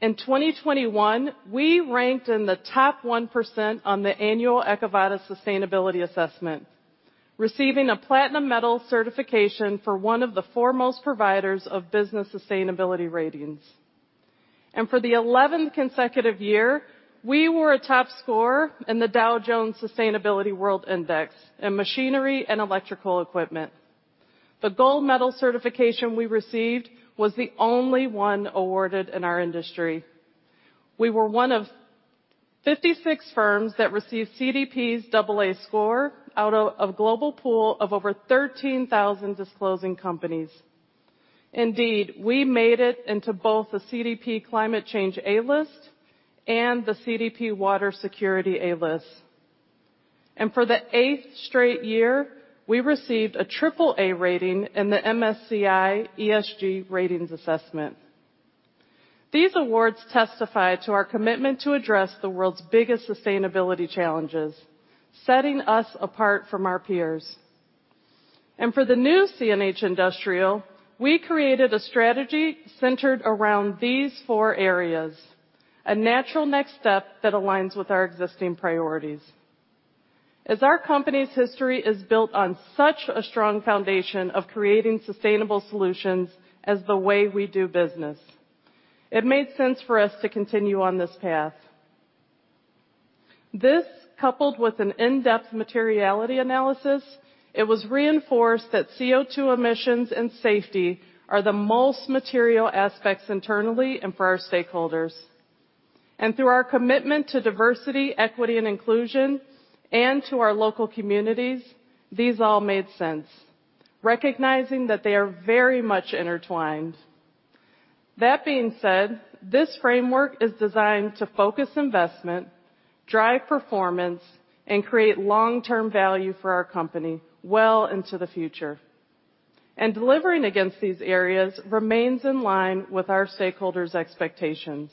In 2021, we ranked in the top 1% on the annual EcoVadis sustainability assessment, receiving a Platinum Medal certification for one of the foremost providers of business sustainability ratings. For the 11th consecutive year, we were a top score in the Dow Jones Sustainability World Index in machinery and electrical equipment. The Gold Medal certification we received was the only one awarded in our industry. We were one of 56 firms that received CDP's double A score out of a global pool of over 13,000 disclosing companies. Indeed, we made it into both the CDP Climate Change A List and the CDP Water Security A List. For the 8th straight year, we received a AAA rating in the MSCI ESG Ratings assessment. These awards testify to our commitment to address the world's biggest sustainability challenges, setting us apart from our peers. For the new CNH Industrial, we created a strategy centered around these four areas, a natural next step that aligns with our existing priorities. As our company's history is built on such a strong foundation of creating sustainable solutions as the way we do business, it made sense for us to continue on this path. This, coupled with an in-depth materiality analysis, it was reinforced that CO₂ emissions and safety are the most material aspects internally and for our stakeholders. Through our commitment to diversity, equity, and inclusion and to our local communities, these all made sense, recognizing that they are very much intertwined. That being said, this framework is designed to focus investment, drive performance, and create long-term value for our company well into the future. Delivering against these areas remains in line with our stakeholders' expectations,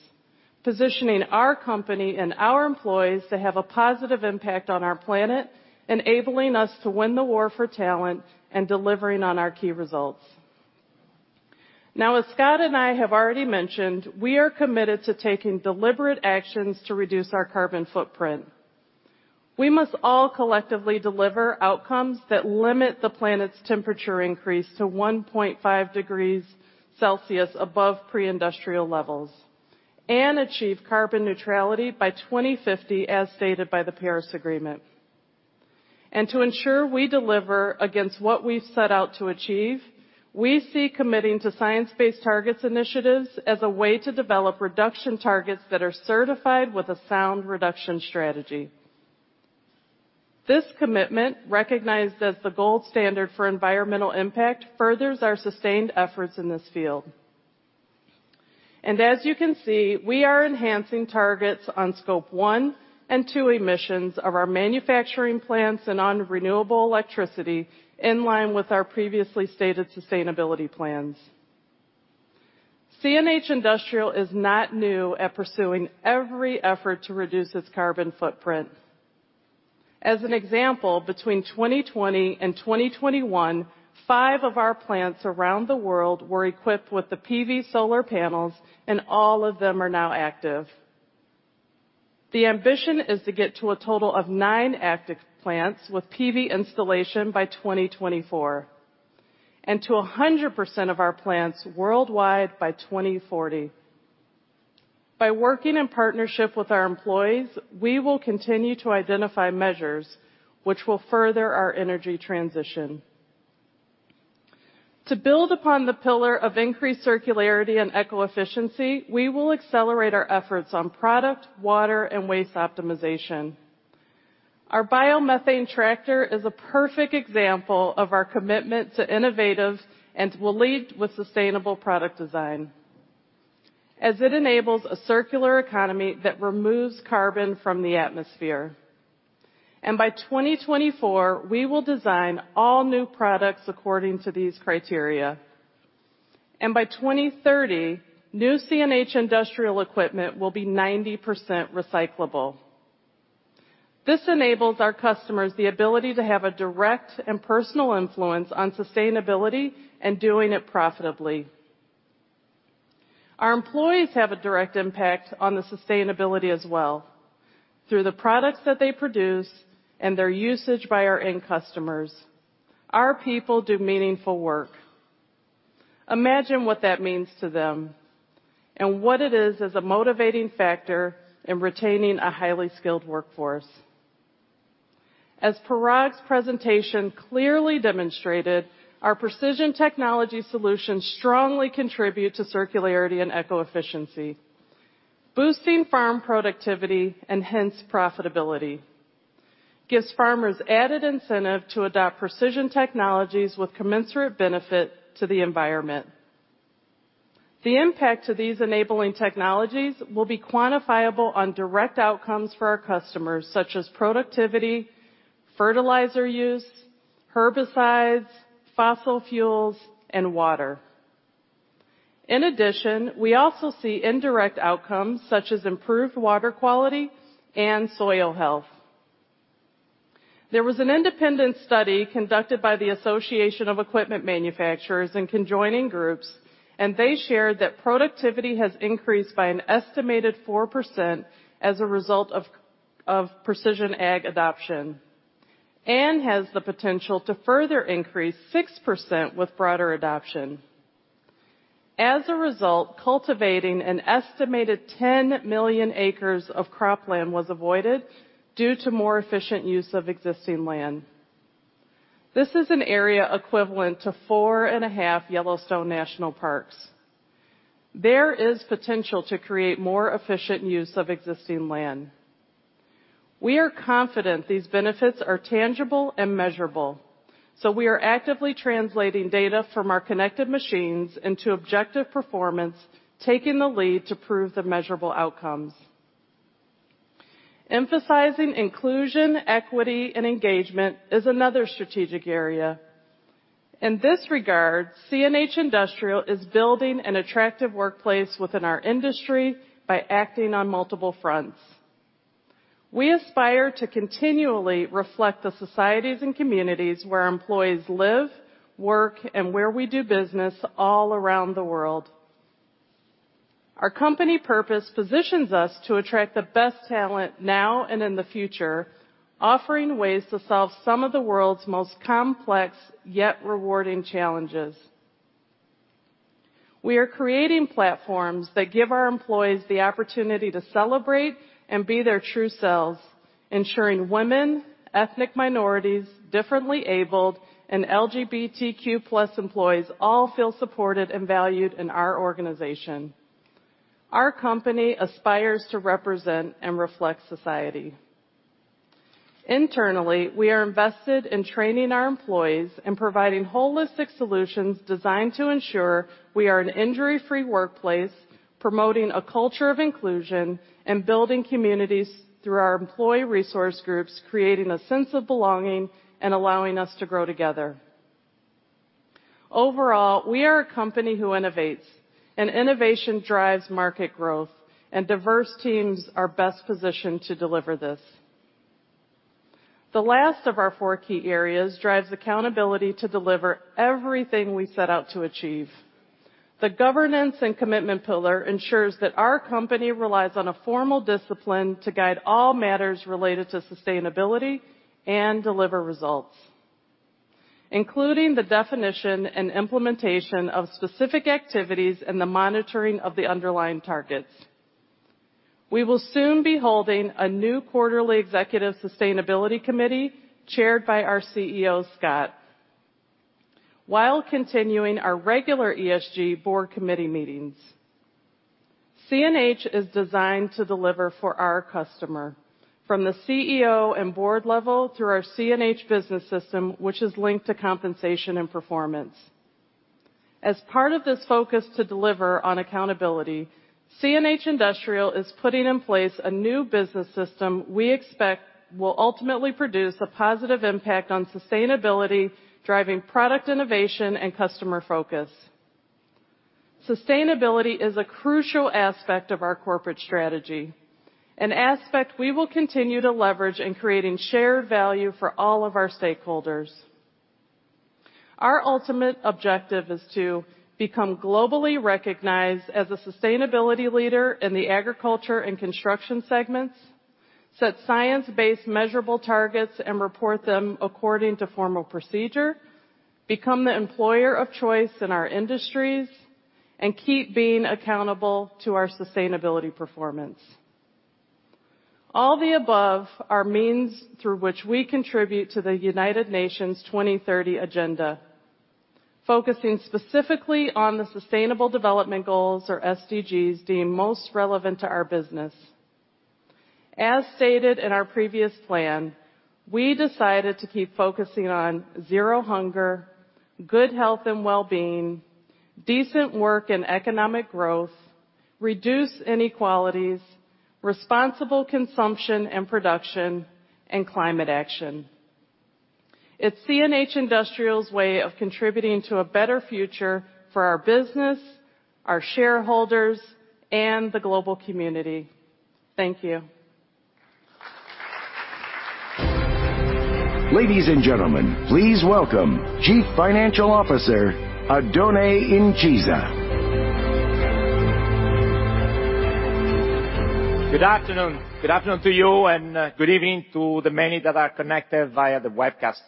positioning our company and our employees to have a positive impact on our planet, enabling us to win the war for talent and delivering on our key results. Now, as Scott and I have already mentioned, we are committed to taking deliberate actions to reduce our carbon footprint. We must all collectively deliver outcomes that limit the planet's temperature increase to 1.5°C above pre-industrial levels and achieve carbon neutrality by 2050, as stated by the Paris Agreement. To ensure we deliver against what we set out to achieve, we see committing to science-based targets initiatives as a way to develop reduction targets that are certified with a sound reduction strategy. This commitment, recognized as the gold standard for environmental impact, furthers our sustained efforts in this field. As you can see, we are enhancing targets on Scope 1 and 2 emissions of our manufacturing plants and on renewable electricity in line with our previously stated sustainability plans. CNH Industrial is not new at pursuing every effort to reduce its carbon footprint. As an example, between 2020 and 2021, five of our plants around the world were equipped with the PV solar panels, and all of them are now active. The ambition is to get to a total of nine active plants with PV installation by 2024 and to 100% of our plants worldwide by 2040. By working in partnership with our employees, we will continue to identify measures which will further our energy transition. To build upon the pillar of increased circularity and eco-efficiency, we will accelerate our efforts on product, water, and waste optimization. Our biomethane tractor is a perfect example of our commitment to innovation and we will lead with sustainable product design, as it enables a circular economy that removes carbon from the atmosphere. By 2024, we will design all new products according to these criteria. By 2030, new CNH Industrial equipment will be 90% recyclable. This enables our customers the ability to have a direct and personal influence on sustainability and doing it profitably. Our employees have a direct impact on the sustainability as well. Through the products that they produce and their usage by our end customers, our people do meaningful work. Imagine what that means to them and what it is as a motivating factor in retaining a highly skilled workforce. As Parag's presentation clearly demonstrated, our precision technology solutions strongly contribute to circularity and eco-efficiency. Boosting farm productivity and hence profitability gives farmers added incentive to adopt precision technologies with commensurate benefit to the environment. The impact to these enabling technologies will be quantifiable on direct outcomes for our customers, such as productivity, fertilizer use, herbicides, fossil fuels, and water. In addition, we also see indirect outcomes such as improved water quality and soil health. There was an independent study conducted by the Association of Equipment Manufacturers and conjoining groups, and they shared that productivity has increased by an estimated 4% as a result of precision Ag adoption and has the potential to further increase 6% with broader adoption. As a result, cultivating an estimated 10 million acres of cropland was avoided due to more efficient use of existing land. This is an area equivalent to 4.5 Yellowstone National Parks. There is potential to create more efficient use of existing land. We are confident these benefits are tangible and measurable, so we are actively translating data from our connected machines into objective performance, taking the lead to prove the measurable outcomes. Emphasizing inclusion, equity, and engagement is another strategic area. In this regard, CNH Industrial is building an attractive workplace within our industry by acting on multiple fronts. We aspire to continually reflect the societies and communities where employees live, work, and where we do business all around the world. Our company purpose positions us to attract the best talent now and in the future, offering ways to solve some of the world's most complex, yet rewarding challenges. We are creating platforms that give our employees the opportunity to celebrate and be their true selves, ensuring women, ethnic minorities, differently-abled, and LGBTQ+ employees all feel supported and valued in our organization. Our company aspires to represent and reflect society. Internally, we are invested in training our employees and providing holistic solutions designed to ensure we are an injury-free workplace, promoting a culture of inclusion and building communities through our employee resource groups, creating a sense of belonging and allowing us to grow together. Overall, we are a company who innovates, and innovation drives market growth, and diverse teams are best positioned to deliver this. The last of our four key areas drives accountability to deliver everything we set out to achieve. The governance and commitment pillar ensures that our company relies on a formal discipline to guide all matters related to sustainability and deliver results, including the definition and implementation of specific activities and the monitoring of the underlying targets. We will soon be holding a new quarterly executive sustainability committee chaired by our CEO, Scott, while continuing our regular ESG board committee meetings. CNHi is designed to deliver for our customer, from the CEO and board level through our CNHi business system, which is linked to compensation and performance. As part of this focus to deliver on accountability, CNH Industrial is putting in place a new business system we expect will ultimately produce a positive impact on sustainability, driving product innovation and customer focus. Sustainability is a crucial aspect of our corporate strategy, an aspect we will continue to leverage in creating shared value for all of our stakeholders. Our ultimate objective is to become globally recognized as a sustainability leader in the agriculture and construction segments, set science-based measurable targets, and report them according to formal procedure, become the employer of choice in our industries, and keep being accountable to our sustainability performance. All the above are means through which we contribute to the United Nations 2030 Agenda, focusing specifically on the Sustainable Development Goals, or SDGs, deemed most relevant to our business. As stated in our previous plan, we decided to keep focusing on Zero Hunger, Good Health and Well-Being, Decent Work and Economic Growth, Reduced Inequalities, Responsible Consumption and Production, and Climate Action. It's CNH Industrial's way of contributing to a better future for our business, our shareholders, and the global community. Thank you. Ladies and gentlemen, please welcome Chief Financial Officer, Oddone Incisa. Good afternoon. Good afternoon to you, and good evening to the many that are connected via the webcast.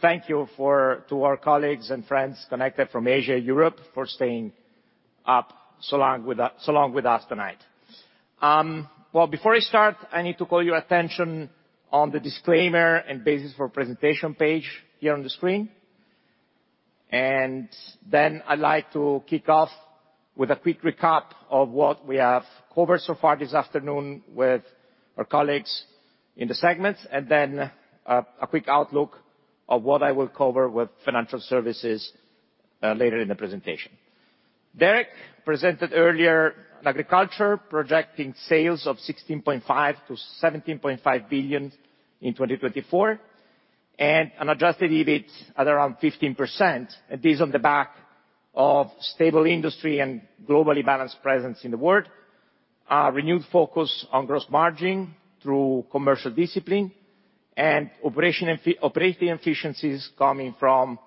Thank you to our colleagues and friends connected from Asia, Europe, for staying up so long with us tonight. Before I start, I need to call your attention on the disclaimer and basis for presentation page here on the screen. Then I'd like to kick off with a quick recap of what we have covered so far this afternoon with our colleagues in the segments, and then a quick outlook of what I will cover with financial services later in the presentation. Derek presented earlier in agriculture, projecting sales of $16.5 billion-$17.5 billion in 2024, and an adjusted EBIT at around 15%. It is on the back of stable industry and globally balanced presence in the world. Our renewed focus on gross margin through commercial discipline and operating efficiencies coming from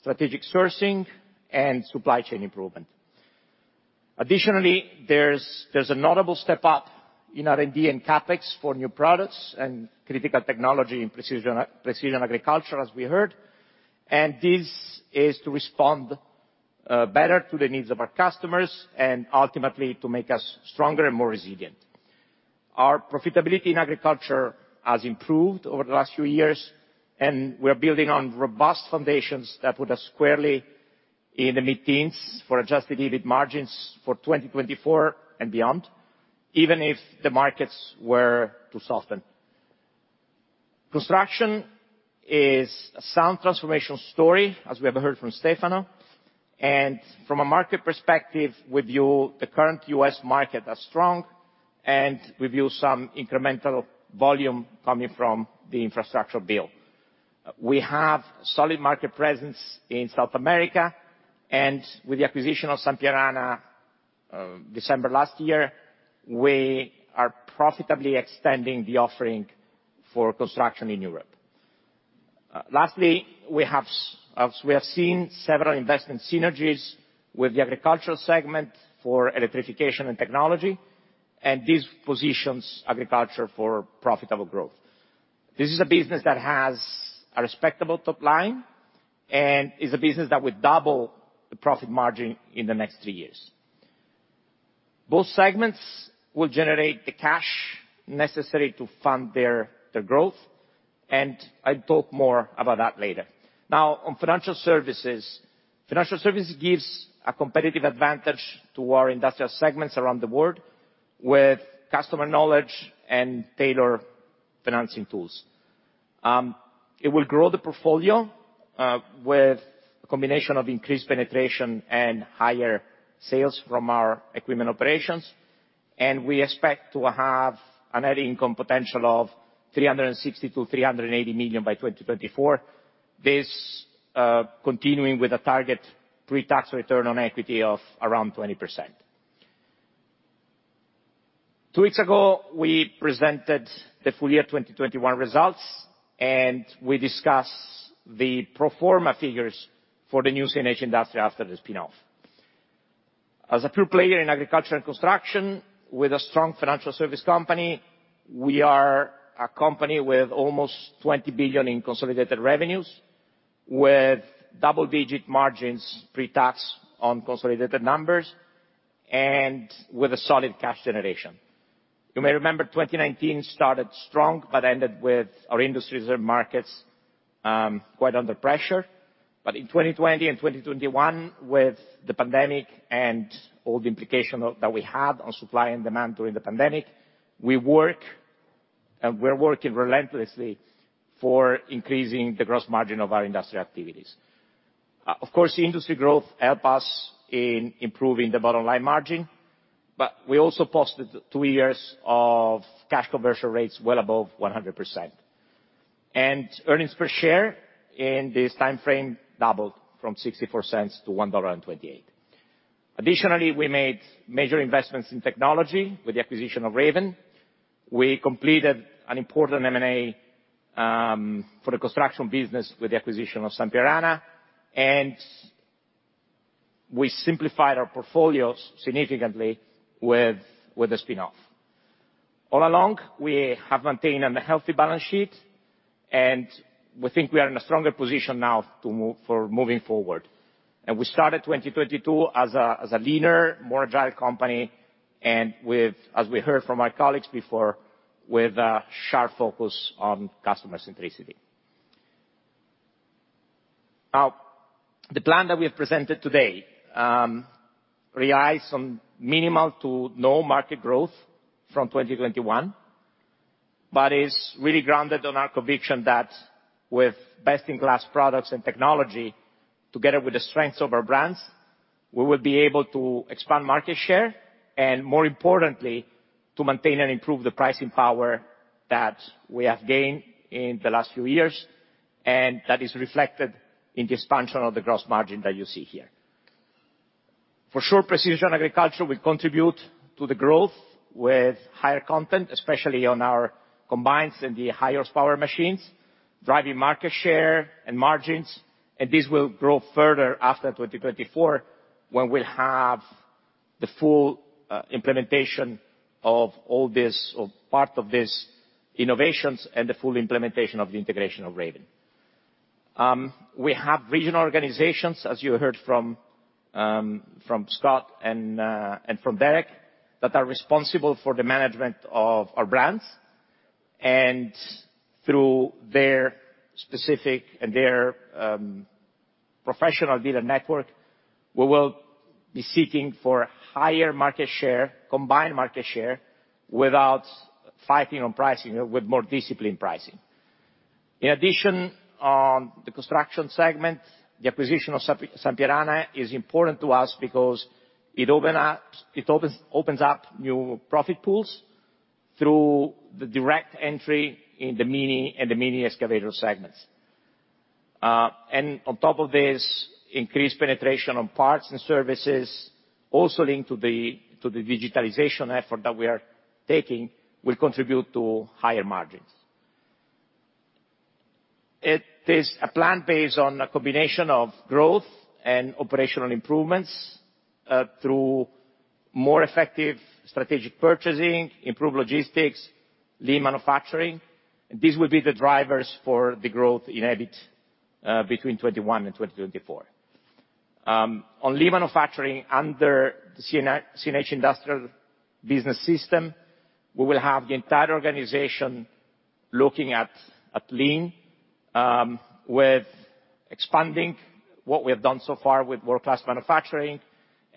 strategic sourcing and supply chain improvement. Additionally, there's a notable step up in R&D and CapEx for new products and critical technology in precision agriculture, as we heard. This is to respond better to the needs of our customers and ultimately to make us stronger and more resilient. Our profitability in agriculture has improved over the last few years, and we are building on robust foundations that put us squarely in the mid-teens for adjusted EBIT margins for 2024 and beyond, even if the markets were to soften. Construction is a sound transformation story, as we have heard from Stefano. From a market perspective, we view the current U.S. market as strong, and we view some incremental volume coming from the infrastructure bill. We have solid market presence in South America, and with the acquisition of Sampierana, December last year, we are profitably extending the offering for construction in Europe. Lastly, we have, as we have seen, several investment synergies with the agricultural segment for electrification and technology, and this positions agriculture for profitable growth. This is a business that has a respectable top line, and is a business that will double the profit margin in the next three years. Both segments will generate the cash necessary to fund their growth, and I'll talk more about that later. Now, on financial services. Financial services gives a competitive advantage to our industrial segments around the world, with customer knowledge and tailored financing tools. It will grow the portfolio with a combination of increased penetration and higher sales from our equipment operations. We expect to have a net income potential of $360 million-$380 million by 2024. This continuing with a target pre-tax return on equity of around 20%. Two weeks ago, we presented the full year 2021 results, and we discuss the pro forma figures for the new CNH Industrial after the spin-off. As a pure player in agriculture and construction with a strong financial service company, we are a company with almost $20 billion in consolidated revenues, with double-digit margins pre-tax on consolidated numbers, and with a solid cash generation. You may remember 2019 started strong but ended with our industries and markets quite under pressure. In 2020 and 2021, with the pandemic and all the implications that we had on supply and demand during the pandemic, we're working relentlessly for increasing the gross margin of our industrial activities. Of course, industry growth helps us in improving the bottom line margin, but we also posted two years of cash conversion rates well above 100%. Earnings per share in this timeframe doubled from $0.64-$1.28. Additionally, we made major investments in technology with the acquisition of Raven. We completed an important M&A for the construction business with the acquisition of Sampierana. We simplified our portfolios significantly with the spin-off. All along, we have maintained a healthy balance sheet, and we think we are in a stronger position now for moving forward. We started 2022 as a leaner, more agile company, with, as we heard from our colleagues before, with a sharp focus on customer centricity. Now, the plan that we have presented today relies on minimal to no market growth from 2021, but is really grounded on our conviction that with best-in-class products and technology, together with the strengths of our brands, we will be able to expand market share, and more importantly, to maintain and improve the pricing power that we have gained in the last few years, and that is reflected in the expansion of the gross margin that you see here. For sure, precision agriculture will contribute to the growth with higher content, especially on our combines and the higher power machines, driving market share and margins, and this will grow further after 2024 when we'll have the full implementation of all this or part of this innovations and the full implementation of the integration of Raven. We have regional organizations, as you heard from Scott and from Derek, that are responsible for the management of our brands. Through their specific and their professional dealer network, we will be seeking for higher market share, combined market share, without fighting on pricing, with more disciplined pricing. In addition, on the construction segment, the acquisition of Sampierana is important to us because it opens up new profit pools through the direct entry in the mini and midi excavator segments. On top of this, increased penetration on parts and services also linked to the digitalization effort that we are taking will contribute to higher margins. It is a plan based on a combination of growth and operational improvements through more effective strategic purchasing, improved logistics, lean manufacturing. These will be the drivers for the growth in EBIT between 2021 and 2024. On lean manufacturing under CNH Industrial business system, we will have the entire organization looking at lean with expanding what we have done so far with world-class manufacturing.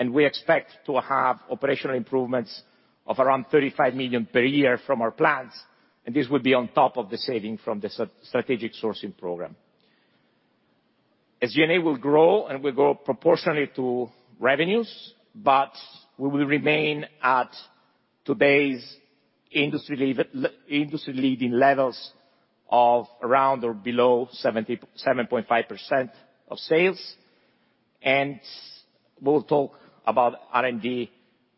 We expect to have operational improvements of around $35 million per year from our plants, and this will be on top of the savings from the strategic sourcing program. As G&A will grow and will grow proportionately to revenues, but we will remain at today's industry-leading levels of around or below 77.5% of sales. We'll talk about R&D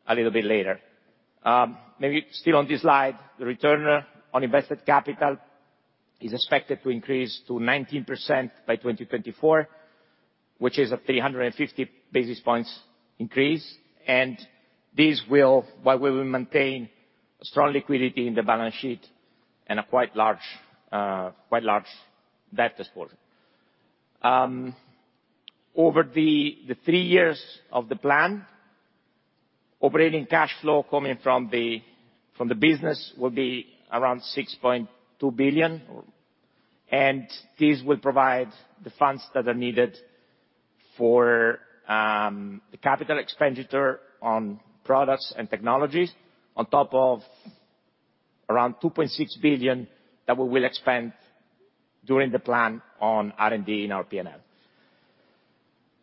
a little bit later. Maybe still on this slide, the return on invested capital is expected to increase to 19% by 2024, which is a 350 basis points increase while we will maintain strong liquidity in the balance sheet and a quite large debt to support it. Over the three years of the plan, operating cash flow coming from the business will be around $6.2 billion. This will provide the funds that are needed for the capital expenditure on products and technologies on top of around $2.6 billion that we will expend during the plan on R&D in our P&L.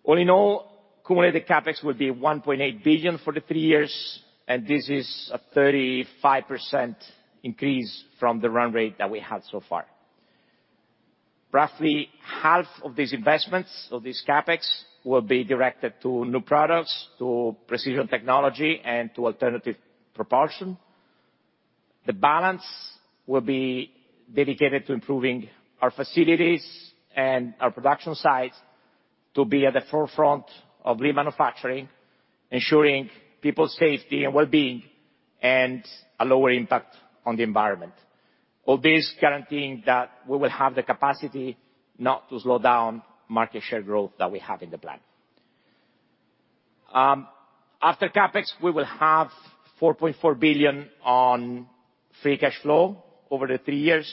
All in all, cumulative CapEx will be $1.8 billion for the three years, and this is a 35% increase from the run rate that we have so far. Roughly half of these investments, of this CapEx, will be directed to new products, to precision technology, and to alternative propulsion. The balance will be dedicated to improving our facilities and our production sites to be at the forefront of remanufacturing, ensuring people's safety and wellbeing, and a lower impact on the environment. All this guaranteeing that we will have the capacity not to slow down market share growth that we have in the plan. After CapEx, we will have $4.4 billion in free cash flow over the three years,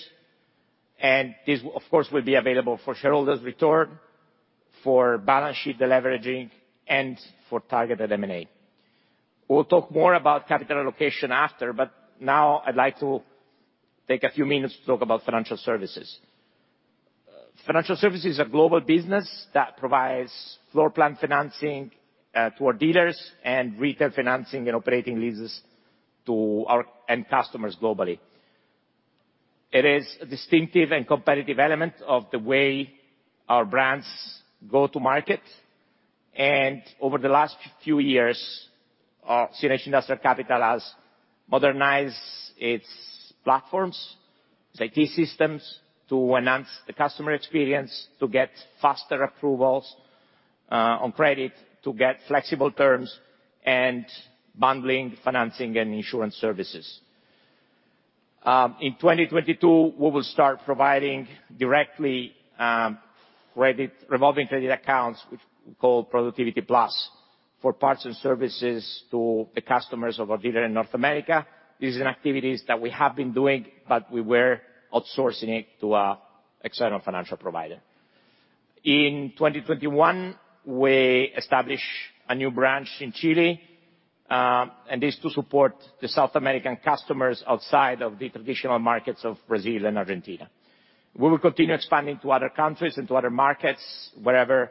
and this of course will be available for shareholders' return, for balance sheet deleveraging, and for targeted M&A. We'll talk more about capital allocation after, but now I'd like to take a few minutes to talk about financial services. Financial services is a global business that provides floor plan financing to our dealers and retail financing and operating leases to our end customers globally. It is a distinctive and competitive element of the way our brands go to market. Over the last few years, our CNH Industrial Capital has modernized its platforms, its IT systems to enhance the customer experience, to get faster approvals on credit, to get flexible terms, and bundling financing and insurance services. In 2022, we will start providing directly credit, revolving credit accounts, which we call Productivity Plus, for parts and services to the customers of our dealer in North America. This is an activity that we have been doing, but we were outsourcing it to an external financial provider. In 2021, we established a new branch in Chile, and this is to support the South American customers outside of the traditional markets of Brazil and Argentina. We will continue expanding to other countries and to other markets wherever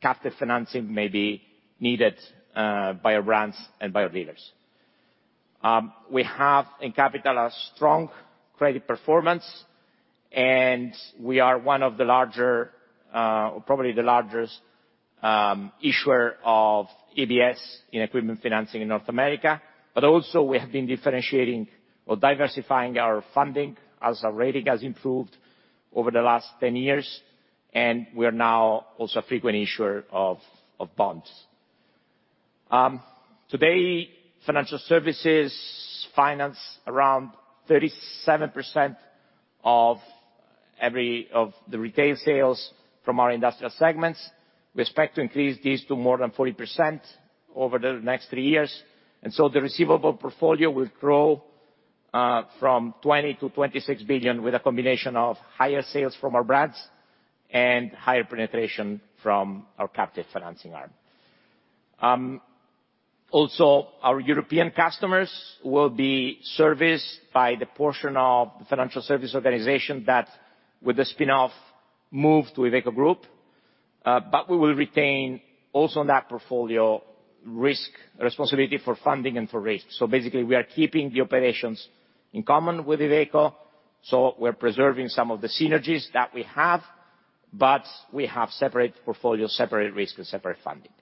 captive financing may be needed by our brands and by our dealers. We have in Capital a strong credit performance, and we are one of the larger or probably the largest issuer of ABS in equipment financing in North America. Also we have been differentiating or diversifying our funding as our rating has improved over the last 10 years, and we are now also a frequent issuer of bonds. Today, financial services finance around 37% of the retail sales from our industrial segments. We expect to increase these to more than 40% over the next three years. The receivable portfolio will grow from $20 billion-$26 billion with a combination of higher sales from our brands and higher penetration from our captive financing arm. Also, our European customers will be serviced by the portion of the financial service organization that, with the spin-off, move to Iveco Group. We will retain also in that portfolio risk, responsibility for funding and for risk. Basically we are keeping the operations in common with Iveco, so we're preserving some of the synergies that we have, but we have separate portfolios, separate risks, and separate funding.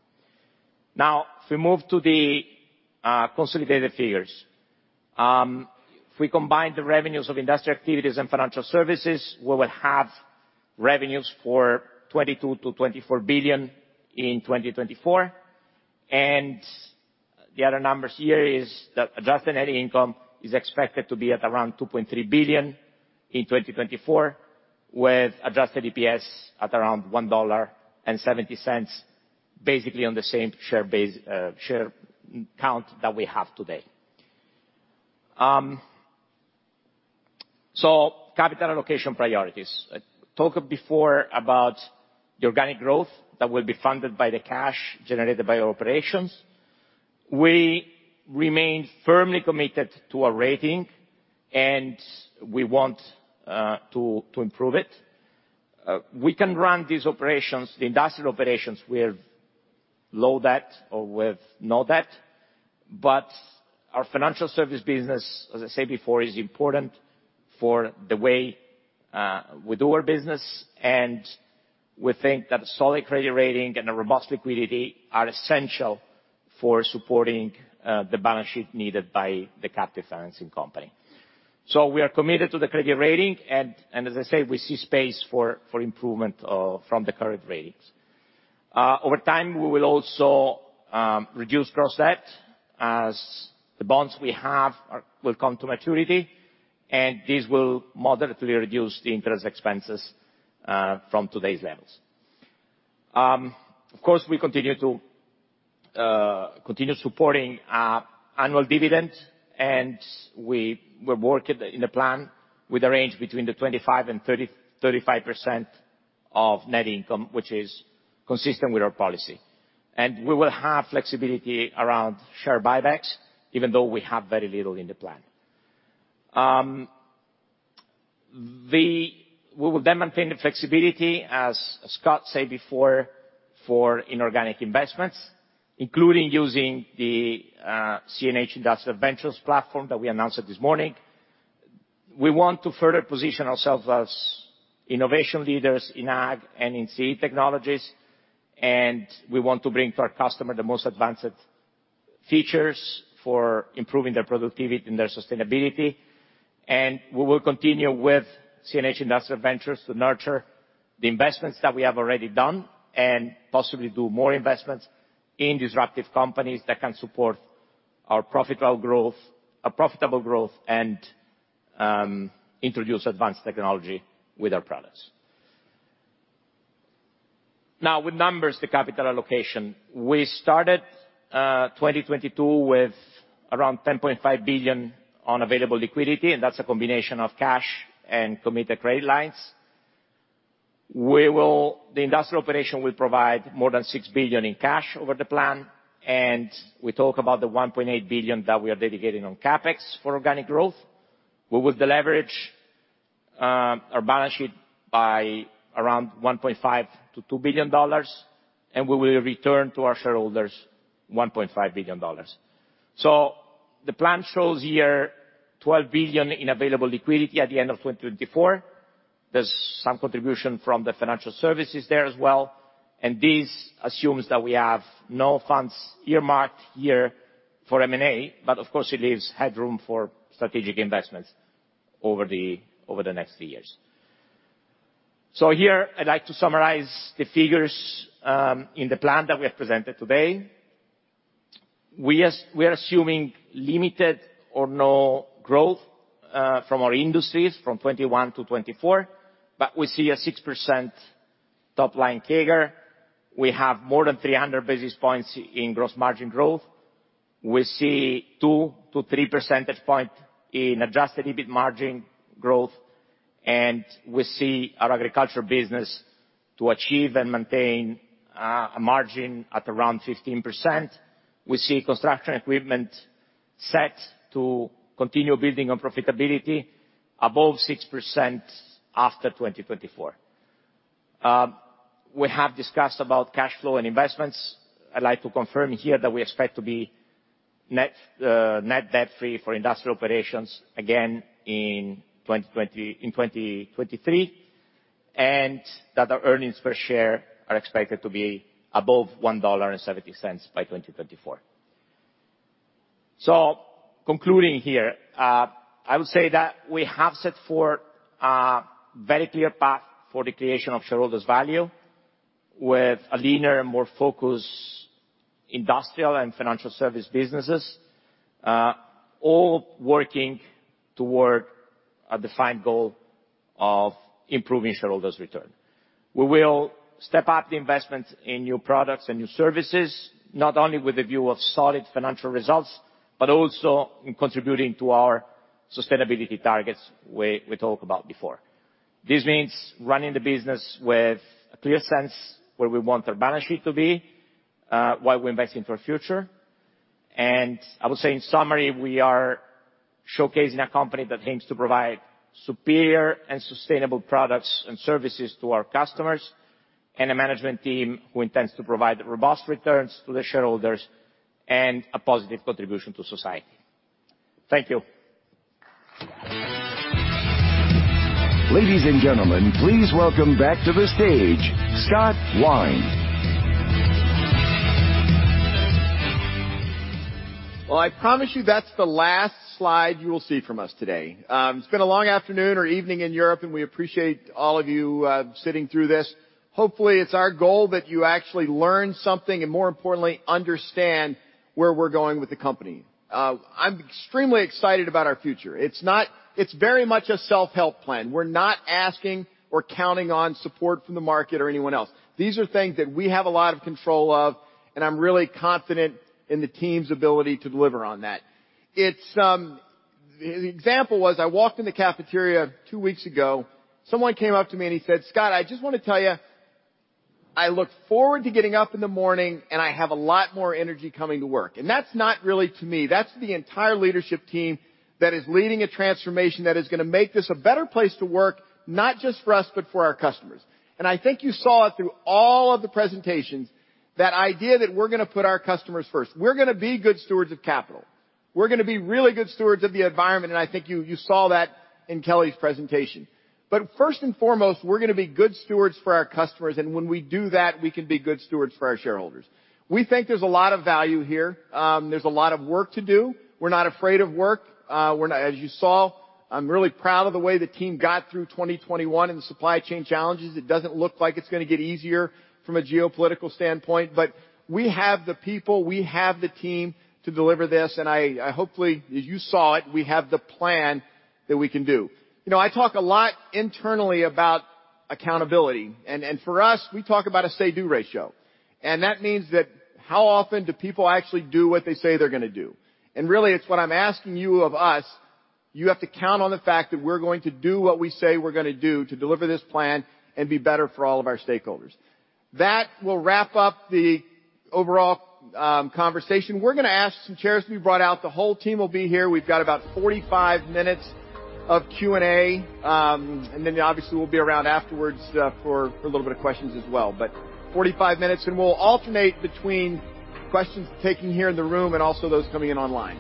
Now, if we move to the consolidated figures. If we combine the revenues of industrial activities and financial services, we will have revenues for $22 billion-$24 billion in 2024. The other numbers here is that adjusted net income is expected to be at around $2.3 billion in 2024, with adjusted EPS at around $1.70, basically on the same share base, share count that we have today. Capital allocation priorities. I talked before about the organic growth that will be funded by the cash generated by our operations. We remain firmly committed to our rating, and we want to improve it. We can run these operations, the industrial operations with low debt or with no debt, but our financial service business, as I said before, is important for the way we do our business. We think that solid credit rating and a robust liquidity are essential for supporting the balance sheet needed by the captive financing company. We are committed to the credit rating and as I said, we see space for improvement from the current ratings. Over time, we will also reduce gross debt as the bonds we have will come to maturity, and this will moderately reduce the interest expenses from today's levels. Of course, we continue supporting our annual dividend, and we're working in the plan with a range between 25% and 35% of net income, which is consistent with our policy. We will have flexibility around share buybacks, even though we have very little in the plan. We will then maintain the flexibility, as Scott said before, for inorganic investments, including using the CNH Industrial Ventures platform that we announced this morning. We want to further position ourselves as innovation leaders in Ag and in CE technologies, and we want to bring to our customer the most advanced features for improving their productivity and their sustainability. We will continue with CNH Industrial Ventures to nurture the investments that we have already done and possibly do more investments in disruptive companies that can support our profitable growth and introduce advanced technology with our products. Now, with numbers, the capital allocation. We started 2022 with around $10.5 billion on available liquidity, and that's a combination of cash and committed credit lines. We will. The industrial operation will provide more than $6 billion in cash over the plan, and we talk about the $1.8 billion that we are dedicating on CapEx for organic growth. We will deleverage our balance sheet by around $1.5 billion-$2 billion, and we will return to our shareholders $1.5 billion. The plan shows here $12 billion in available liquidity at the end of 2024. There's some contribution from the financial services there as well, and this assumes that we have no funds earmarked here for M&A, but of course it leaves headroom for strategic investments over the next few years. Here I'd like to summarize the figures in the plan that we have presented today. We are assuming limited or no growth from our industries from 2021 to 2024, but we see a 6% top line CAGR. We have more than 300 basis points in gross margin growth. We see 2-3 percentage points in adjusted EBIT margin growth, and we see our agricultural business to achieve and maintain a margin at around 15%. We see construction equipment set to continue building on profitability above 6% after 2024. We have discussed about cash flow and investments. I'd like to confirm here that we expect to be net debt-free for industrial operations again in 2023, and that our earnings per share are expected to be above $1.70 by 2024. Concluding here, I would say that we have set forth a very clear path for the creation of shareholders' value with a leaner and more focused industrial and financial service businesses, all working toward a defined goal of improving shareholders' return. We will step up the investment in new products and new services, not only with a view of solid financial results, but also in contributing to our sustainability targets we talked about before. This means running the business with a clear sense where we want our balance sheet to be, while we're investing for the future. I would say in summary, we are showcasing a company that aims to provide superior and sustainable products and services to our customers, and a management team who intends to provide robust returns to the shareholders and a positive contribution to society. Thank you. Ladies and gentlemen, please welcome back to the stage Scott Wine. Well, I promise you that's the last slide you will see from us today. It's been a long afternoon or evening in Europe, and we appreciate all of you sitting through this. Hopefully, it's our goal that you actually learn something, and more importantly, understand where we're going with the company. I'm extremely excited about our future. It's very much a self-help plan. We're not asking or counting on support from the market or anyone else. These are things that we have a lot of control of, and I'm really confident in the team's ability to deliver on that. An example was, I walked in the cafeteria two weeks ago, someone came up to me and he said, "Scott, I just want to tell you, I look forward to getting up in the morning, and I have a lot more energy coming to work." That's not really to me. That's the entire leadership team that is leading a transformation that is gonna make this a better place to work, not just for us, but for our customers. I think you saw it through all of the presentations, that idea that we're gonna put our customers first. We're gonna be good stewards of capital. We're gonna be really good stewards of the environment, and I think you saw that in Kelly's presentation. First and foremost, we're gonna be good stewards for our customers, and when we do that, we can be good stewards for our shareholders. We think there's a lot of value here. There's a lot of work to do. We're not afraid of work. As you saw, I'm really proud of the way the team got through 2021 and the supply chain challenges. It doesn't look like it's gonna get easier from a geopolitical standpoint. We have the people, we have the team to deliver this, and I hopefully you saw it, we have the plan that we can do. You know, I talk a lot internally about accountability. For us, we talk about a say-do ratio. That means that how often do people actually do what they say they're gonna do? Really, it's what I'm asking you of us, you have to count on the fact that we're going to do what we say we're gonna do to deliver this plan and be better for all of our stakeholders. That will wrap up the overall conversation. We're gonna ask some chairs to be brought out. The whole team will be here. We've got about 45 minutes of Q&A. Obviously, we'll be around afterwards for a little bit of questions as well. 45 minutes, and we'll alternate between questions taken here in the room and also those coming in online.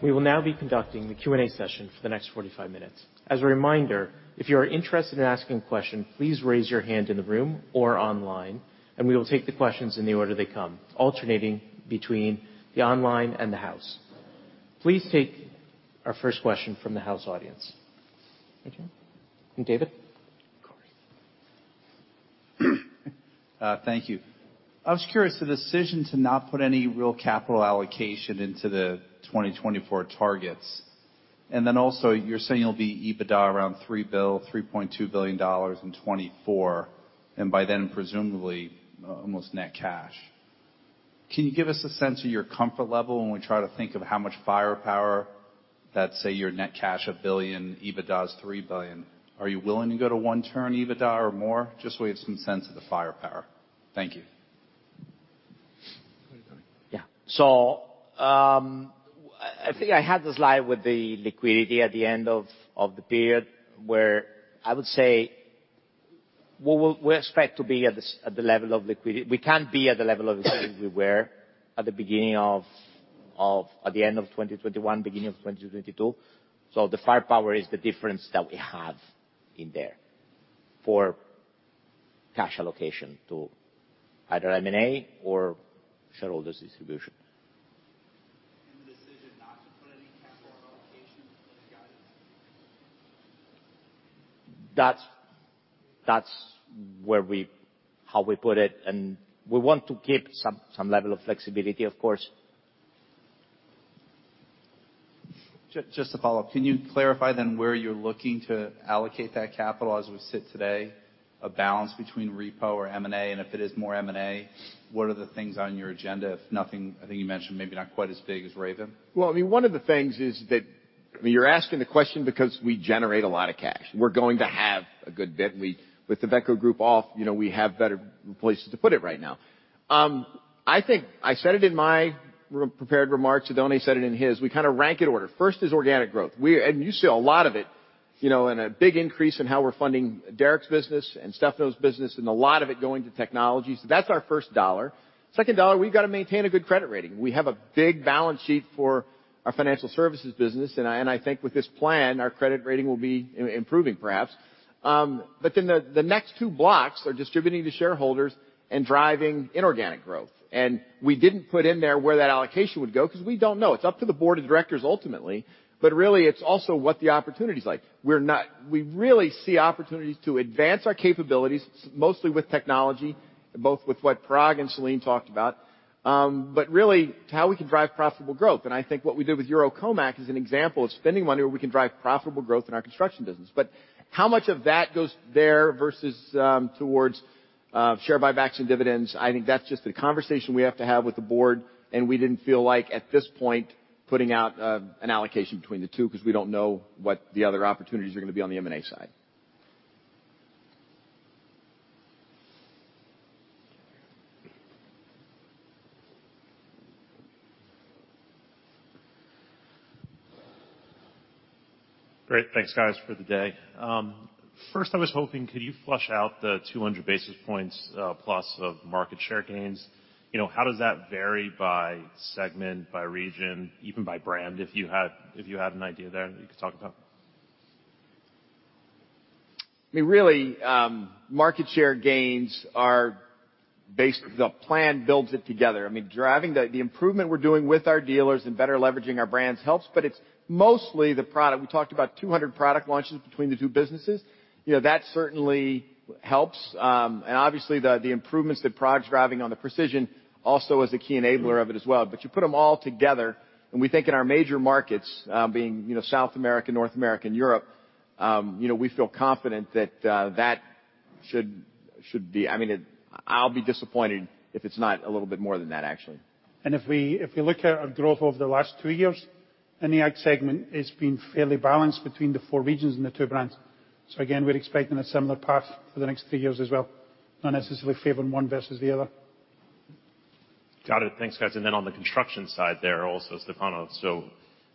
We will now be conducting the Q&A session for the next 45 minutes. As a reminder, if you are interested in asking a question, please raise your hand in the room or online, and we will take the questions in the order they come, alternating between the online and the house. Please take our first question from the house audience. Okay. David? Of course. Thank you. I was curious, the decision to not put any real capital allocation into the 2024 targets, and then also you're saying you'll be EBITDA around $3.2 billion in 2024, and by then, presumably, almost net cash. Can you give us a sense of your comfort level when we try to think of how much firepower that, say, your net cash $1 billion, EBITDA is $3 billion. Are you willing to go to one-turn EBITDA or more? Just so we have some sense of the firepower. Thank you. Yeah, I think I had the slide with the liquidity at the end of the period where I would say we expect to be at the level of liquidity. We can't be at the level of liquidity we were at the end of 2021, beginning of 2022. The firepower is the difference that we have in there for cash allocation to either M&A or shareholders distribution. The decision not to put any capital allocation in the guidance? That's how we put it, and we want to keep some level of flexibility, of course. Just to follow up, can you clarify then where you're looking to allocate that capital as we sit today, a balance between repo or M&A? If it is more M&A, what are the things on your agenda, if nothing? I think you mentioned maybe not quite as big as Raven. Well, I mean, one of the things is that. I mean, you're asking the question because we generate a lot of cash. We're going to have a good bit. With the Iveco Group off, you know, we have better places to put it right now. I think I said it in my prepared remarks, and Donnie said it in his. We kinda rank it order. First is organic growth. You see a lot of it, you know, in a big increase in how we're funding Derek's business and Stefano's business and a lot of it going to technology. So that's our first dollar. Second dollar, we've got to maintain a good credit rating. We have a big balance sheet for our financial services business, and I think with this plan, our credit rating will be improving perhaps. The next two blocks are distributing to shareholders and driving inorganic growth. We didn't put in there where that allocation would go because we don't know. It's up to the board of directors ultimately, but really, it's also what the opportunity's like. We really see opportunities to advance our capabilities, mostly with technology, both with what Parag and Selin talked about, but really to how we can drive profitable growth. I think what we did with Eurocomach is an example of spending money where we can drive profitable growth in our construction business. How much of that goes there versus towards share buybacks and dividends, I think that's just the conversation we have to have with the board, and we didn't feel like at this point putting out an allocation between the two because we don't know what the other opportunities are gonna be on the M&A side. Great. Thanks guys for the day. First I was hoping could you flush out the 200 basis points plus of market share gains? You know, how does that vary by segment, by region, even by brand, if you had an idea there that you could talk about? I mean, really, market share gains are based. The plan builds it together. I mean, driving the improvement we're doing with our dealers and better leveraging our brands helps, but it's mostly the product. We talked about 200 product launches between the two businesses. You know, that certainly helps. Obviously, the improvements that product's driving on the precision also is a key enabler of it as well. But you put them all together, and we think in our major markets, being, you know, South America, North America, and Europe, you know, we feel confident that that should be. I mean, I'll be disappointed if it's not a little bit more than that, actually. If we look at our growth over the last two years in the Ag segment, it's been fairly balanced between the four regions and the two brands. Again, we're expecting a similar path for the next three years as well, not necessarily favoring one versus the other. Got it. Thanks, guys. On the construction side there also, Stefano.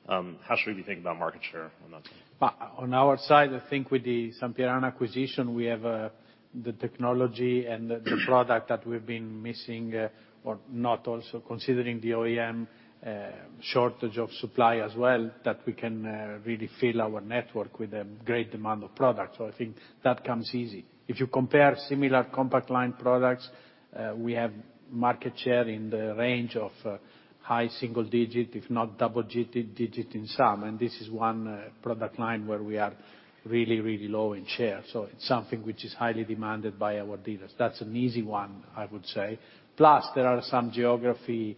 How should we be thinking about market share on that one? On our side, I think with the Sampierana acquisition, we have the technology and the product that we've been missing, or not also considering the OEM shortage of supply as well, that we can really fill our network with a great demand of product. I think that comes easy. If you compare similar compact line products, we have market share in the range of high single digit, if not double digit in some. This is one product line where we are really low in share. It's something which is highly demanded by our dealers. That's an easy one, I would say. Plus, there are some geographies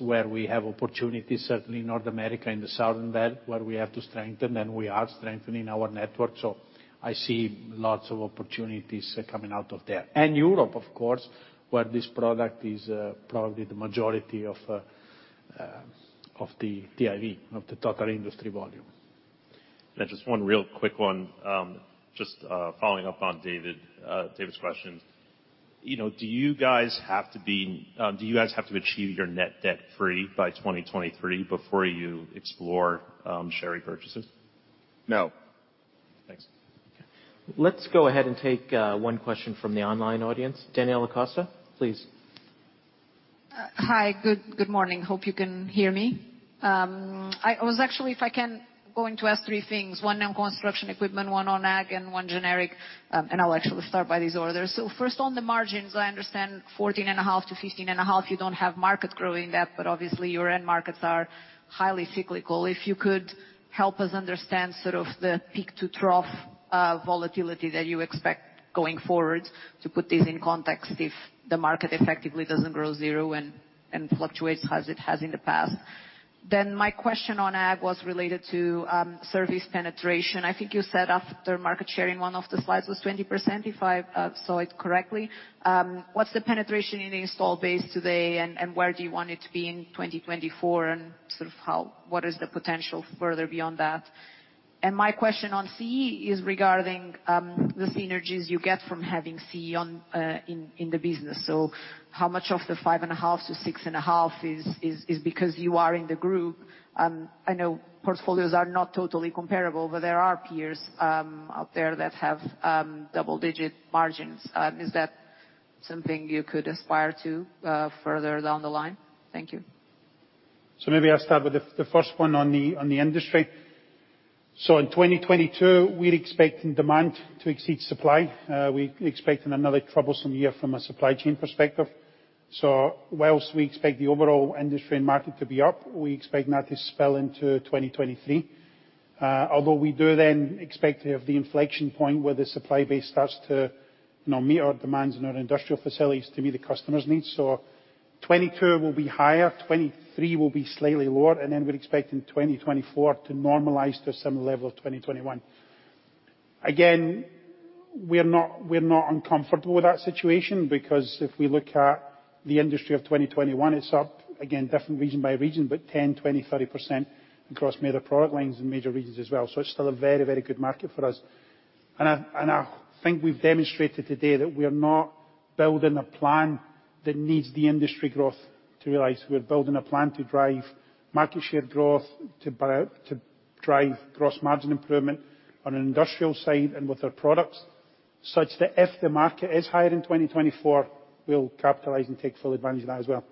where we have opportunities, certainly North America and the Southern belt, where we have to strengthen, and we are strengthening our network. I see lots of opportunities coming out of there. Europe, of course, where this product is probably the majority of the TIV, of the total industry volume. Just one real quick one, just following up on David's question. You know, do you guys have to achieve your net debt free by 2023 before you explore share repurchases? No. Thanks. Let's go ahead and take one question from the online audience. Daniela Costa, please. Hi. Good morning. Hope you can hear me. I was actually, if I can, going to ask three things. One on construction equipment, one on Ag, and one generic, and I'll actually start by these orders. First on the margins, I understand 14.5%-15.5%, you don't have market growing that, but obviously your end markets are highly cyclical. If you could help us understand sort of the peak-to-trough volatility that you expect going forward to put this in context if the market effectively doesn't grow 0% and fluctuates as it has in the past. My question on Ag was related to service penetration. I think you said after market sharing, one of the slides was 20%, if I saw it correctly. What's the penetration in the install base today, and where do you want it to be in 2024? Sort of how, what is the potential further beyond that? My question on CE is regarding the synergies you get from having CE on in the business. How much of the 5.5%-6.5% is because you are in the group? I know portfolios are not totally comparable, but there are peers out there that have double-digit margins. Is that something you could aspire to further down the line? Thank you. Maybe I'll start with the first one on the industry. In 2022, we're expecting demand to exceed supply. We're expecting another troublesome year from a supply chain perspective. While we expect the overall industry and market to be up, we expect that to spill into 2023. Although we do then expect to have the inflection point where the supply base starts to, you know, meet our demands and our industrial facilities to meet the customers' needs. 2022 will be higher, 2023 will be slightly lower, and then we're expecting 2024 to normalize to a similar level of 2021. Again, we're not uncomfortable with that situation because if we look at the industry of 2021, it's up, again, different region by region, but 10%, 20%, 30% across major product lines and major regions as well. So it's still a very, very good market for us. I think we've demonstrated today that we are not building a plan that needs the industry growth to realize. We're building a plan to drive market share growth, to buy out, to drive gross margin improvement on an industrial side and with our products, such that if the market is higher in 2024, we'll capitalize and take full advantage of that as well.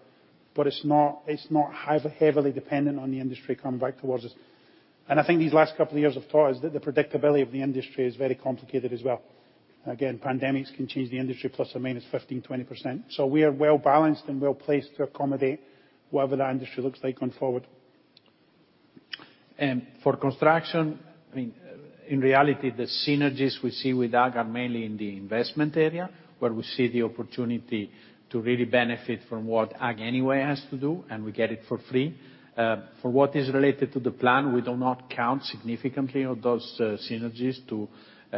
It's not heavily dependent on the industry coming back towards us. I think these last couple of years have taught us that the predictability of the industry is very complicated as well. Again, pandemics can change the industry ±15, 20%. We are well-balanced and well-placed to accommodate whatever that industry looks like going forward. For construction, I mean, in reality, the synergies we see with Ag are mainly in the investment area, where we see the opportunity to really benefit from what Ag anyway has to do, and we get it for free. For what is related to the plan, we do not count significantly on those synergies to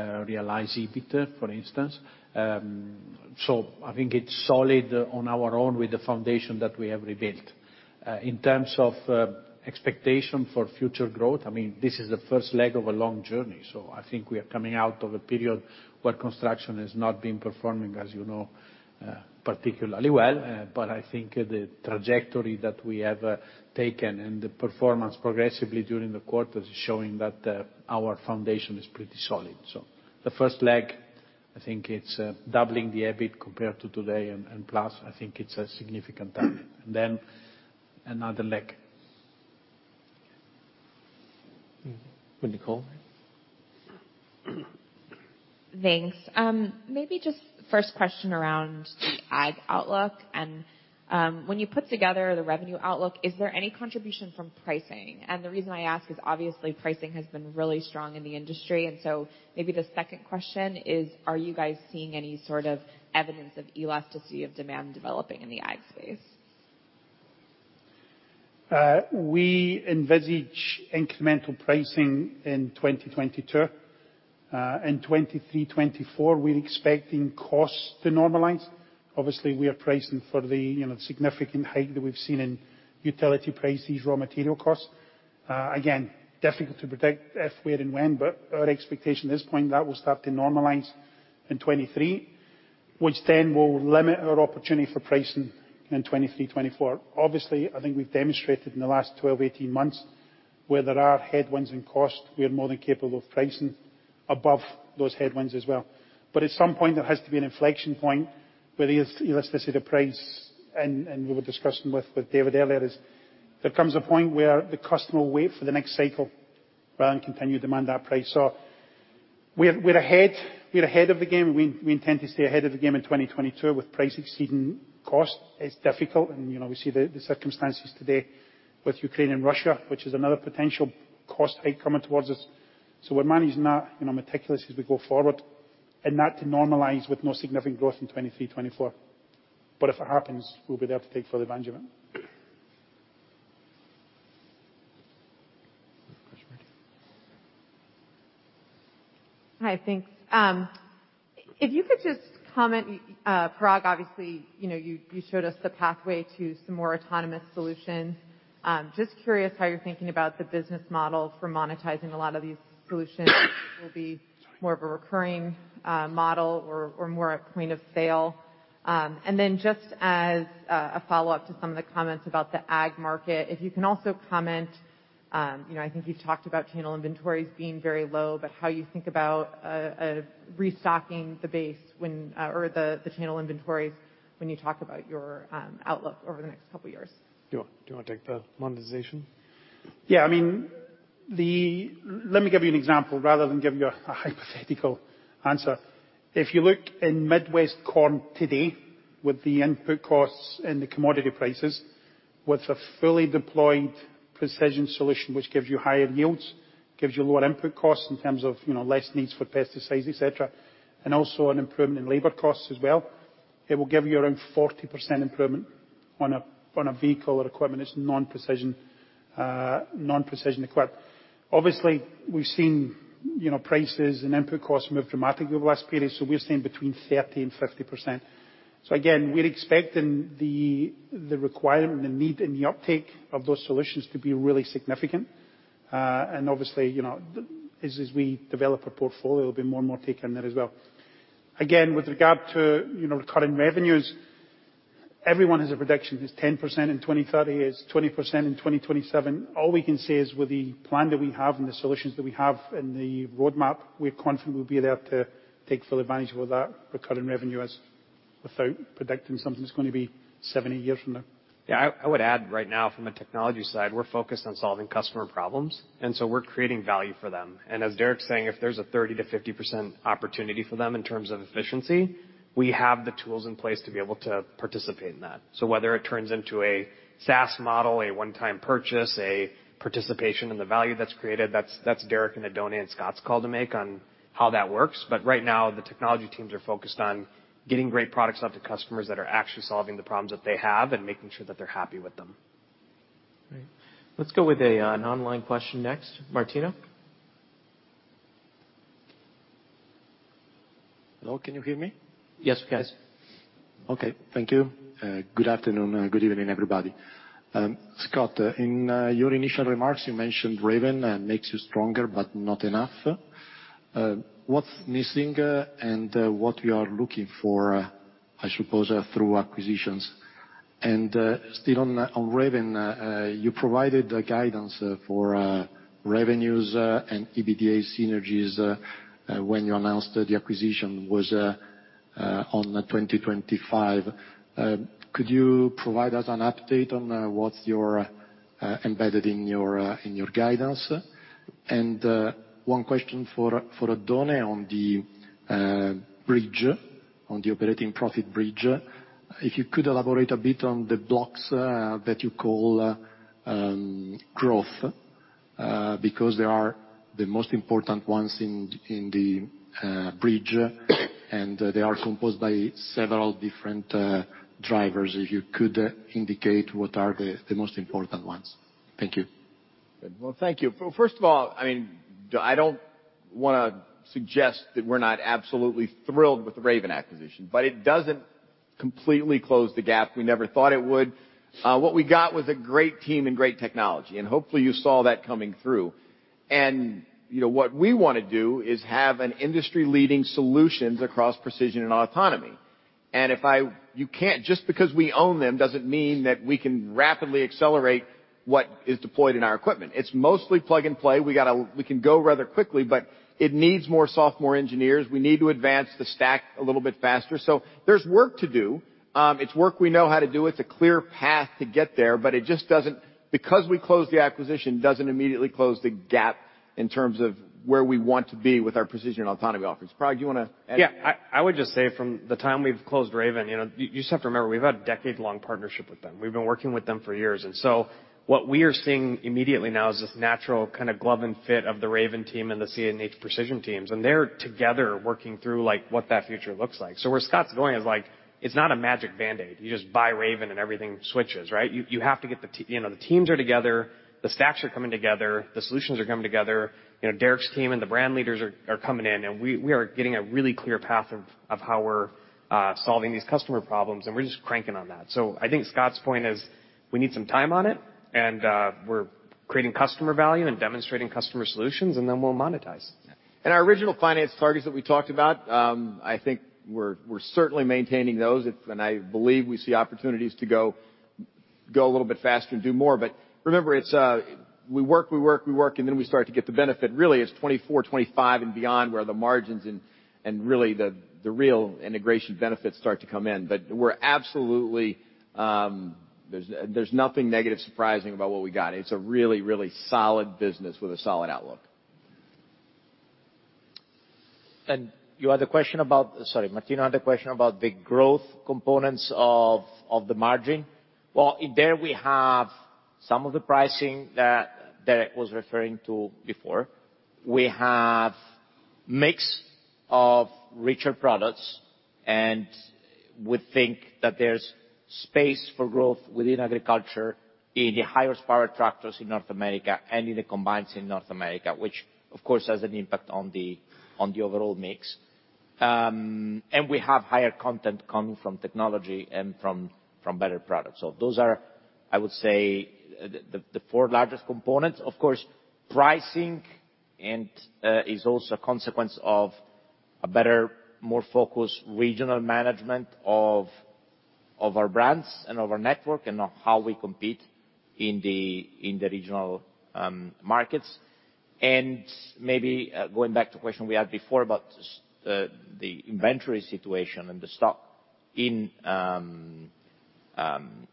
realize EBIT, for instance. I think it's solid on our own with the foundation that we have rebuilt. In terms of expectation for future growth, I mean, this is the first leg of a long journey. I think we are coming out of a period where construction has not been performing, as you know, particularly well. I think the trajectory that we have taken and the performance progressively during the quarters is showing that our foundation is pretty solid. The first leg. I think it's doubling the EBIT compared to today, and plus, I think it's a significant target. Then another leg. With Nicole. Thanks. Maybe just first question around the Ag outlook and, when you put together the revenue outlook, is there any contribution from pricing? The reason I ask is obviously, pricing has been really strong in the industry. Maybe the second question is, are you guys seeing any sort of evidence of elasticity of demand developing in the Ag space? We envisage incremental pricing in 2022. In 2023, 2024, we're expecting costs to normalize. Obviously, we are pricing for the, you know, significant hike that we've seen in utility prices, raw material costs. Again, difficult to predict if, where and when, but our expectation at this point, that will start to normalize in 2023, which then will limit our opportunity for pricing in 2023, 2024. Obviously, I think we've demonstrated in the last 12, 18 months, where there are headwinds in cost, we are more than capable of pricing above those headwinds as well. At some point, there has to be an inflection point where the elasticity of price and we were discussing with David earlier, where there comes a point where the customer will wait for the next cycle rather than continue to demand that price. We're ahead of the game. We intend to stay ahead of the game in 2022 with price exceeding cost. It's difficult and, you know, we see the circumstances today with Ukraine and Russia, which is another potential cost hike coming towards us. We're managing that, you know, meticulous as we go forward, and that to normalize with no significant growth in 2023, 2024. If it happens, we'll be there to take full advantage of it. Next question. Hi. Thanks. If you could just comment, Parag, obviously, you know, you showed us the pathway to some more autonomous solutions. Just curious how you're thinking about the business model for monetizing a lot of these solutions. Will it be more of a recurring model or more a point of sale. And then just as a follow-up to some of the comments about the Ag market, if you can also comment, you know, I think you talked about channel inventories being very low, but how you think about restocking the channel inventories when you talk about your outlook over the next couple of years. Do you wanna take the monetization? Yeah. I mean, let me give you an example rather than give you a hypothetical answer. If you look in Midwest corn today with the input costs and the commodity prices, with a fully deployed precision solution, which gives you higher yields, gives you lower input costs in terms of, you know, less needs for pesticides, etc., and also an improvement in labor costs as well, it will give you around 40% improvement on a vehicle or equipment that's non-precision equipped. Obviously, we've seen, you know, prices and input costs move dramatically over the last period, so we're seeing between 30%-50%. So again, we're expecting the requirement, the need and the uptake of those solutions to be really significant. Obviously, you know, as we develop a portfolio, there'll be more and more take in there as well. Again, with regard to, you know, recurring revenues, everyone has a prediction. It's 10% in 2030. It's 20% in 2027. All we can say is with the plan that we have and the solutions that we have and the roadmap, we're confident we'll be there to take full advantage of that recurring revenue, without predicting something that's gonna be seven, eight years from now. Yeah. I would add right now from a technology side, we're focused on solving customer problems, and so we're creating value for them. As Derek's saying, if there's a 30%-50% opportunity for them in terms of efficiency, we have the tools in place to be able to participate in that. Whether it turns into a SaaS model, a one-time purchase, a participation in the value that's created, that's Derek and Oddone and Scott's call to make on how that works. Right now, the technology teams are focused on getting great products out to customers that are actually solving the problems that they have and making sure that they're happy with them. Great. Let's go with an online question next. Martino. Hello, can you hear me? Yes, we can. Okay. Thank you. Good afternoon. Good evening, everybody. Scott, in your initial remarks, you mentioned Raven makes you stronger, but not enough. What's missing and what you are looking for, I suppose, through acquisitions? Still on Raven, you provided the guidance for revenues and EBITDA synergies when you announced that the acquisition was on the 2025. Could you provide us an update on what you're embedded in your in your guidance? One question for Oddone on the bridge, on the operating profit bridge. If you could elaborate a bit on the blocks that you call growth, because they are the most important ones in the bridge, and they are composed by several different drivers. If you could indicate what are the most important ones? Thank you. Well, thank you. First of all, I mean, I don't wanna suggest that we're not absolutely thrilled with the Raven acquisition, but it doesn't completely close the gap. We never thought it would. What we got was a great team and great technology, and hopefully, you saw that coming through. You know, what we wanna do is have an industry-leading solutions across precision and autonomy. Just because we own them doesn't mean that we can rapidly accelerate what is deployed in our equipment. It's mostly plug-and-play. We can go rather quickly, but it needs more software engineers. We need to advance the stack a little bit faster. So there's work to do. It's work we know how to do. It's a clear path to get there, but it just doesn't. Because we closed the acquisition, doesn't immediately close the gap in terms of where we want to be with our precision autonomy offerings. Parag, do you wanna add? Yeah. I would just say from the time we've closed Raven, you know, you just have to remember, we've had decade-long partnership with them. We've been working with them for years. What we are seeing immediately now is this natural kind of glove and fit of the Raven team and the CNH precision teams. They're together working through, like, what that future looks like. Where Scott's going is, like, it's not a magic band-aid. You just buy Raven and everything switches, right? You have to get you know, the teams are together, the stacks are coming together, the solutions are coming together, you know, Derek's team and the brand leaders are coming in, and we are getting a really clear path of how we're solving these customer problems, and we're just cranking on that. I think Scott's point is we need some time on it, and we're creating customer value and demonstrating customer solutions, and then we'll monetize. Our original finance targets that we talked about, I think we're certainly maintaining those. I believe we see opportunities to go a little bit faster and do more. Remember, it's we work and then we start to get the benefit. Really, it's 2024, 2025 and beyond where the margins and really the real integration benefits start to come in. We're absolutely. There's nothing negative surprising about what we got. It's a really solid business with a solid outlook. Martino had a question about the growth components of the margin. Well, there we have some of the pricing that Derek was referring to before. We have mix of richer products and we think that there's space for growth within agriculture in the highest power tractors in North America and in the combines in North America, which of course has an impact on the overall mix. And we have higher content coming from technology and from better products. So those are, I would say, the four largest components. Of course, pricing and is also a consequence of a better, more focused regional management of our brands and of our network and of how we compete in the regional markets. Maybe going back to the question we had before about the inventory situation and the stock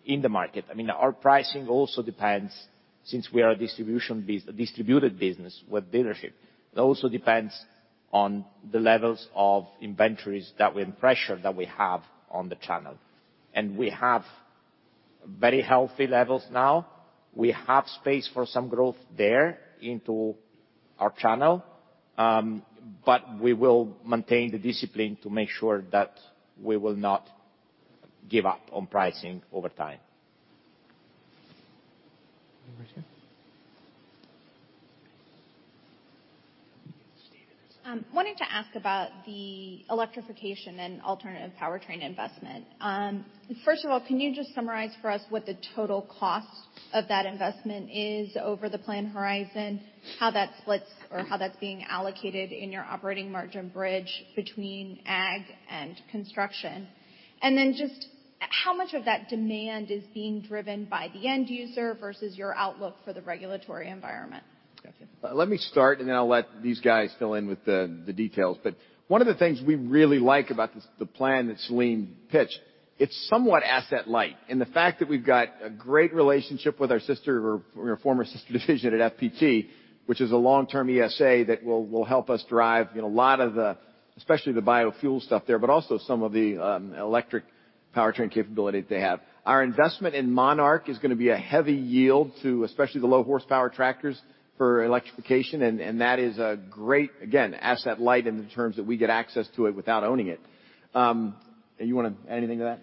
in the market. I mean, our pricing also depends since we are a distributed business with dealership. It also depends on the levels of inventories and the pressure that we have on the channel. We have very healthy levels now. We have space for some growth there into our channel, but we will maintain the discipline to make sure that we will not give up on pricing over time. Over to you. Wanting to ask about the electrification and alternative powertrain investment. First of all, can you just summarize for us what the total cost of that investment is over the plan horizon, how that splits or how that's being allocated in your operating margin bridge between Ag and construction? Then just how much of that demand is being driven by the end user versus your outlook for the regulatory environment? Gotcha. Let me start, and then I'll let these guys fill in with the details. One of the things we really like about this, the plan that Selin pitched, it's somewhat asset light. The fact that we've got a great relationship with our sister or former sister division at FPT, which is a long-term TSA that will help us drive, you know, a lot of the, especially the biofuel stuff there, but also some of the electric powertrain capability that they have. Our investment in Monarch is gonna be a heavy yield to especially the low horsepower tractors for electrification, and that is a great, again, asset light in the terms that we get access to it without owning it. You wanna add anything to that?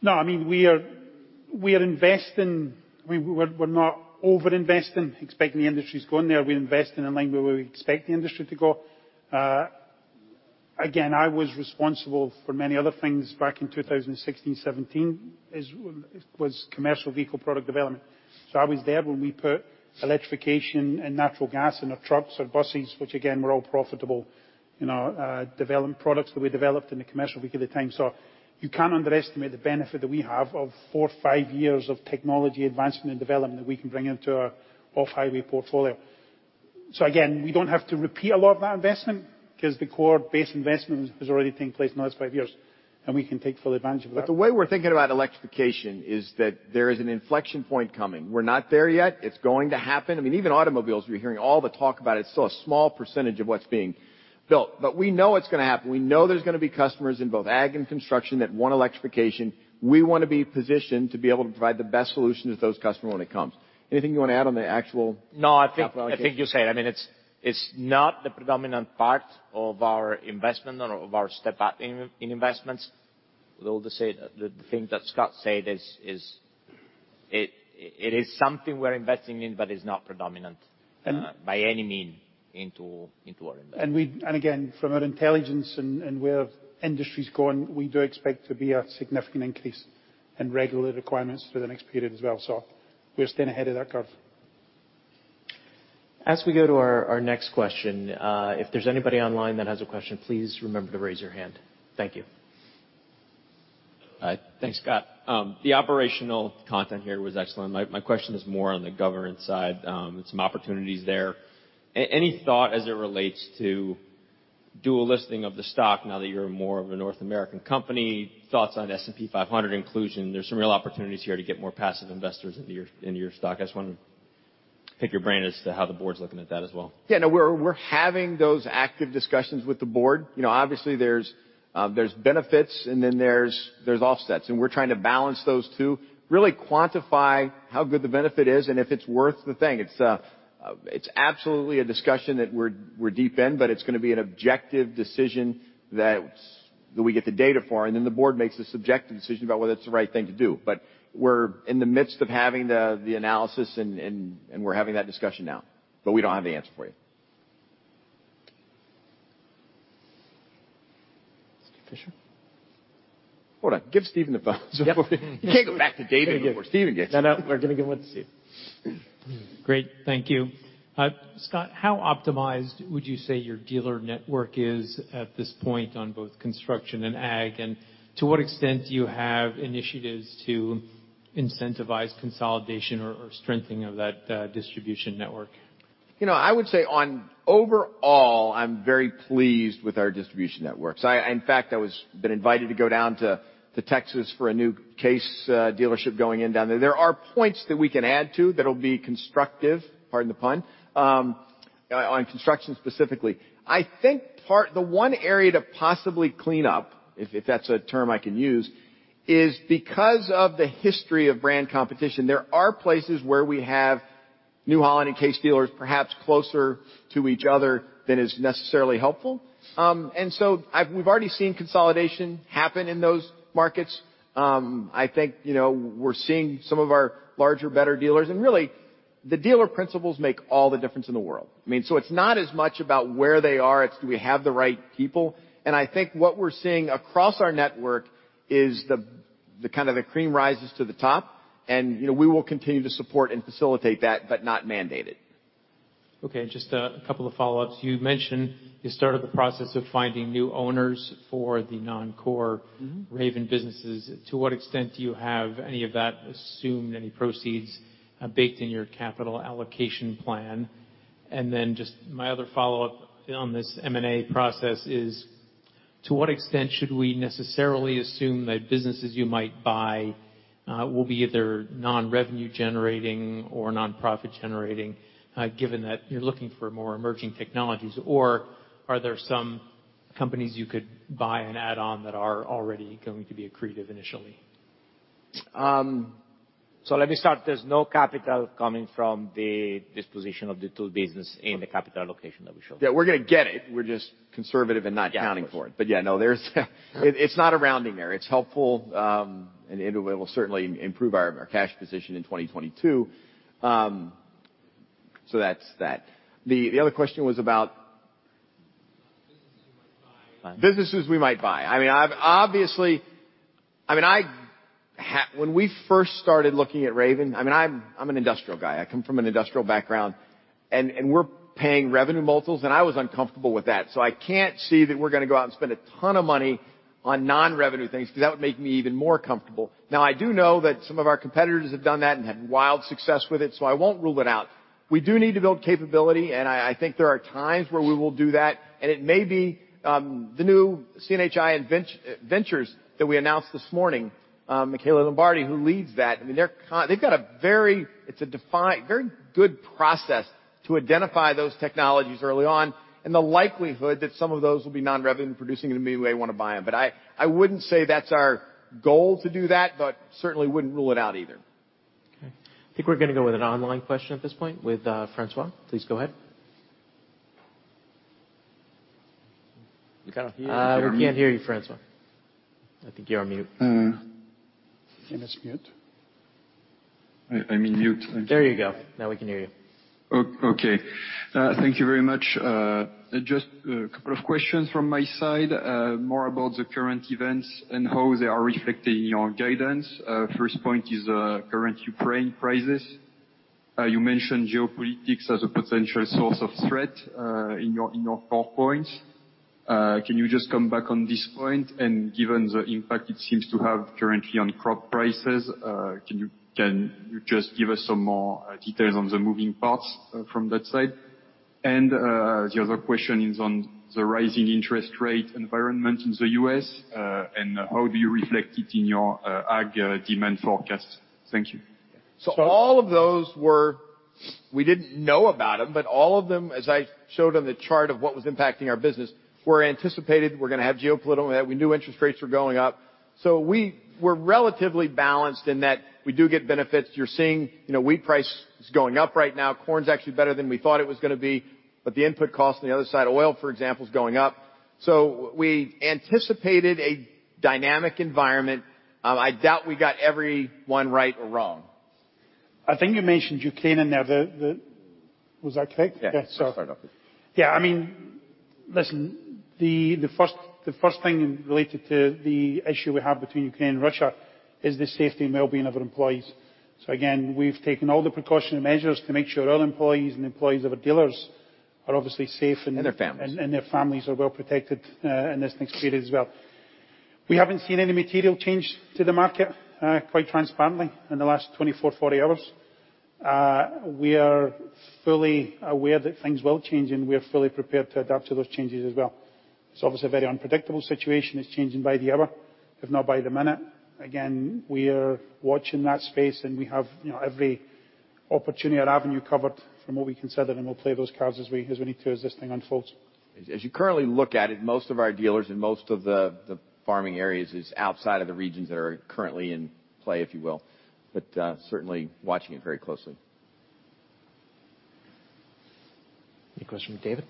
No. I mean, we are investing. We're not over-investing, expecting the industry to go there. We're investing in line with where we expect the industry to go. Again, I was responsible for many other things back in 2016, 2017, was commercial vehicle product development. I was there when we put electrification and natural gas in our trucks or buses, which again were all profitable in our development products that we developed in the commercial vehicle at the time. You can't underestimate the benefit that we have of four or five years of technology advancement and development that we can bring into our off-highway portfolio. Again, we don't have to repeat a lot of that investment because the core base investment has already taken place in the last five years, and we can take full advantage of that. The way we're thinking about electrification is that there is an inflection point coming. We're not there yet. It's going to happen. I mean, even automobiles, we're hearing all the talk about it, still a small percentage of what's being built. We know it's gonna happen. We know there's gonna be customers in both Ag and construction that want electrification. We wanna be positioned to be able to provide the best solution to those customer when it comes. Anything you wanna add on the actual- No, I think. -application? I think you said. I mean, it's not the predominant part of our investment or of our step up in investments. With all that's said, the thing that Scott said is it is something we're investing in, but it's not predominant. And- by any means into our investment. Again, from our intelligence and where the industry's going, we do expect there to be a significant increase in regulatory requirements for the next period as well. We're staying ahead of that curve. As we go to our next question, if there's anybody online that has a question, please remember to raise your hand. Thank you. Thanks, Scott. The operational content here was excellent. My question is more on the governance side, and some opportunities there. Any thought as it relates to dual listing of the stock now that you're more of a North American company, thoughts on S&P 500 inclusion. There's some real opportunities here to get more passive investors into your stock. I just wanted to pick your brain as to how the board's looking at that as well. Yeah, no, we're having those active discussions with the board. You know, obviously there's benefits and then there's offsets. We're trying to balance those two. Really quantify how good the benefit is and if it's worth the thing. It's absolutely a discussion that we're deep in, but it's gonna be an objective decision that we get the data for, and then the board makes the subjective decision about whether it's the right thing to do. We're in the midst of having the analysis and we're having that discussion now. We don't have the answer for you. Steven Fisher. Hold on. Give Steven the phone. Yep. You can't go back to David before Steven gets you. No, no, we're gonna go with Steve. Great. Thank you. Scott, how optimized would you say your dealer network is at this point on both construction and Ag? And to what extent do you have initiatives to incentivize consolidation or strengthening of that distribution network? You know, I would say on overall, I'm very pleased with our distribution networks. In fact, I've been invited to go down to Texas for a new Case dealership going in down there. There are points that we can add to that'll be constructive, pardon the pun, on construction specifically. The one area to possibly clean up, if that's a term I can use, is because of the history of brand competition, there are places where we have New Holland and Case dealers perhaps closer to each other than is necessarily helpful. We've already seen consolidation happen in those markets. I think, you know, we're seeing some of our larger, better dealers. Really, the dealer principals make all the difference in the world. I mean, it's not as much about where they are, it's do we have the right people. I think what we're seeing across our network is the kind of the cream rises to the top. You know, we will continue to support and facilitate that, but not mandate it. Okay. Just a couple of follow-ups. You mentioned you started the process of finding new owners for the non-core- Mm-hmm. Raven businesses. To what extent do you have any of that assumed, any proceeds baked in your capital allocation plan? Just my other follow-up on this M&A process is, to what extent should we necessarily assume that businesses you might buy will be either non-revenue generating or nonprofit generating, given that you're looking for more emerging technologies? Or are there some companies you could buy and add on that are already going to be accretive initially? Um. Let me start. There's no capital coming from the disposition of the tool business in the capital allocation that we showed. Yeah, we're gonna get it. We're just conservative and not accounting for it. Yeah, of course. Yeah, no, there's. It's not a rounding error. It's helpful, and it will certainly improve our cash position in 2022. That's that. The other question was about... Businesses we might buy. Businesses we might buy. I mean, obviously. I mean, when we first started looking at Raven, I mean, I'm an industrial guy. I come from an industrial background, and we're paying revenue multiples, and I was uncomfortable with that. I can't see that we're gonna go out and spend a ton of money on non-revenue things because that would make me even more uncomfortable. Now, I do know that some of our competitors have done that and had wild success with it, so I won't rule it out. We do need to build capability, and I think there are times where we will do that. It may be the new CNH Industrial Ventures that we announced this morning, Michele Lombardi, who leads that. I mean, they've got a very good process to identify those technologies early on and the likelihood that some of those will be non-revenue producing and maybe we want to buy them. I wouldn't say that's our goal to do that, but certainly wouldn't rule it out either. Okay. I think we're gonna go with an online question at this point with François. Please go ahead. We can't hear you. We can't hear you, François. I think you're on mute. I think that's mute. I'm in mute. There you go. Now we can hear you. Okay. Thank you very much. Just a couple of questions from my side, more about the current events and how they are reflecting your guidance. First point is, current Ukraine crisis. You mentioned geopolitics as a potential source of threat, in your core points. Can you just come back on this point? Given the impact it seems to have currently on crop prices, can you just give us some more details on the moving parts, from that side? The other question is on the rising interest rate environment in the U.S., and how do you reflect it in your Ag demand forecast? Thank you. All of those were. We didn't know about them, but all of them, as I showed on the chart of what was impacting our business, were anticipated. We're gonna have geopolitical. We knew interest rates were going up. We were relatively balanced in that we do get benefits. You're seeing, you know, wheat price is going up right now. Corn is actually better than we thought it was gonna be. The input cost on the other side, oil, for example, is going up. We anticipated a dynamic environment. I doubt we got every one right or wrong. I think you mentioned Ukraine in there. Was that correct? Yeah. Yeah. I'll start off with that. Yeah, I mean. Listen, the first thing related to the issue we have between Ukraine and Russia is the safety and wellbeing of our employees. Again, we've taken all the precautionary measures to make sure our employees and employees of our dealers are obviously safe and Their families. Their families are well protected in this next period as well. We haven't seen any material change to the market quite transparently in the last 24, 40 hours. We are fully aware that things will change, and we are fully prepared to adapt to those changes as well. It's obviously a very unpredictable situation. It's changing by the hour, if not by the minute. We are watching that space, and we have you know every opportunity or avenue covered from what we consider, and we'll play those cards as we need to as this thing unfolds. As you currently look at it, most of our dealers in most of the farming areas is outside of the regions that are currently in play, if you will. Certainly watching it very closely. Any question from David?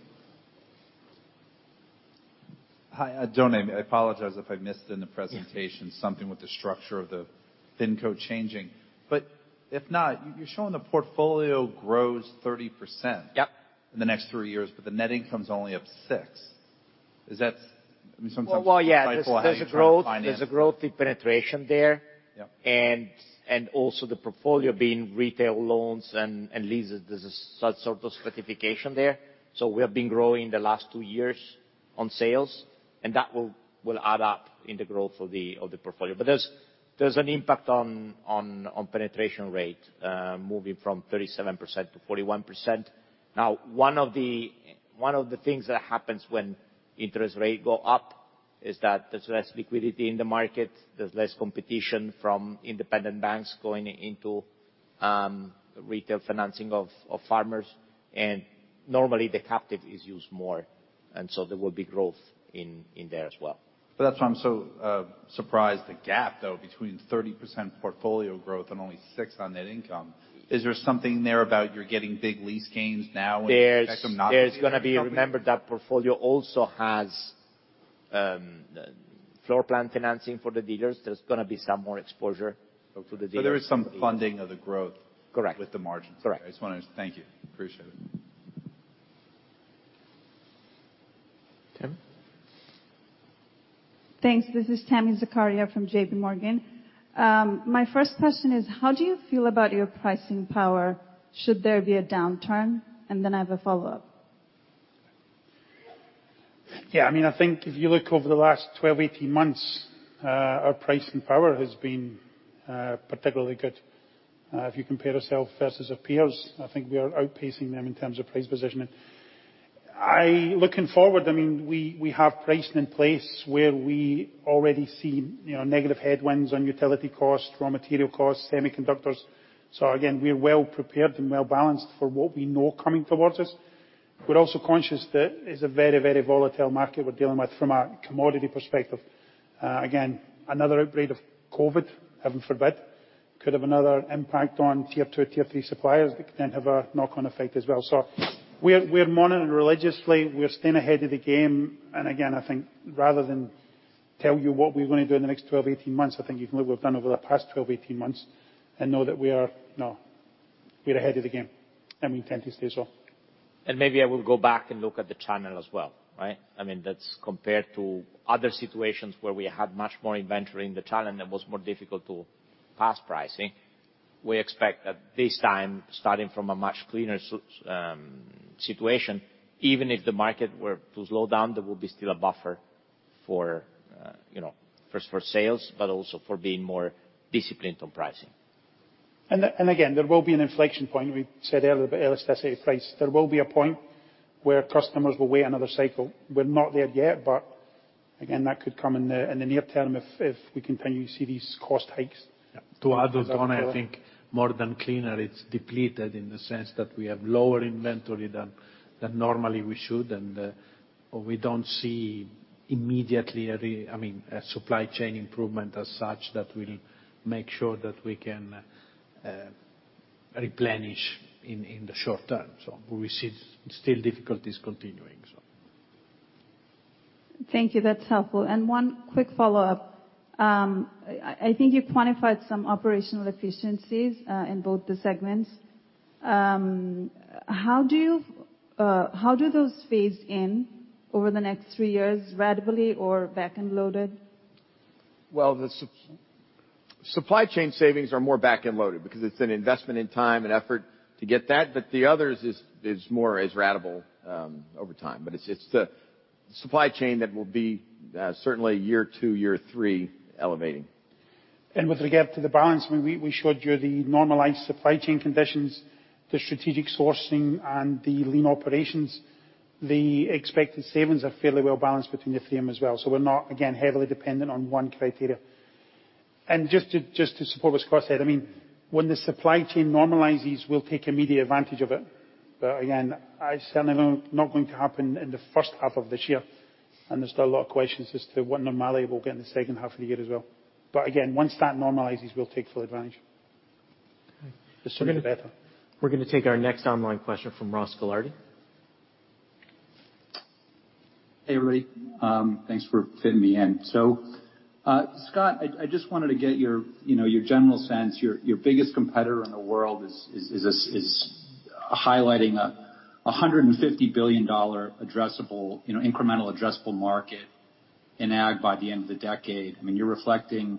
Hi, Don, I apologize if I missed in the presentation something with the structure of the thing called changing. If not, you're showing the portfolio grows 30%- Yep In the next three years, but the netting comes only up six. Is that? I mean, sometimes Well, well, yeah. It's hard to find. There's a growth in penetration there. Yeah. Also the portfolio being retail loans and leases, there's a sort of certification there. We have been growing the last two years on sales, and that will add up in the growth of the portfolio. There's an impact on penetration rate moving from 37%-41%. One of the things that happens when interest rates go up is that there's less liquidity in the market, there's less competition from independent banks going into retail financing of farmers. Normally the captive is used more, and so there will be growth in there as well. that's why I'm so surprised, the gap, though, between 30% portfolio growth and only 6% on net income. Is there something there about you're getting big lease gains now and- There's- Expect them not to be- There's gonna be. Remember that portfolio also has floor plan financing for the dealers. There's gonna be some more exposure to the dealers. There is some funding of the growth. Correct... with the margins. Correct. Thank you. Appreciate it. Tammy? Thanks. This is Tami Zakaria from JPMorgan. My first question is, how do you feel about your pricing power should there be a downturn? I have a follow-up. Yeah, I mean, I think if you look over the last 12, 18 months, our pricing power has been particularly good. If you compare yourself versus our peers, I think we are outpacing them in terms of price positioning. Looking forward, I mean, we have pricing in place where we already see, you know, negative headwinds on utility costs, raw material costs, semiconductors. So again, we're well-prepared and well-balanced for what we know coming towards us. We're also conscious that it's a very, very volatile market we're dealing with from a commodity perspective. Again, another outbreak of COVID, heaven forbid, could have another impact on Tier 2, Tier 3 suppliers that could then have a knock-on effect as well. So we're monitoring religiously. We're staying ahead of the game. Again, I think rather than tell you what we're gonna do in the next 12, 18 months, I think you can look what we've done over the past 12, 18 months and know that we're ahead of the game, and we intend to stay so. Maybe I would go back and look at the channel as well, right? I mean, that's compared to other situations where we had much more inventory in the channel, and it was more difficult to pass pricing. We expect that this time, starting from a much cleaner situation, even if the market were to slow down, there will be still a buffer for, you know, first for sales, but also for being more disciplined on pricing. Again, there will be an inflection point. We said earlier about elasticity of price. There will be a point where customers will wait another cycle. We're not there yet, but again, that could come in the near term if we continue to see these cost hikes. Yeah. To add on, Don, I think more than cleaner, it's depleted in the sense that we have lower inventory than normally we should. We don't see immediately a supply chain improvement as such that will make sure that we can replenish in the short term. We see still difficulties continuing. Thank you. That's helpful. One quick follow-up. I think you quantified some operational efficiencies in both the segments. How do those phase in over the next three years, ratably or back-end loaded? Well, the supply chain savings are more back-end loaded because it's an investment in time and effort to get that. The others is more ratable over time. It's the supply chain that will be certainly year two, year three elevating. With regard to the balance, I mean, we showed you the normalized supply chain conditions, the strategic sourcing and the lean operations. The expected savings are fairly well balanced between the three of them as well. We're not, again, heavily dependent on one criteria. Just to support what Scott said, I mean, when the supply chain normalizes, we'll take immediate advantage of it. Again, it's certainly not going to happen in the first half of this year, and there's still a lot of questions as to what normality we'll get in the second half of the year as well. Again, once that normalizes, we'll take full advantage. The sooner, the better. We're gonna take our next online question from Ross Gilardi. Hey, everybody. Thanks for fitting me in. Scott, I just wanted to get your, you know, your general sense. Your biggest competitor in the world is highlighting $150 billion addressable, you know, incremental addressable market in Ag by the end of the decade. I mean, you're reflecting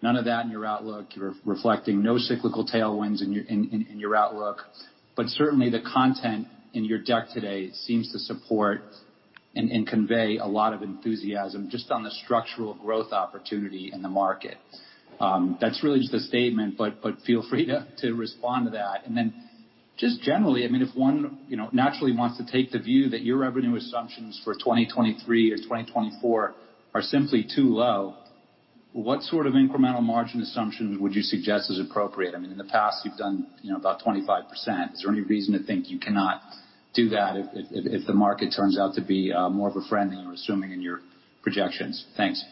none of that in your outlook. You're reflecting no cyclical tailwinds in your outlook. Certainly, the content in your deck today seems to support and convey a lot of enthusiasm just on the structural growth opportunity in the market. That's really just a statement, but feel free to respond to that. Just generally, I mean, if one, you know, naturally wants to take the view that your revenue assumptions for 2023 or 2024 are simply too low, what sort of incremental margin assumptions would you suggest is appropriate? I mean, in the past, you've done, you know, about 25%. Is there any reason to think you cannot do that if the market turns out to be more of a friend than you're assuming in your projections? Thanks.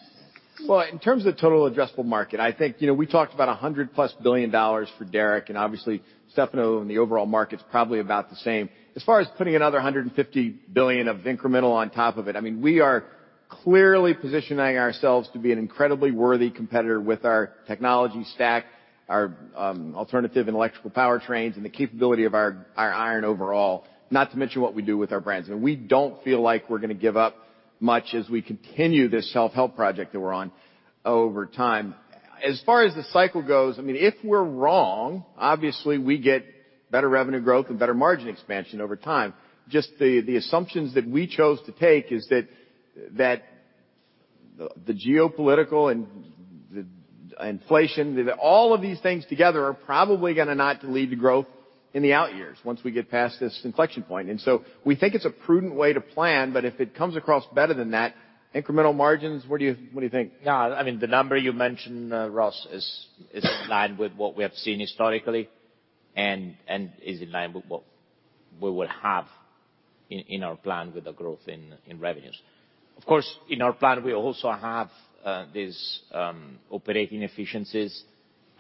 Well, in terms of total addressable market, I think, you know, we talked about $100+ billion for Derek, and obviously Stefano and the overall market's probably about the same. As far as putting another $150 billion of incremental on top of it, I mean, we are clearly positioning ourselves to be an incredibly worthy competitor with our technology stack, our alternative and electrical powertrains, and the capability of our iron overall. Not to mention what we do with our brands. We don't feel like we're gonna give up much as we continue this self-help project that we're on over time. As far as the cycle goes, I mean, if we're wrong, obviously we get better revenue growth and better margin expansion over time. Just the assumptions that we chose to take is that the geopolitical and the inflation, all of these things together are probably gonna not lead to growth in the out years once we get past this inflection point. We think it's a prudent way to plan, but if it comes across better than that, incremental margins, what do you think? Yeah, I mean, the number you mentioned, Ross, is in line with what we have seen historically and is in line with what we will have in our plan with the growth in revenues. Of course, in our plan, we also have these operating efficiencies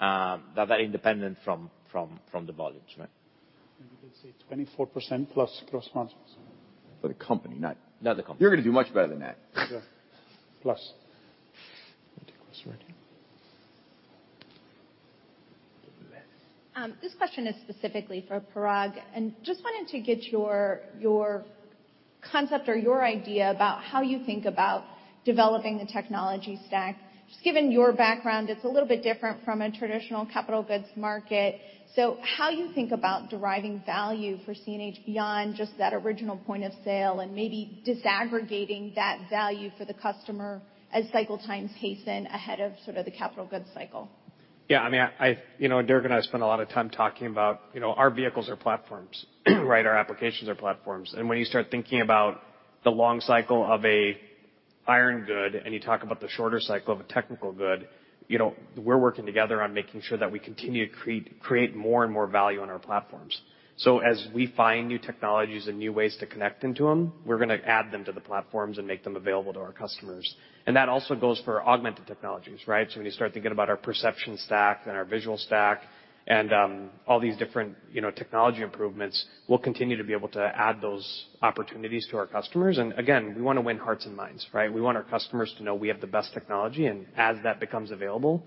that are independent from the volumes, right? You can say 24%+ gross margins. For the company. Not the company. You're gonna do much better than that. Yeah. Plus. Less. This question is specifically for Parag, and just wanted to get your concept or your idea about how you think about developing the technology stack. Just given your background, it's a little bit different from a traditional capital goods market. How you think about deriving value for CNH beyond just that original point of sale and maybe disaggregating that value for the customer as cycle times hasten ahead of sort of the capital goods cycle? Yeah, I mean, you know, Derek and I spend a lot of time talking about, you know, our vehicles are platforms, right? Our applications are platforms. When you start thinking about the long cycle of a iron good, and you talk about the shorter cycle of a technical good, you know, we're working together on making sure that we continue to create more and more value on our platforms. As we find new technologies and new ways to connect into them, we're gonna add them to the platforms and make them available to our customers. That also goes for augmented technologies, right? When you start thinking about our perception stack and our visual stack and, all these different, you know, technology improvements, we'll continue to be able to add those opportunities to our customers. Again, we wanna win hearts and minds, right? We want our customers to know we have the best technology, and as that becomes available,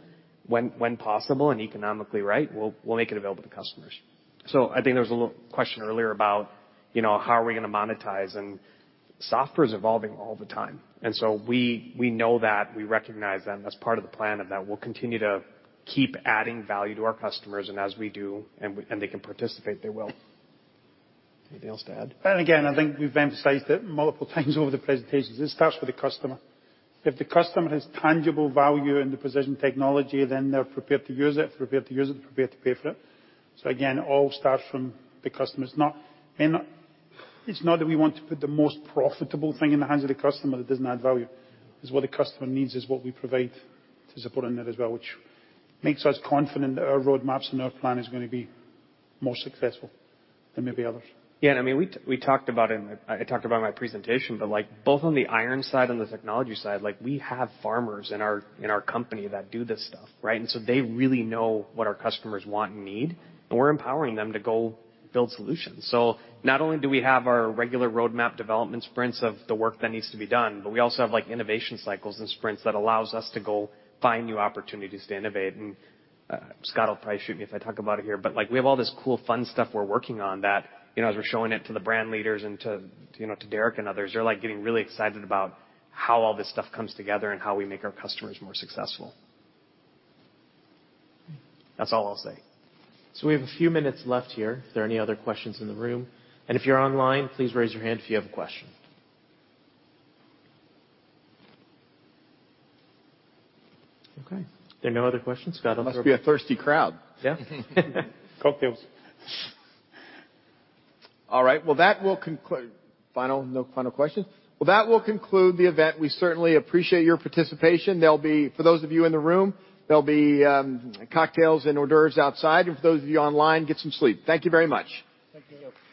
when possible and economically right, we'll make it available to customers. I think there was a little question earlier about, you know, how are we gonna monetize, and software is evolving all the time. We know that, we recognize that, and that's part of the plan, and we'll continue to keep adding value to our customers. As we do, they can participate, they will. Anything else to add? I think we've emphasized it multiple times over the presentations. This starts with the customer. If the customer has tangible value in the precision technology, then they're prepared to use it, prepared to pay for it. Again, it all starts from the customer. It's not that we want to put the most profitable thing in the hands of the customer that doesn't add value. It's what the customer needs is what we provide to support in there as well, which makes us confident that our roadmaps and our plan is gonna be more successful than maybe others. Yeah. I mean, we talked about in my presentation, but like, both on the iron side and the technology side, like, we have farmers in our company that do this stuff, right? They really know what our customers want and need, and we're empowering them to go build solutions. Not only do we have our regular roadmap development sprints of the work that needs to be done, but we also have, like, innovation cycles and sprints that allows us to go find new opportunities to innovate. Scott will probably shoot me if I talk about it here, but like, we have all this cool, fun stuff we're working on that, you know, as we're showing it to the brand leaders and to, you know, to Derek and others. They're, like, getting really excited about how all this stuff comes together and how we make our customers more successful. That's all I'll say. We have a few minutes left here if there are any other questions in the room. If you're online, please raise your hand if you have a question. Okay. If there are no other questions, Scott- It must be a thirsty crowd. Yeah. Cocktails. All right. Well, any final questions? That will conclude the event. We certainly appreciate your participation. For those of you in the room, there'll be cocktails and hors d'oeuvres outside. For those of you online, get some sleep. Thank you very much. Thank you.